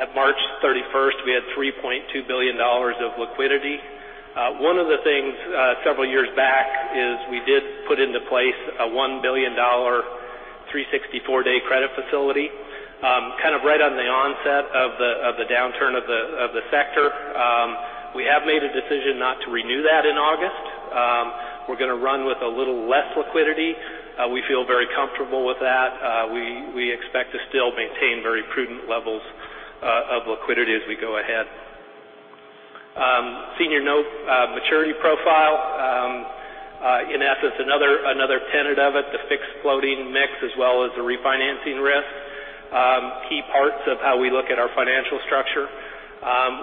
At March 31st, we had $3.2 billion of liquidity. One of the things several years back is we did put into place a $1 billion 364-day credit facility, kind of right on the onset of the downturn of the sector. We have made a decision not to renew that in August. We're going to run with a little less liquidity. We feel very comfortable with that. We expect to still maintain very prudent levels of liquidity as we go ahead. Senior note maturity profile. In essence, another tenet of it, the fixed floating mix as well as the refinancing risk. Key parts of how we look at our financial structure.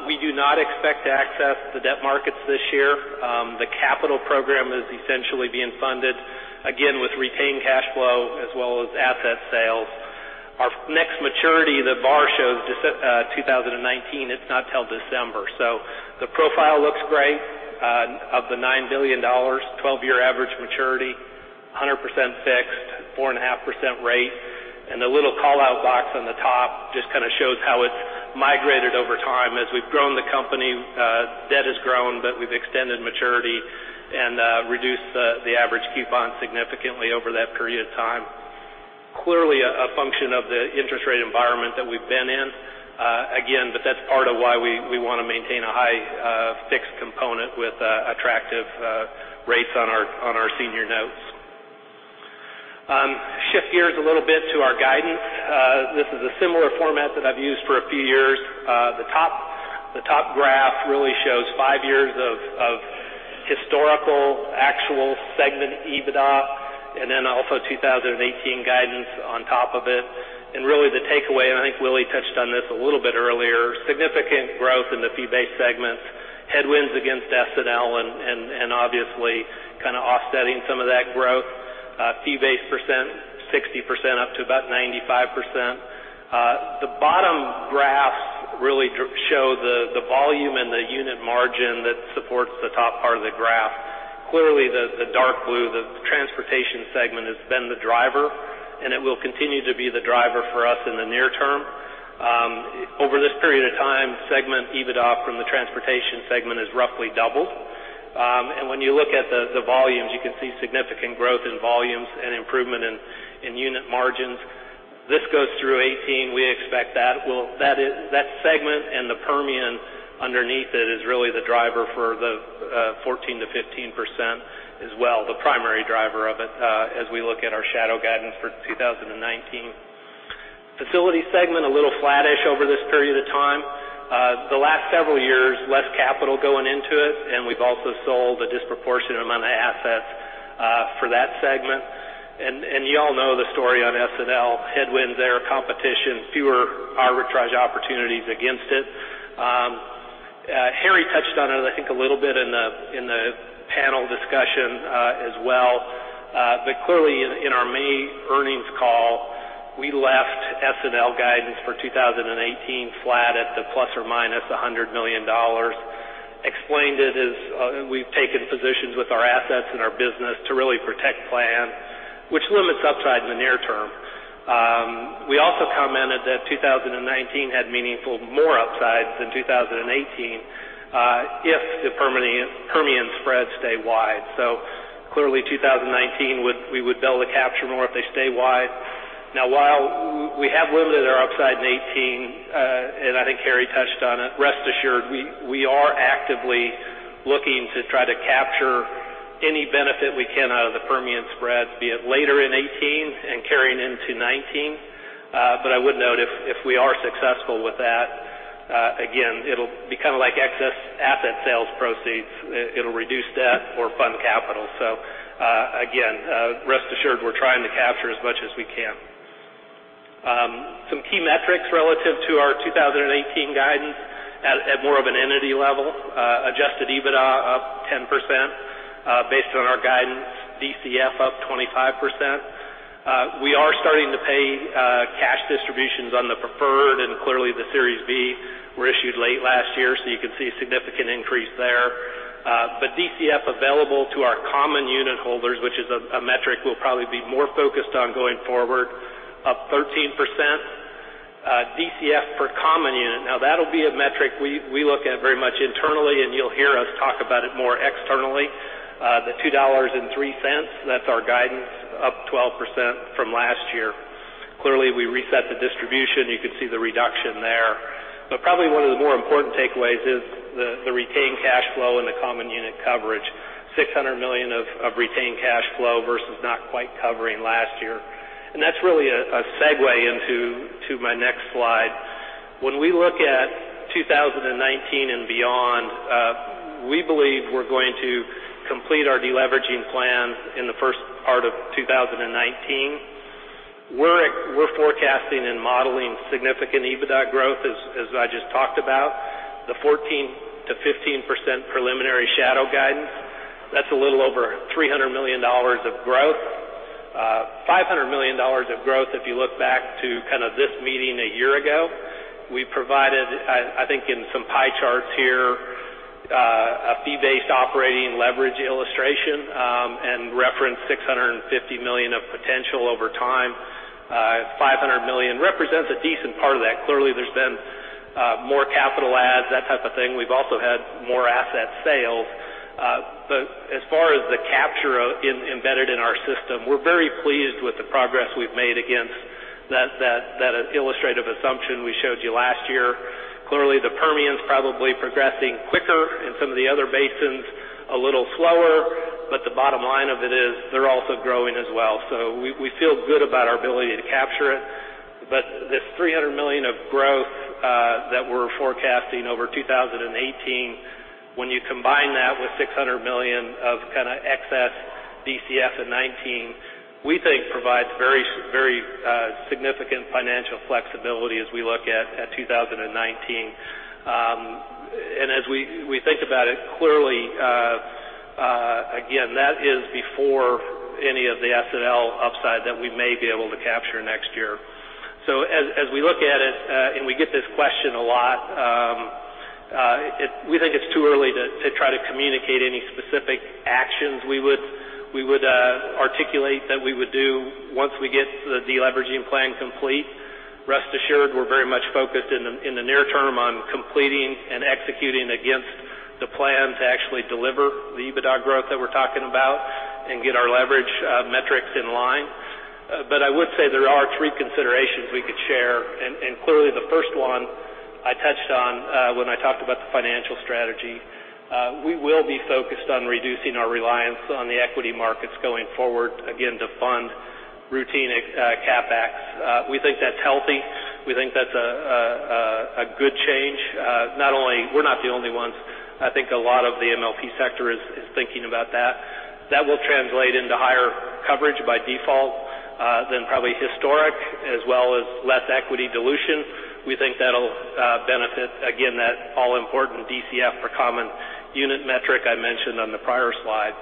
We do not expect to access the debt markets this year. The capital program is essentially being funded, again, with retained cash flow as well as asset sales. Our next maturity, the bar shows 2019. It's not till December. The profile looks great. Of the $9 billion, 12-year average maturity, 100% fixed, 4.5% rate. The little call-out box on the top just shows how it's migrated over time. As we've grown the company, debt has grown, but we've extended maturity and reduced the average coupon significantly over that period of time. Clearly a function of the interest rate environment that we've been in. That's part of why we want to maintain a high fixed component with attractive rates on our senior notes. Shift gears a little bit to our guidance. This is a similar format that I've used for a few years. The top graph really shows five years of historical actual segment EBITDA, and then also 2018 guidance on top of it. The takeaway, and I think Willie touched on this a little bit earlier, significant growth in the fee-based segments, headwinds against S&L and obviously offsetting some of that growth. Fee-based percent, 60% up to about 95%. The bottom graphs really show the volume and the unit margin that supports the top part of the graph. Clearly, the dark blue, the transportation segment has been the driver, and it will continue to be the driver for us in the near term. Over this period of time, segment EBITDA from the transportation segment has roughly doubled. When you look at the volumes, you can see significant growth in volumes and improvement in unit margins. This goes through 2018. We expect that segment and the Permian underneath it is really the driver for the 14%-15% as well, the primary driver of it as we look at our shadow guidance for 2019. Facility segment, a little flattish over this period of time. The last several years, less capital going into it, and we've also sold a disproportionate amount of assets for that segment. You all know the story on S&L. Headwinds there, competition, fewer arbitrage opportunities against it. Harry touched on it, I think, a little bit in the panel discussion as well. Clearly in our May earnings call, we left S&L guidance for 2018 flat at the ±$100 million. Explained it as we've taken positions with our assets and our business to really protect Plains, which limits upside in the near term. We also commented that 2019 had meaningful more upside than 2018 if the Permian spreads stay wide. Clearly 2019, we would be able to capture more if they stay wide. While we have limited our upside in 2018, and I think Harry touched on it, rest assured, we are actively looking to try to capture any benefit we can out of the Permian spread, be it later in 2018 and carrying into 2019. I would note if we are successful with that, again, it'll be kind of like excess asset sales proceeds. It'll reduce debt or fund capital. Again, rest assured we're trying to capture as much as we can. Some key metrics relative to our 2018 guidance at more of an entity level. Adjusted EBITDA up 10% based on our guidance. DCF up 25%. We are starting to pay cash distributions on the preferred, and clearly the Series B were issued late last year, so you can see a significant increase there. DCF available to our common unit holders, which is a metric we'll probably be more focused on going forward, up 13%. DCF per common unit. Now that'll be a metric we look at very much internally, and you'll hear us talk about it more externally. The $2.03, that's our guidance, up 12% from last year. Clearly, we reset the distribution. You can see the reduction there. Probably one of the more important takeaways is the retained cash flow and the common unit coverage. $600 million of retained cash flow versus not quite covering last year. That's really a segue into my next slide. When we look at 2019 and beyond, we believe we're going to complete our deleveraging plans in the first part of 2019. We're forecasting and modeling significant EBITDA growth, as I just talked about. The 14%-15% preliminary shadow guidance. That's a little over $300 million of growth. $500 million of growth if you look back to this meeting a year ago. We provided, I think in some pie charts here, a fee-based operating leverage illustration and referenced $650 million of potential over time. $500 million represents a decent part of that. Clearly, there's been more capital adds, that type of thing. We've also had more asset sales. As far as the capture embedded in our system, we're very pleased with the progress we've made against that illustrative assumption we showed you last year. Clearly, the Permian's probably progressing quicker, and some of the other basins a little slower, but the bottom line of it is they're also growing as well. We feel good about our ability to capture it. This $300 million of growth that we're forecasting over 2018, when you combine that with $600 million of excess DCF in 2019, we think provides very significant financial flexibility as we look at 2019. As we think about it clearly, again, that is before any of the S&L upside that we may be able to capture next year. As we look at it, and we get this question a lot, we think it's too early to try to communicate any specific actions we would articulate that we would do once we get the deleveraging plan complete. Rest assured, we're very much focused in the near term on completing and executing against the plan to actually deliver the EBITDA growth that we're talking about and get our leverage metrics in line. I would say there are three considerations we could share, and clearly the first one I touched on when I talked about the financial strategy. We will be focused on reducing our reliance on the equity markets going forward, again, to fund routine CapEx. We think that's healthy. We think that's a good change. We're not the only ones. I think a lot of the MLP sector is thinking about that. That will translate into higher coverage by default than probably historic, as well as less equity dilution. We think that'll benefit, again, that all-important DCF per common unit metric I mentioned on the prior slide.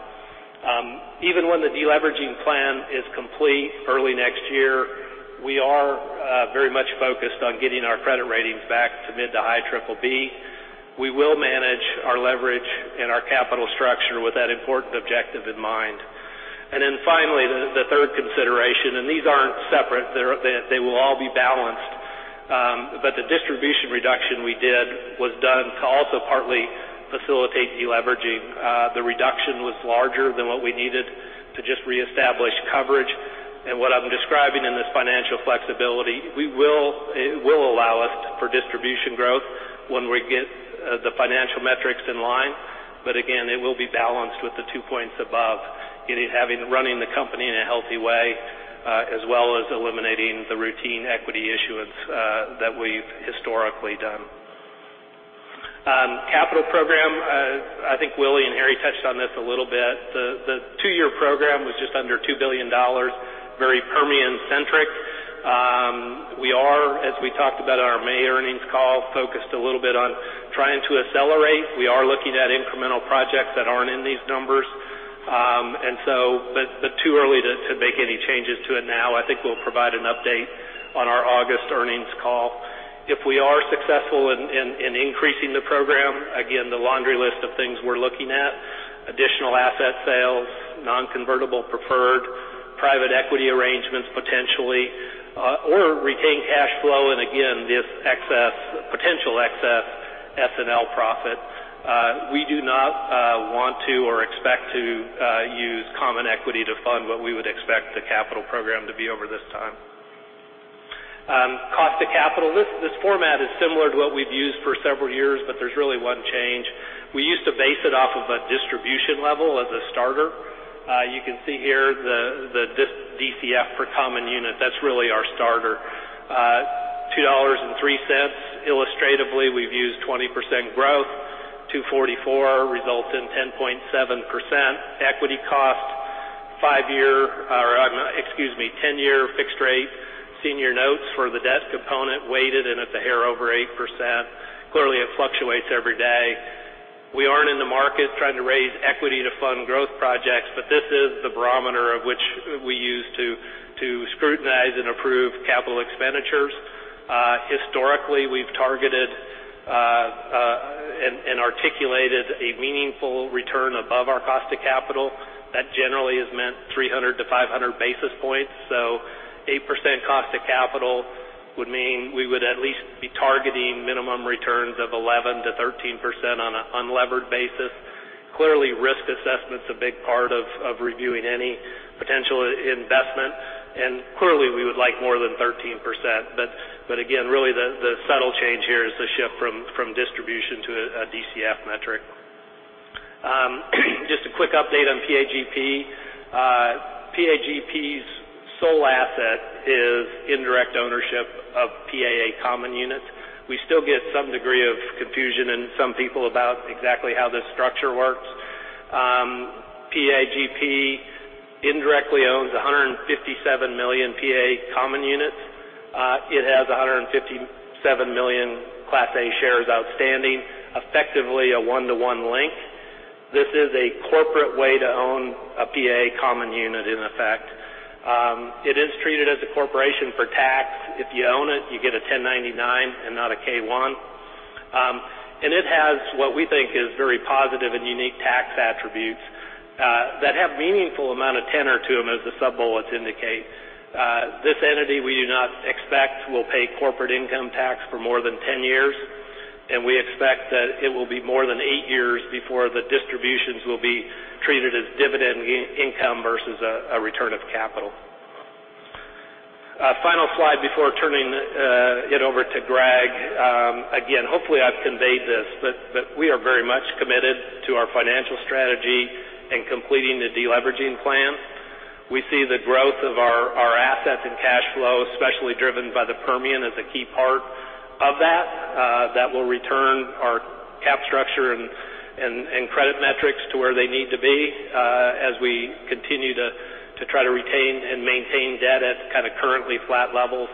Even when the deleveraging plan is complete early next year, we are very much focused on getting our credit ratings back to mid to high BBB. We will manage our leverage and our capital structure with that important objective in mind. Finally, the third consideration, and these aren't separate, they will all be balanced. The distribution reduction we did was done to also partly facilitate deleveraging. The reduction was larger than what we needed to just reestablish coverage. What I'm describing in this financial flexibility, it will allow us for distribution growth when we get the financial metrics in line. Again, it will be balanced with the two points above, running the company in a healthy way, as well as eliminating the routine equity issuance that we've historically done. Capital program, I think Willie and Harry touched on this a little bit. The two-year program was just under $2 billion, very Permian-centric. We are, as we talked about in our May earnings call, focused a little bit on trying to accelerate. We are looking at incremental projects that aren't in these numbers. Too early to make any changes to it now. I think we'll provide an update on our August earnings call. If we are successful in increasing the program, again, the laundry list of things we're looking at, additional asset sales, non-convertible preferred, private equity arrangements potentially, or retain cash flow and again, this potential excess S&L profit. We do not want to or expect to use common equity to fund what we would expect the capital program to be over this time. Cost of capital. This format is similar to what we've used for several years, but there's really one change. We used to base it off of a distribution level as a starter. You can see here the DCF per common unit, that's really our starter. $2.03. Illustratively, we've used 20% growth, 2.44 results in 10.7%. Equity cost, 10-year fixed rate senior notes for the debt component weighted and at a hair over 8%. Clearly, it fluctuates every day. We aren't in the market trying to raise equity to fund growth projects, but this is the barometer of which we use to scrutinize and approve capital expenditures. Historically, we've targeted and articulated a meaningful return above our cost of capital. That generally has meant 300 to 500 basis points. 8% cost of capital would mean we would at least be targeting minimum returns of 11%-13% on an unlevered basis. Clearly, risk assessment's a big part of reviewing any potential investment. Clearly, we would like more than 13%, again, really the subtle change here is the shift from distribution to a DCF metric. Just a quick update on PAGP. PAGP's sole asset is indirect ownership of PAA common units. We still get some degree of confusion in some people about exactly how this structure works. PAGP indirectly owns 157 million PAA common units. It has 157 million Class A shares outstanding, effectively a one-to-one link. This is a corporate way to own a PAA common unit in effect. It is treated as a corporation for tax. If you own it, you get a 1099 and not a K1. It has what we think is very positive and unique tax attributes that have meaningful amount of tenor to them, as the sub-bullets indicate. This entity we do not expect will pay corporate income tax for more than 10 years. We expect that it will be more than eight years before the distributions will be treated as dividend income versus a return of capital. A final slide before turning it over to Greg. Again, hopefully, I've conveyed this, we are very much committed to our financial strategy and completing the de-leveraging plan. We see the growth of our assets and cash flow, especially driven by the Permian, as a key part of that. That will return our cap structure and credit metrics to where they need to be as we continue to try to retain and maintain debt at currently flat levels.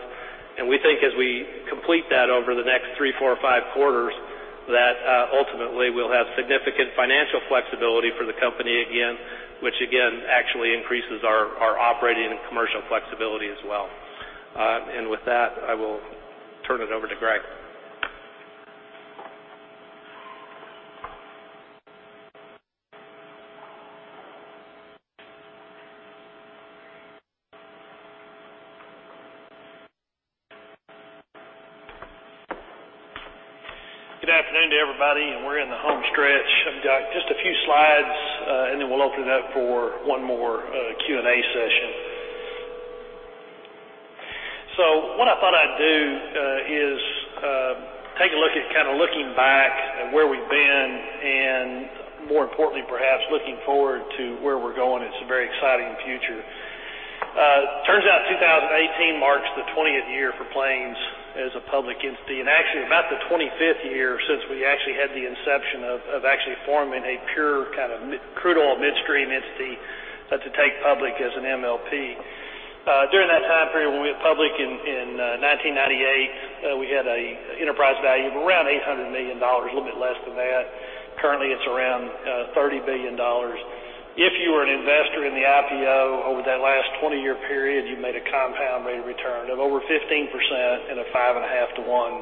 We think as we complete that over the next three, four, or five quarters, that ultimately we'll have significant financial flexibility for the company again, which again, actually increases our operating and commercial flexibility as well. With that, I will turn it over to Greg. Good afternoon to everybody, we're in the home stretch. I've got just a few slides, then we'll open it up for one more Q&A session. What I thought I'd do is take a look at looking back at where we've been and more importantly, perhaps looking forward to where we're going. It's a very exciting future. Turns out 2018 marks the 20th year for Plains as a public entity, and actually about the 25th year since we actually had the inception of actually forming a pure kind of crude oil midstream entity to take public as an MLP. During that time period, when we went public in 1998, we had an enterprise value of around $800 million, a little bit less than that. Currently, it's around $30 billion. If you were an investor in the IPO over that last 20-year period, you made a compound rate of return of over 15% and a five and a half to one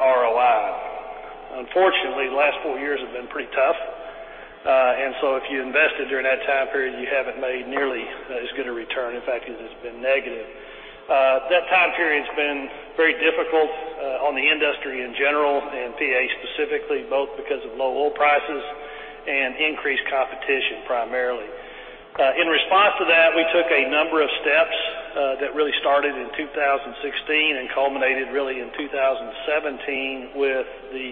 ROI. Unfortunately, the last four years have been pretty tough. If you invested during that time period, you haven't made nearly as good a return. In fact, it has been negative. That time period's been very difficult on the industry in general and PA specifically, both because of low oil prices and increased competition, primarily. In response to that, we took a number of steps that really started in 2016 and culminated really in 2017 with the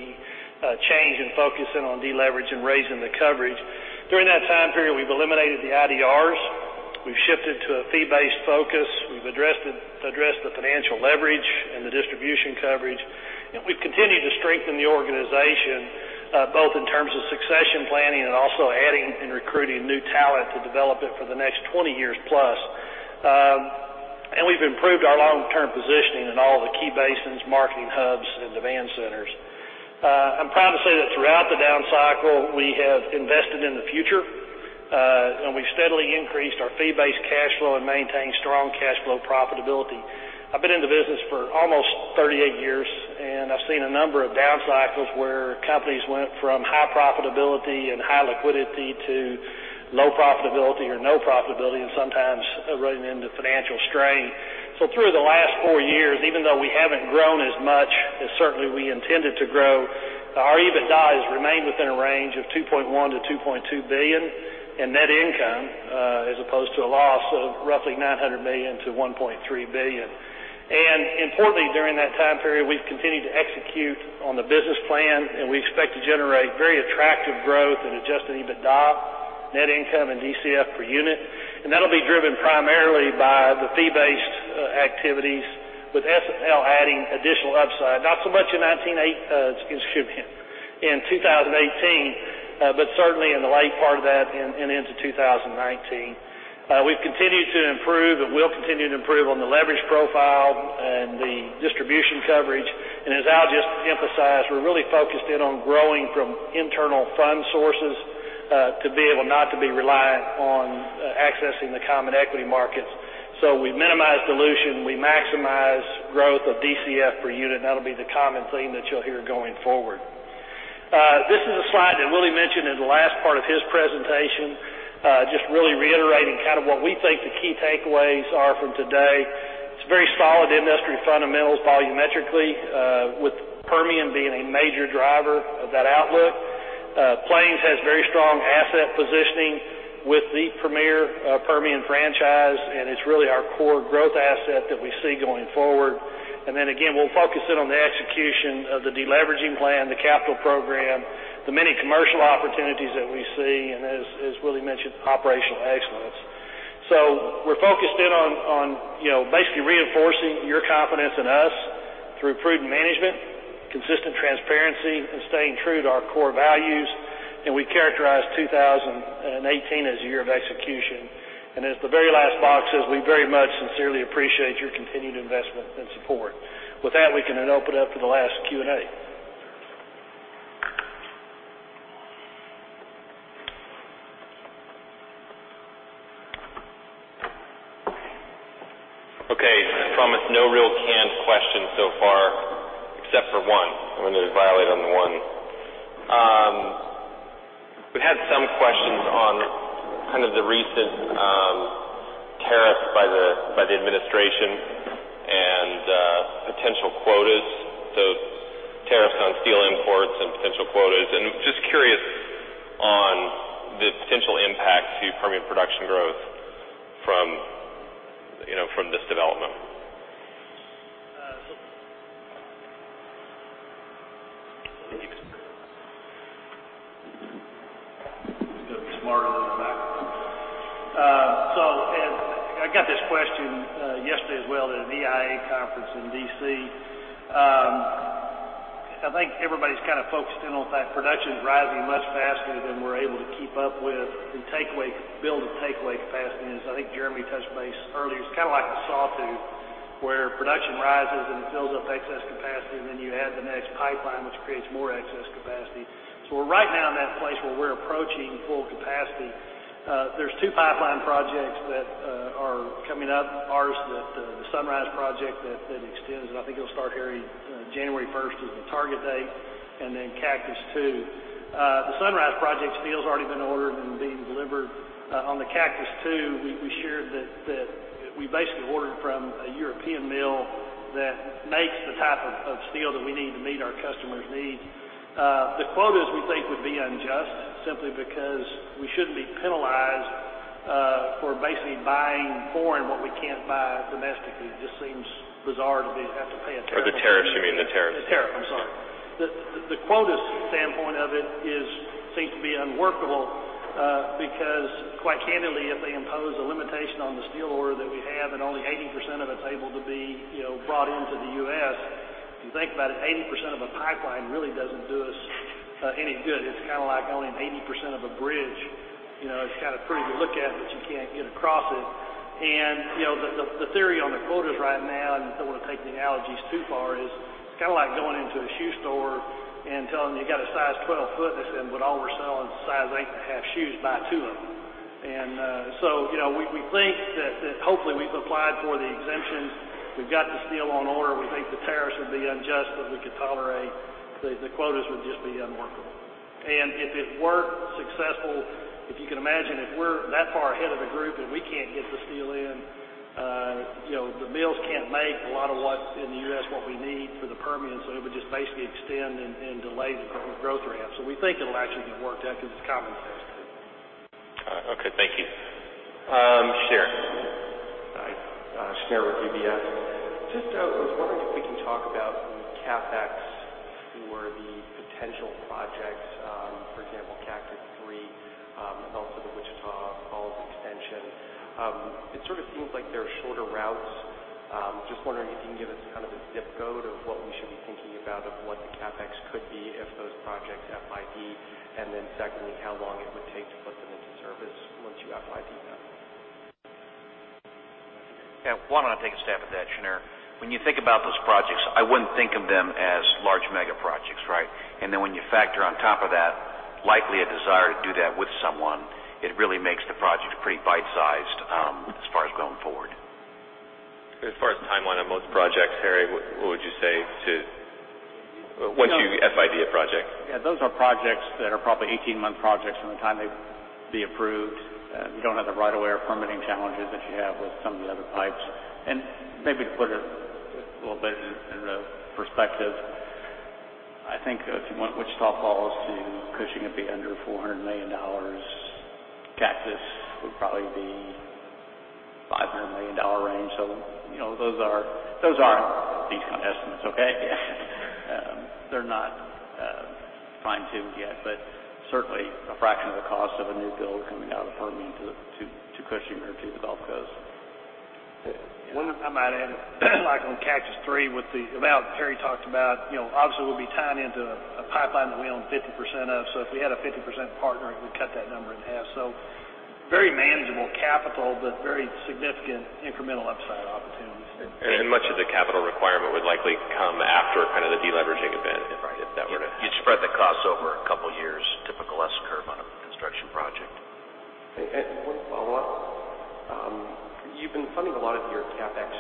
change in focusing on de-leverage and raising the coverage. During that time period, we've eliminated the IDRs, we've shifted to a fee-based focus, we've addressed the financial leverage and the distribution coverage, we've continued to strengthen the organization both in terms of succession planning and also adding and recruiting new talent to develop it for the next 20 years plus. We've improved our long-term positioning in all the key basins, marketing hubs, and demand centers. I'm proud to say that throughout the down cycle, we have invested in the future, we've steadily increased our fee-based cash flow and maintained strong cash flow profitability. I've been in the business for almost 38 years, I've seen a number of down cycles where companies went from high profitability and high liquidity to low profitability or no profitability, and sometimes running into financial strain. Through the last four years, even though we haven't grown as much as certainly we intended to grow, our EBITDA has remained within a range of $2.1 billion-$2.2 billion in net income as opposed to a loss of roughly $900 million-$1.3 billion. Importantly, during that time period, we've continued to execute on the business plan, we expect to generate very attractive growth in adjusted EBITDA, net income, and DCF per unit. That'll be driven primarily by the fee-based activities with S&L adding additional upside, not so much in 2018, but certainly in the late part of that and into 2019. We've continued to improve and will continue to improve on the leverage profile and the distribution coverage. As Al just emphasized, we're really focused in on growing from internal fund sources to be able not to be reliant on accessing the common equity markets. We minimize dilution, we maximize growth of DCF per unit, that'll be the common theme that you'll hear going forward. This is a slide that Willie mentioned in the last part of his presentation, just really reiterating what we think the key takeaways are from today. It's very solid industry fundamentals volumetrically with Permian being a major driver of that outlook. Plains has very strong asset positioning with the premier Permian franchise, it's really our core growth asset that we see going forward. Then again, we'll focus in on the execution of the de-leveraging plan, the capital program, the many commercial opportunities that we see, and as Willie mentioned, operational excellence. We're focused in on basically reinforcing your confidence in us through prudent management, consistent transparency, and staying true to our core values. We characterize 2018 as a year of execution. As the very last box says, we very much sincerely appreciate your continued investment and support. With that, we can then open up to the last Q&A. Okay. I promise no real canned questions so far, except for one. I'm going to violate on that. The recent tariffs by the administration and potential quotas. Tariffs on steel imports and potential quotas, and just curious on the potential impact to Permian production growth from this development. You've got the smarter looking guy. I got this question yesterday as well at an EIA conference in D.C. I think everybody's focused in on that production's rising much faster than we're able to keep up with and build the takeaway capacity. I think Jeremy touched base earlier, it's like a saw tooth where production rises and builds up excess capacity, and then you add the next pipeline, which creates more excess capacity. We're right now in that place where we're approaching full capacity. There's two pipeline projects that are coming up. Ours, the Sunrise project that extends, and I think it'll start January 1st is the target date, and then Cactus II. The Sunrise project steel's already been ordered and being delivered. On the Cactus II, we shared that we basically ordered from a European mill that makes the type of steel that we need to meet our customers' needs. The quotas we think would be unjust simply because we shouldn't be penalized for basically buying foreign what we can't buy domestically. It just seems bizarre that we have to pay a tariff. Oh, the tariffs. You mean the tariffs. The tariffs, I'm sorry. The quotas standpoint of it is seem to be unworkable, because quite candidly, if they impose a limitation on the steel order that we have and only 80% of it's able to be brought into the U.S., if you think about it, 80% of a pipeline really doesn't do us any good. It's like only 80% of a bridge. It's pretty to look at, but you can't get across it. The theory on the quotas right now, and I don't want to take the analogies too far, is it's like going into a shoe store and telling them you've got a size 12 foot, and they saying, "But all we're selling is size 8 and a half shoes. Buy two of them." We think that hopefully we've applied for the exemptions. We've got the steel on order. We think the tariffs would be unjust, but we could tolerate. The quotas would just be unworkable. If it were successful, if you can imagine, if we're that far ahead of the group and we can't get the steel in, the mills can't make a lot of what's in the U.S. what we need for the Permian, so it would just basically extend and delay the growth ramps. We think it'll actually be worked out because it's common sense. Okay, thank you. Shneur. Hi. Shneur with UBS. Just was wondering if we can talk about the CapEx for the potential projects, for example, Cactus III, and also the Wichita Falls extension. It sort of seems like they're shorter routes. Just wondering if you can give us a zip code of what we should be thinking about of what the CapEx could be if those projects FID. Secondly, how long it would take to put them into service once you FID them. Yeah. Why don't I take a stab at that, Shneur? When you think about those projects, I wouldn't think of them as large mega projects, right? When you factor on top of that, likely a desire to do that with someone, it really makes the project pretty bite-sized as far as going forward. As far as timeline on most projects, Harry, what would you say to once you FID a project? Yeah, those are projects that are probably 18-month projects from the time they'd be approved. You don't have the right of way or permitting challenges that you have with some of the other pipes. Maybe to put it a little bit in perspective, I think if you went Wichita Falls to Cushing, it'd be under $400 million. Cactus would probably be $500 million range. Those aren't these kind of estimates, okay? They're not fine-tuned yet, but certainly a fraction of the cost of a new build coming out of the Permian to Cushing or to the Gulf Coast. One thing I might add, like on Cactus III with the amount that Harry talked about, obviously we'll be tying into a pipeline that we own 50% of. If we had a 50% partner, we cut that number in half. Very manageable capital, but very significant incremental upside opportunities. Much of the capital requirement would likely come after the de-leveraging event if that were to happen. You'd spread the cost over a couple of years, typical S-curve on a construction project. One follow-up. You've been funding a lot of your CapEx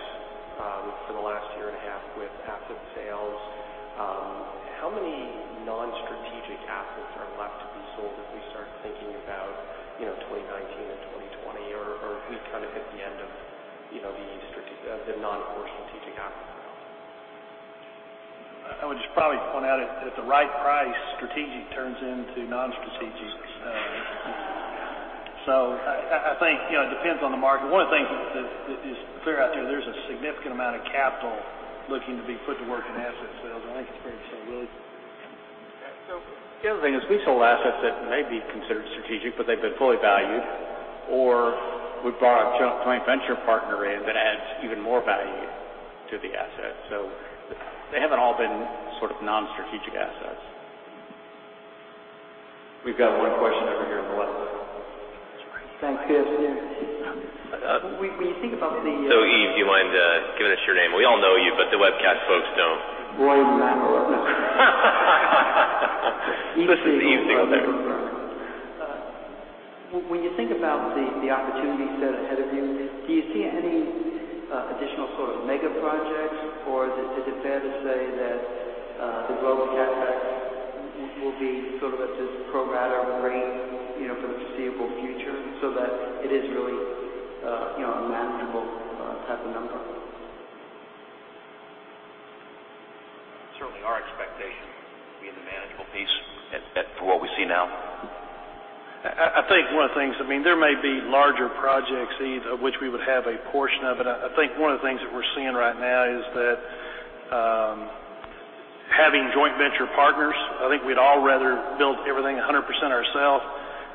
for the last year and a half with asset sales. How many non-strategic assets are left to be sold as we start thinking about 2019 and 2020? Are we at the end of the non-core strategic assets? I would just probably point out at the right price, strategic turns into non-strategic. I think it depends on the market. One of the things that is clear out there's a significant amount of capital looking to be put to work in asset sales, and I think it's very similar. The other thing is we sold assets that may be considered strategic, but they've been fully valued, or we brought a joint venture partner in that adds even more value to the asset. They haven't all been non-strategic assets. We've got one question over here on the left side. Thanks, guys. When you think about Roy, do you mind giving us your name? We all know you, but the webcast folks don't. Roy Mackle. This is the easy one there. You said ahead of you. Do you see any additional mega projects? Is it fair to say that the growth of CapEx will be just pro rata rate for the foreseeable future so that it is really a manageable type of number? Certainly our expectation would be the manageable piece for what we see now. I think one of the things, there may be larger projects of which we would have a portion of it. I think one of the things that we're seeing right now is that having joint venture partners, I think we'd all rather build everything 100% ourself.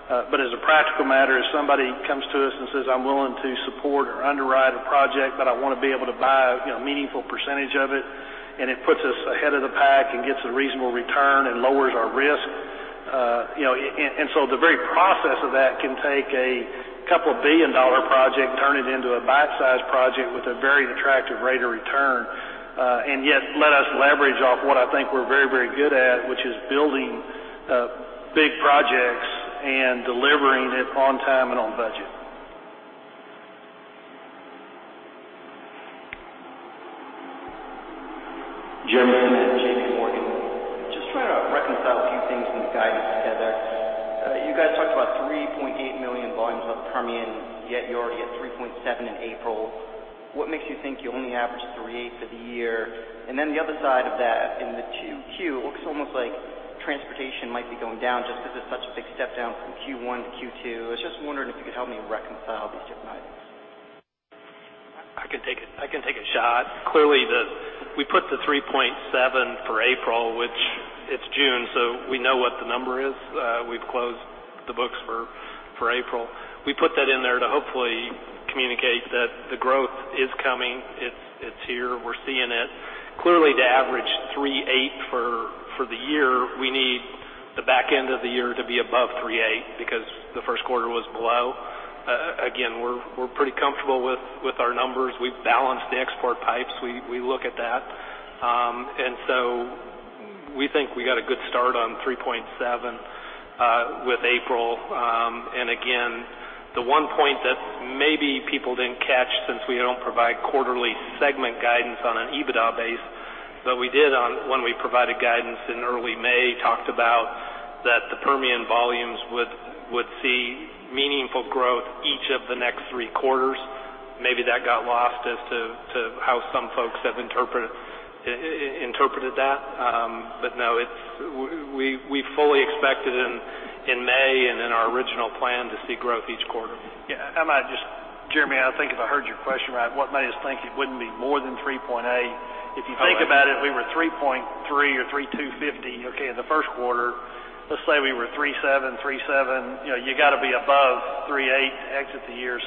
As a practical matter, if somebody comes to us and says, "I'm willing to support or underwrite a project, but I want to be able to buy a meaningful percentage of it," and it puts us ahead of the pack and gets a reasonable return and lowers our risk. The very process of that can take a couple billion dollar project, turn it into a bite-sized project with a very attractive rate of return. Yet let us leverage off what I think we're very good at, which is building big projects and delivering it on time and on budget. Jeremy Tonet at JPMorgan. Just trying to reconcile a few things in the guidance together. You guys talked about 3.8 million volumes out of the Permian, yet you're already at 3.7 in April. What makes you think you'll only average 3.8 for the year? The other side of that in the 2Q, it looks almost like transportation might be going down just because it's such a big step down from Q1 to Q2. I was just wondering if you could help me reconcile these different items. I can take a shot. Clearly, we put the 3.7 for April, which it's June, so we know what the number is. We've closed the books for April. We put that in there to hopefully communicate that the growth is coming. It's here. We're seeing it. Clearly to average 3.8 for the year, we need the back end of the year to be above 3.8 because the first quarter was below. Again, we're pretty comfortable with our numbers. We've balanced the export pipes. We look at that. We think we got a good start on 3.7 with April. Again, the one point that maybe people didn't catch since we don't provide quarterly segment guidance on an EBITDA base, but we did when we provided guidance in early May, talked about that the Permian volumes would see meaningful growth each of the next three quarters. Maybe that got lost as to how some folks have interpreted that. No, we fully expected in May and in our original plan to see growth each quarter. Yeah. Jeremy, I think if I heard your question right, what made us think it wouldn't be more than 3.8? If you think about it, we were 3.3 or 3.250, okay, in the first quarter. Let's say we were 3.7, you got to be above 3.8 to exit the year.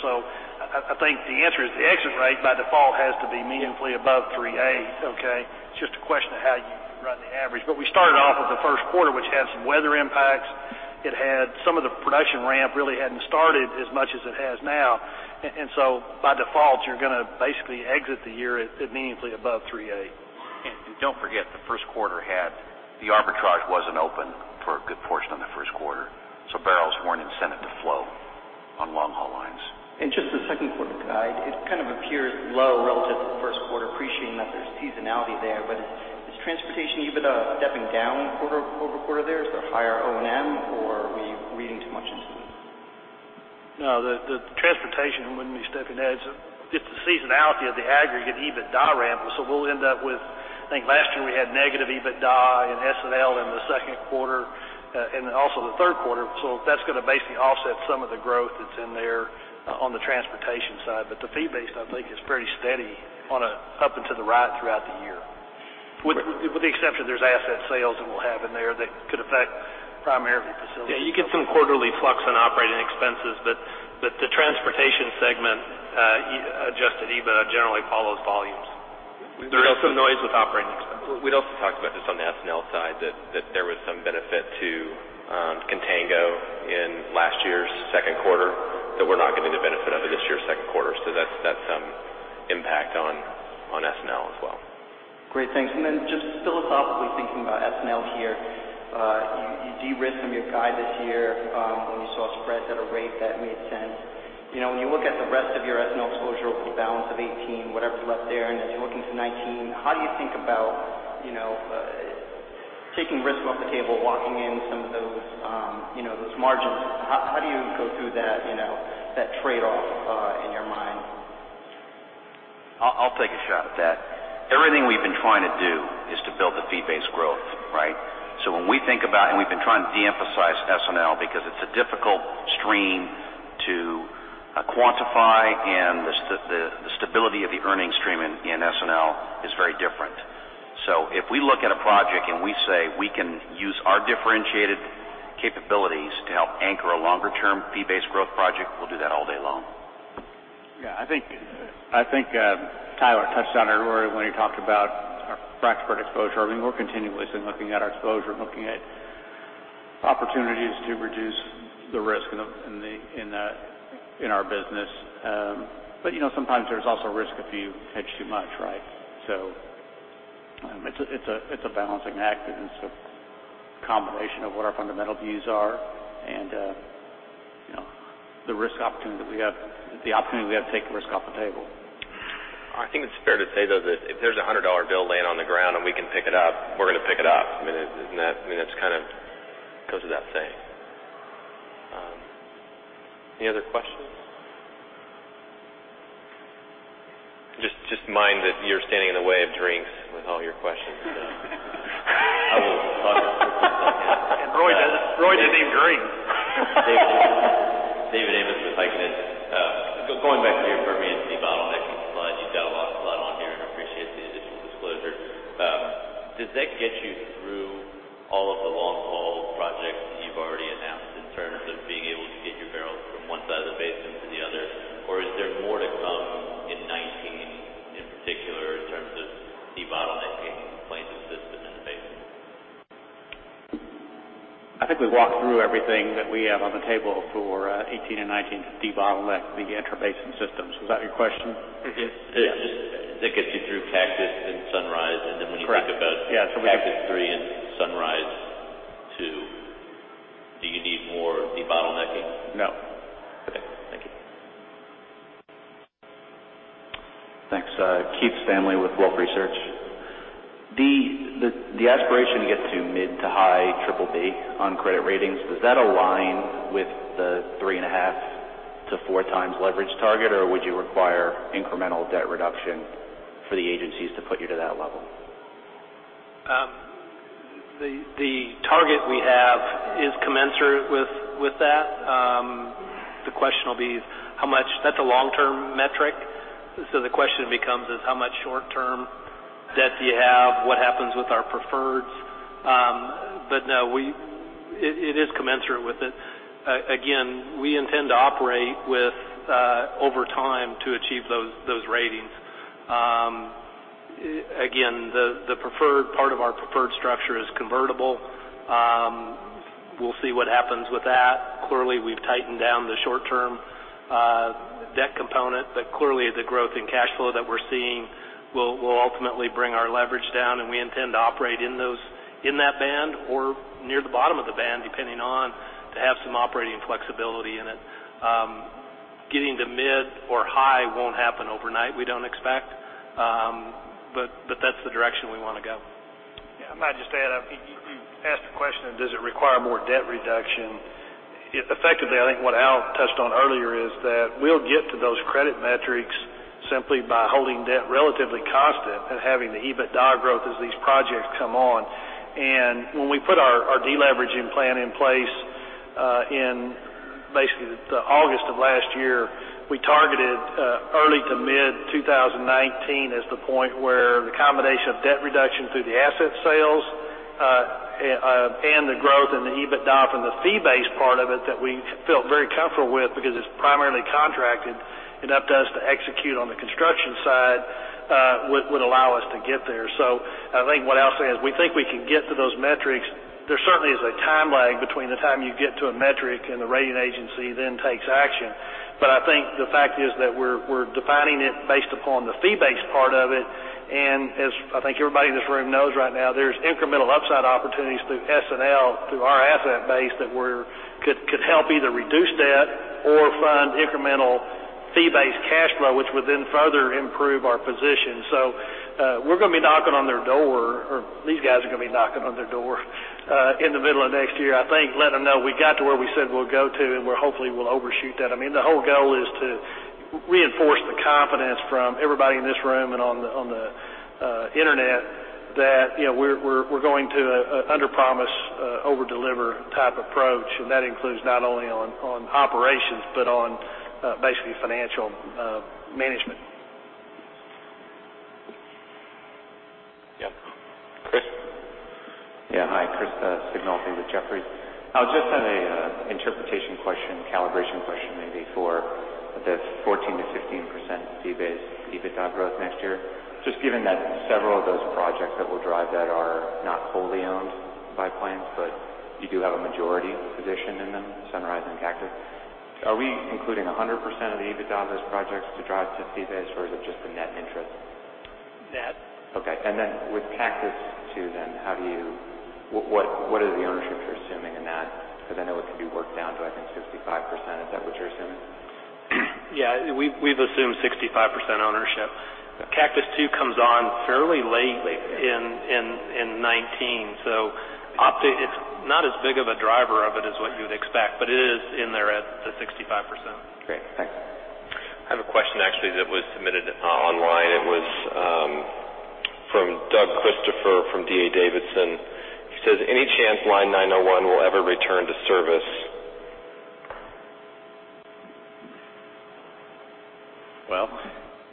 I think the answer is the exit rate by default has to be meaningfully above 3.8, okay? It's just a question of how you run the average. We started off with the first quarter, which had some weather impacts. Some of the production ramp really hadn't started as much as it has now. By default, you're going to basically exit the year at meaningfully above 3.8. Don't forget, the first quarter had the arbitrage wasn't open for a good portion of the first quarter. Barrels weren't incented to flow on long-haul lines. Just the second quarter guide, it appears low relative to the first quarter, appreciating that there's seasonality there. Is transportation EBITDA stepping down quarter-over-quarter there? Is there higher O&M or are we reading too much into this? No, the transportation wouldn't be stepping. It's the seasonality of the aggregate EBITDA ramp. We'll end up with, I think last year we had negative EBITDA in S&L in the second quarter and also the third quarter. That's going to basically offset some of the growth that's in there on the transportation side. The fee-based, I think, is pretty steady on a up and to the right throughout the year. With the exception there's asset sales that we'll have in there that could affect primarily facilities. Yeah, you get some quarterly flux on operating expenses, but the transportation segment adjusted EBITDA generally follows volumes. There is some noise with operating expenses. We'd also talked about this on the S&L side that there was some benefit to contango in last year's second quarter that we're not going to get the benefit of in this year's second quarter. That's some impact on S&L as well. Great, thanks. Then just philosophically thinking about S&L here. You de-risked some of your guide this year when you saw spreads at a rate that made sense. When you look at the rest of your S&L exposure over the balance of 2018, whatever's left there, and as you look into 2019, how do you think about taking risk off the table, locking in some of those margins? How do you go through that trade-off in your mind? I'll take a shot at that. Everything we've been trying to do is to build the fee-based growth, right? When we think about, and we've been trying to de-emphasize S&L because it's a difficult stream to quantify and the stability of the earnings stream in S&L is very different. If we look at a project and we say we can use our differentiated capabilities to help anchor a longer-term fee-based growth project, we'll do that all day long. Yeah, I think Tyler touched on it earlier when he talked about our frac spread exposure. We're continuously looking at our exposure, looking at opportunities to reduce the risk in our business. Sometimes there's also risk if you hedge too much, right? It's a balancing act and it's a combination of what our fundamental views are and the opportunity we have to take risk off the table. I think it's fair to say, though, that if there's a $100 bill laying on the ground and we can pick it up, we're going to pick it up. That goes without saying. Any other questions? Just mind that you're standing in the way of drinks with all your questions. I will plug it as best I can. Roy doesn't even drink. David Evans with Piper Sandler. Going back to your Permian debottlenecking slide, you've got a lot on here and appreciate the additional disclosure. Does that get you through all of the long-haul projects that you've already announced in terms of being able to get your barrels from one side of the basin to the other, or is there more to come in 2019, in particular, in terms of debottlenecking Plains-assisted in the basin? I think we walked through everything that we have on the table for 2018 and 2019 debottleneck the intrabasin systems. Was that your question? It is. That gets you through Cactus and Sunrise. Correct. When you think about Cactus III and Sunrise II, do you need more debottlenecking? No. Okay. Thank you. Thanks. Keith Stanley with Wolfe Research. The aspiration to get to mid to high BBB on credit ratings, does that align with the three and a half to four times leverage target, or would you require incremental debt reduction for the agencies to put you to that level? The target we have is commensurate with that. That's a long-term metric. The question becomes is how much short-term debt do you have? What happens with our preferreds? No, it is commensurate with it. Again, we intend to operate with over time to achieve those ratings. Again, the preferred part of our preferred structure is convertible. We'll see what happens with that. Clearly, we've tightened down the short-term debt component, clearly the growth in cash flow that we're seeing will ultimately bring our leverage down, and we intend to operate in that band or near the bottom of the band, depending on to have some operating flexibility in it. Getting to mid or high won't happen overnight, we don't expect. That's the direction we want to go. Yeah. I might just add. You asked the question of does it require more debt reduction? Effectively, I think what Al touched on earlier is that we'll get to those credit metrics simply by holding debt relatively constant and having the EBITDA growth as these projects come on. When we put our de-leveraging plan in place in basically August of last year, we targeted early to mid-2019 as the point where the combination of debt reduction through the asset sales and the growth in the EBITDA from the fee-based part of it that we felt very comfortable with because it's primarily contracted, enough does to execute on the construction side would allow us to get there. I think what Al says, we think we can get to those metrics. There certainly is a time lag between the time you get to a metric and the rating agency then takes action. I think the fact is that we're defining it based upon the fee-based part of it. As I think everybody in this room knows right now, there's incremental upside opportunities through S&L, through our asset base that could help either reduce debt or fund incremental fee-based cash flow, which would then further improve our position. We're going to be knocking on their door, or these guys are going to be knocking on their door in the middle of next year, I think, letting them know we got to where we said we'll go to, and we hopefully will overshoot that. The whole goal is to reinforce the confidence from everybody in this room and on the internet that we're going to underpromise, overdeliver type approach. That includes not only on operations, but on basically financial management. Yep. Chris? Hi, Chris Sighinolfi with Jefferies. I just had an interpretation question, calibration question maybe for the 14%-15% fee-based EBITDA growth next year. Given that several of those projects that will drive that are not wholly owned by Plains, but you do have a majority position in them, Sunrise and Cactus. Are we including 100% of the EBITDA of those projects to drive to fee base, or is it just the net interest? Net. Okay. With Cactus II then, what are the ownerships you're assuming in that? I know it can be worked down to, I think, 65%. Is that what you're assuming? We've assumed 65% ownership. Cactus II comes on fairly late in 2019. It's not as big of a driver of it as what you would expect, but it is in there at the 65%. Great. Thanks. I have a question, actually, that was submitted online. It was from Doug Christopher from D.A. Davidson. He says, "Any chance Line 901 will ever return to service? Well,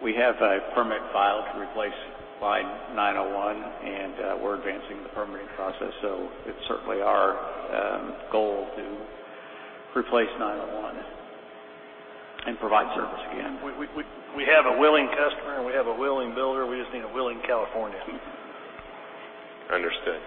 we have a permit filed to replace Line 901, and we're advancing the permitting process. It's certainly our goal to replace 901 and provide service again. We have a willing customer, and we have a willing builder. We just need a willing California. Understood.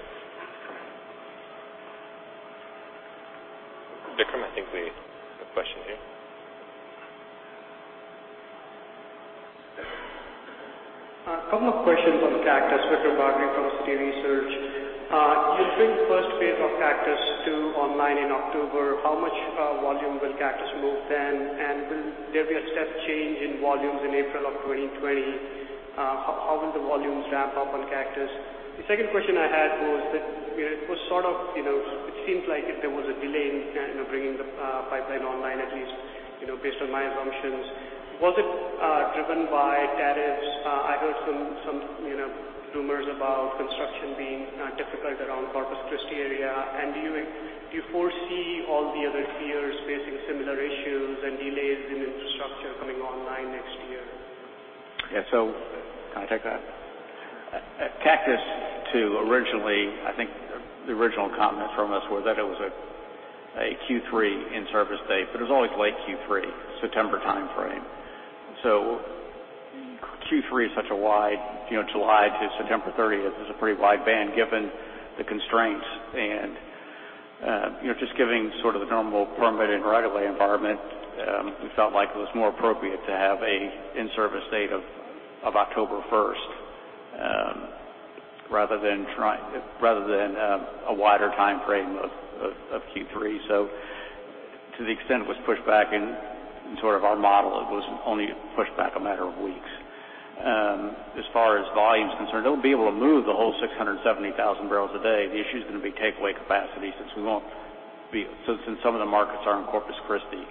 I think we have a question here. A couple of questions on Cactus, Viktor Bardi from Citi Research. You'll bring the first phase of Cactus II online in October. How much volume will Cactus move then? Will there be a step change in volumes in April of 2020? How will the volumes ramp up on Cactus? The second question I had was that it seems like there was a delay in bringing the pipeline online, at least based on my assumptions. Was it driven by tariffs? I heard some rumors about construction being difficult around Corpus Christi area. Do you foresee all the other peers facing similar issues and delays in infrastructure coming online next year? Yeah. Can I take that? Cactus II, I think the original comments from us were that it was a Q3 in-service date, but it was always late Q3, September timeframe. Q3 is such a wide, July to September 30th is a pretty wide band given the constraints and just given the normal permit and right of way environment, we felt like it was more appropriate to have an in-service date of October 1st, rather than a wider timeframe of Q3. To the extent it was pushed back in our model, it was only pushed back a matter of weeks. As far as volume's concerned, it'll be able to move the whole 670,000 barrels a day. The issue's going to be takeaway capacity since some of the markets are in Corpus Christi.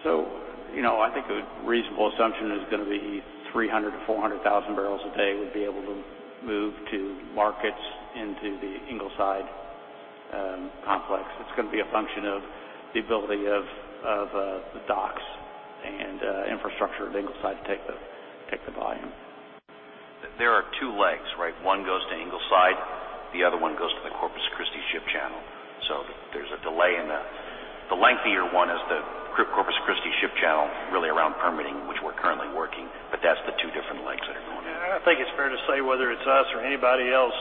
I think a reasonable assumption is going to be 300,000 to 400,000 barrels a day would be able to move to markets into the Ingleside complex. It's going to be a function of the ability of the docks and infrastructure of Ingleside to take the volume. There are two legs, right? One goes to Ingleside, the other one goes to the Corpus Christi ship channel. There's a delay in the lengthier one is the Corpus Christi ship channel, really around permitting, which we're currently working. That's the two different legs that are going in. I think it's fair to say, whether it's us or anybody else,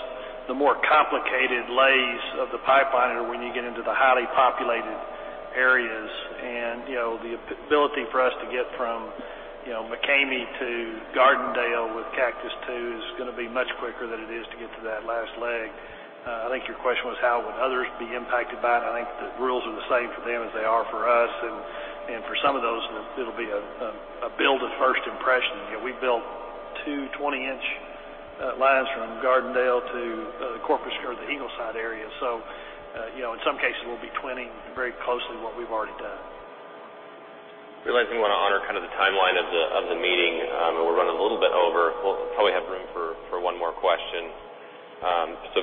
the more complicated lays of the pipeline are when you get into the highly populated areas. The ability for us to get from McCamey to Gardendale with Cactus II is going to be much quicker than it is to get to that last leg. I think your question was how would others be impacted by it. I think the rules are the same for them as they are for us. For some of those, it'll be a build of first impression. We built two 20-inch lines from Gardendale to the Corpus or the Ingleside area. In some cases we'll be twinning very closely what we've already done. Realizing we want to honor the timeline of the meeting, and we're running a little bit over. We'll probably have room for one more question.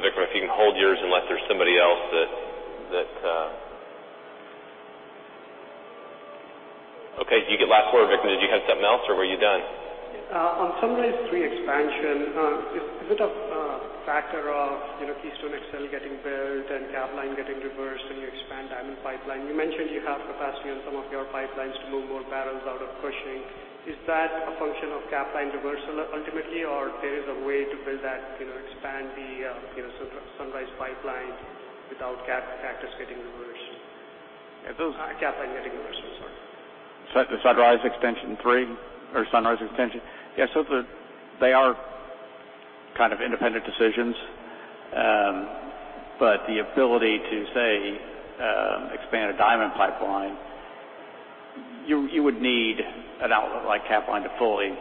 Viktor, if you can hold yours unless there's somebody else that. Okay, you get last word, Viktor. Did you have something else, or were you done? On Sunrise 3 expansion, is it a factor of Keystone XL getting built and Capline getting reversed and you expand Diamond Pipeline? You mentioned you have capacity on some of your pipelines to move more barrels out of Cushing. Is that a function of Capline reversal ultimately, or there is a way to build that, expand the Sunrise Pipeline without Cactus getting reversed? Yeah, those. Capline getting reversed, I'm sorry. Sunrise extension three or Sunrise extension? They are kind of independent decisions. The ability to, say, expand a Diamond Pipeline, you would need an outlet like Capline to fully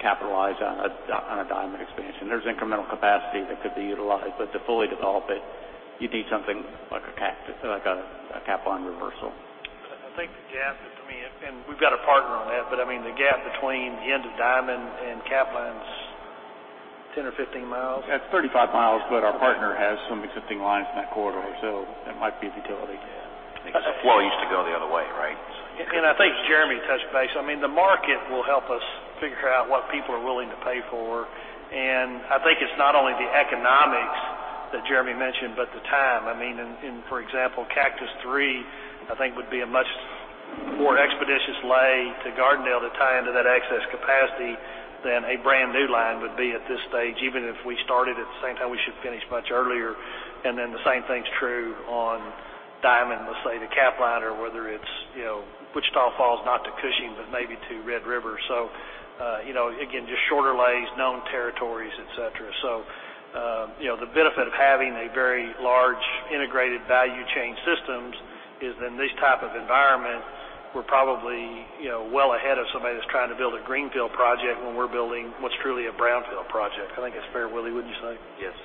capitalize on a Diamond expansion. There's incremental capacity that could be utilized, but to fully develop it, you'd need something like a Capline reversal. I think the gap, to me, we've got a partner on that, the gap between the end of Diamond and Capline's 10 or 15 miles. It's 35 miles, our partner has some existing lines in that corridor, it might be a utility. Well, it used to go the other way, right? I think Jeremy touched base. The market will help us figure out what people are willing to pay for, I think it's not only the economics that Jeremy mentioned, but the time. For example, Cactus III, I think would be a much more expeditious lay to Gardendale to tie into that excess capacity than a brand-new line would be at this stage. Even if we started at the same time, we should finish much earlier. The same thing's true on Diamond, let's say, to Capline, or whether it's Wichita Falls, not to Cushing, but maybe to Red River. Again, just shorter lays, known territories, et cetera. The benefit of having a very large integrated value chain systems is in this type of environment, we're probably well ahead of somebody that's trying to build a greenfield project when we're building what's truly a brownfield project. I think it's fair, Willie, wouldn't you say? Yes.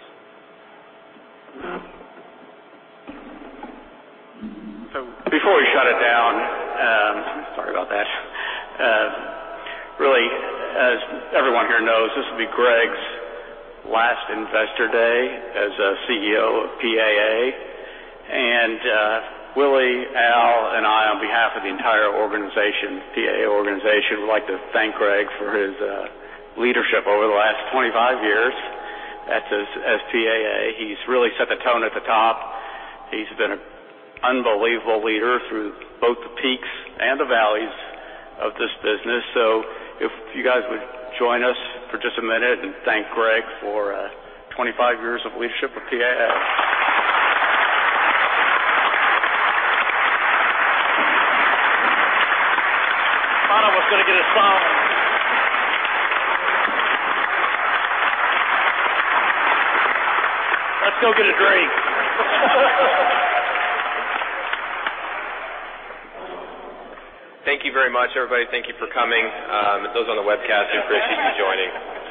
Before we shut it down, sorry about that. Really, as everyone here knows, this will be Greg's last Investor Day as CEO of PAA. Willie, Al, and I, on behalf of the entire organization, PAA organization, would like to thank Greg for his leadership over the last 25 years as PAA. He's really set the tone at the top. He's been an unbelievable leader through both the peaks and the valleys of this business. If you guys would join us for just a minute and thank Greg for 25 years of leadership with PAA. I was going to get a song. Let's go get a drink. Thank you very much, everybody. Thank you for coming. Those on the webcast, we appreciate you joining.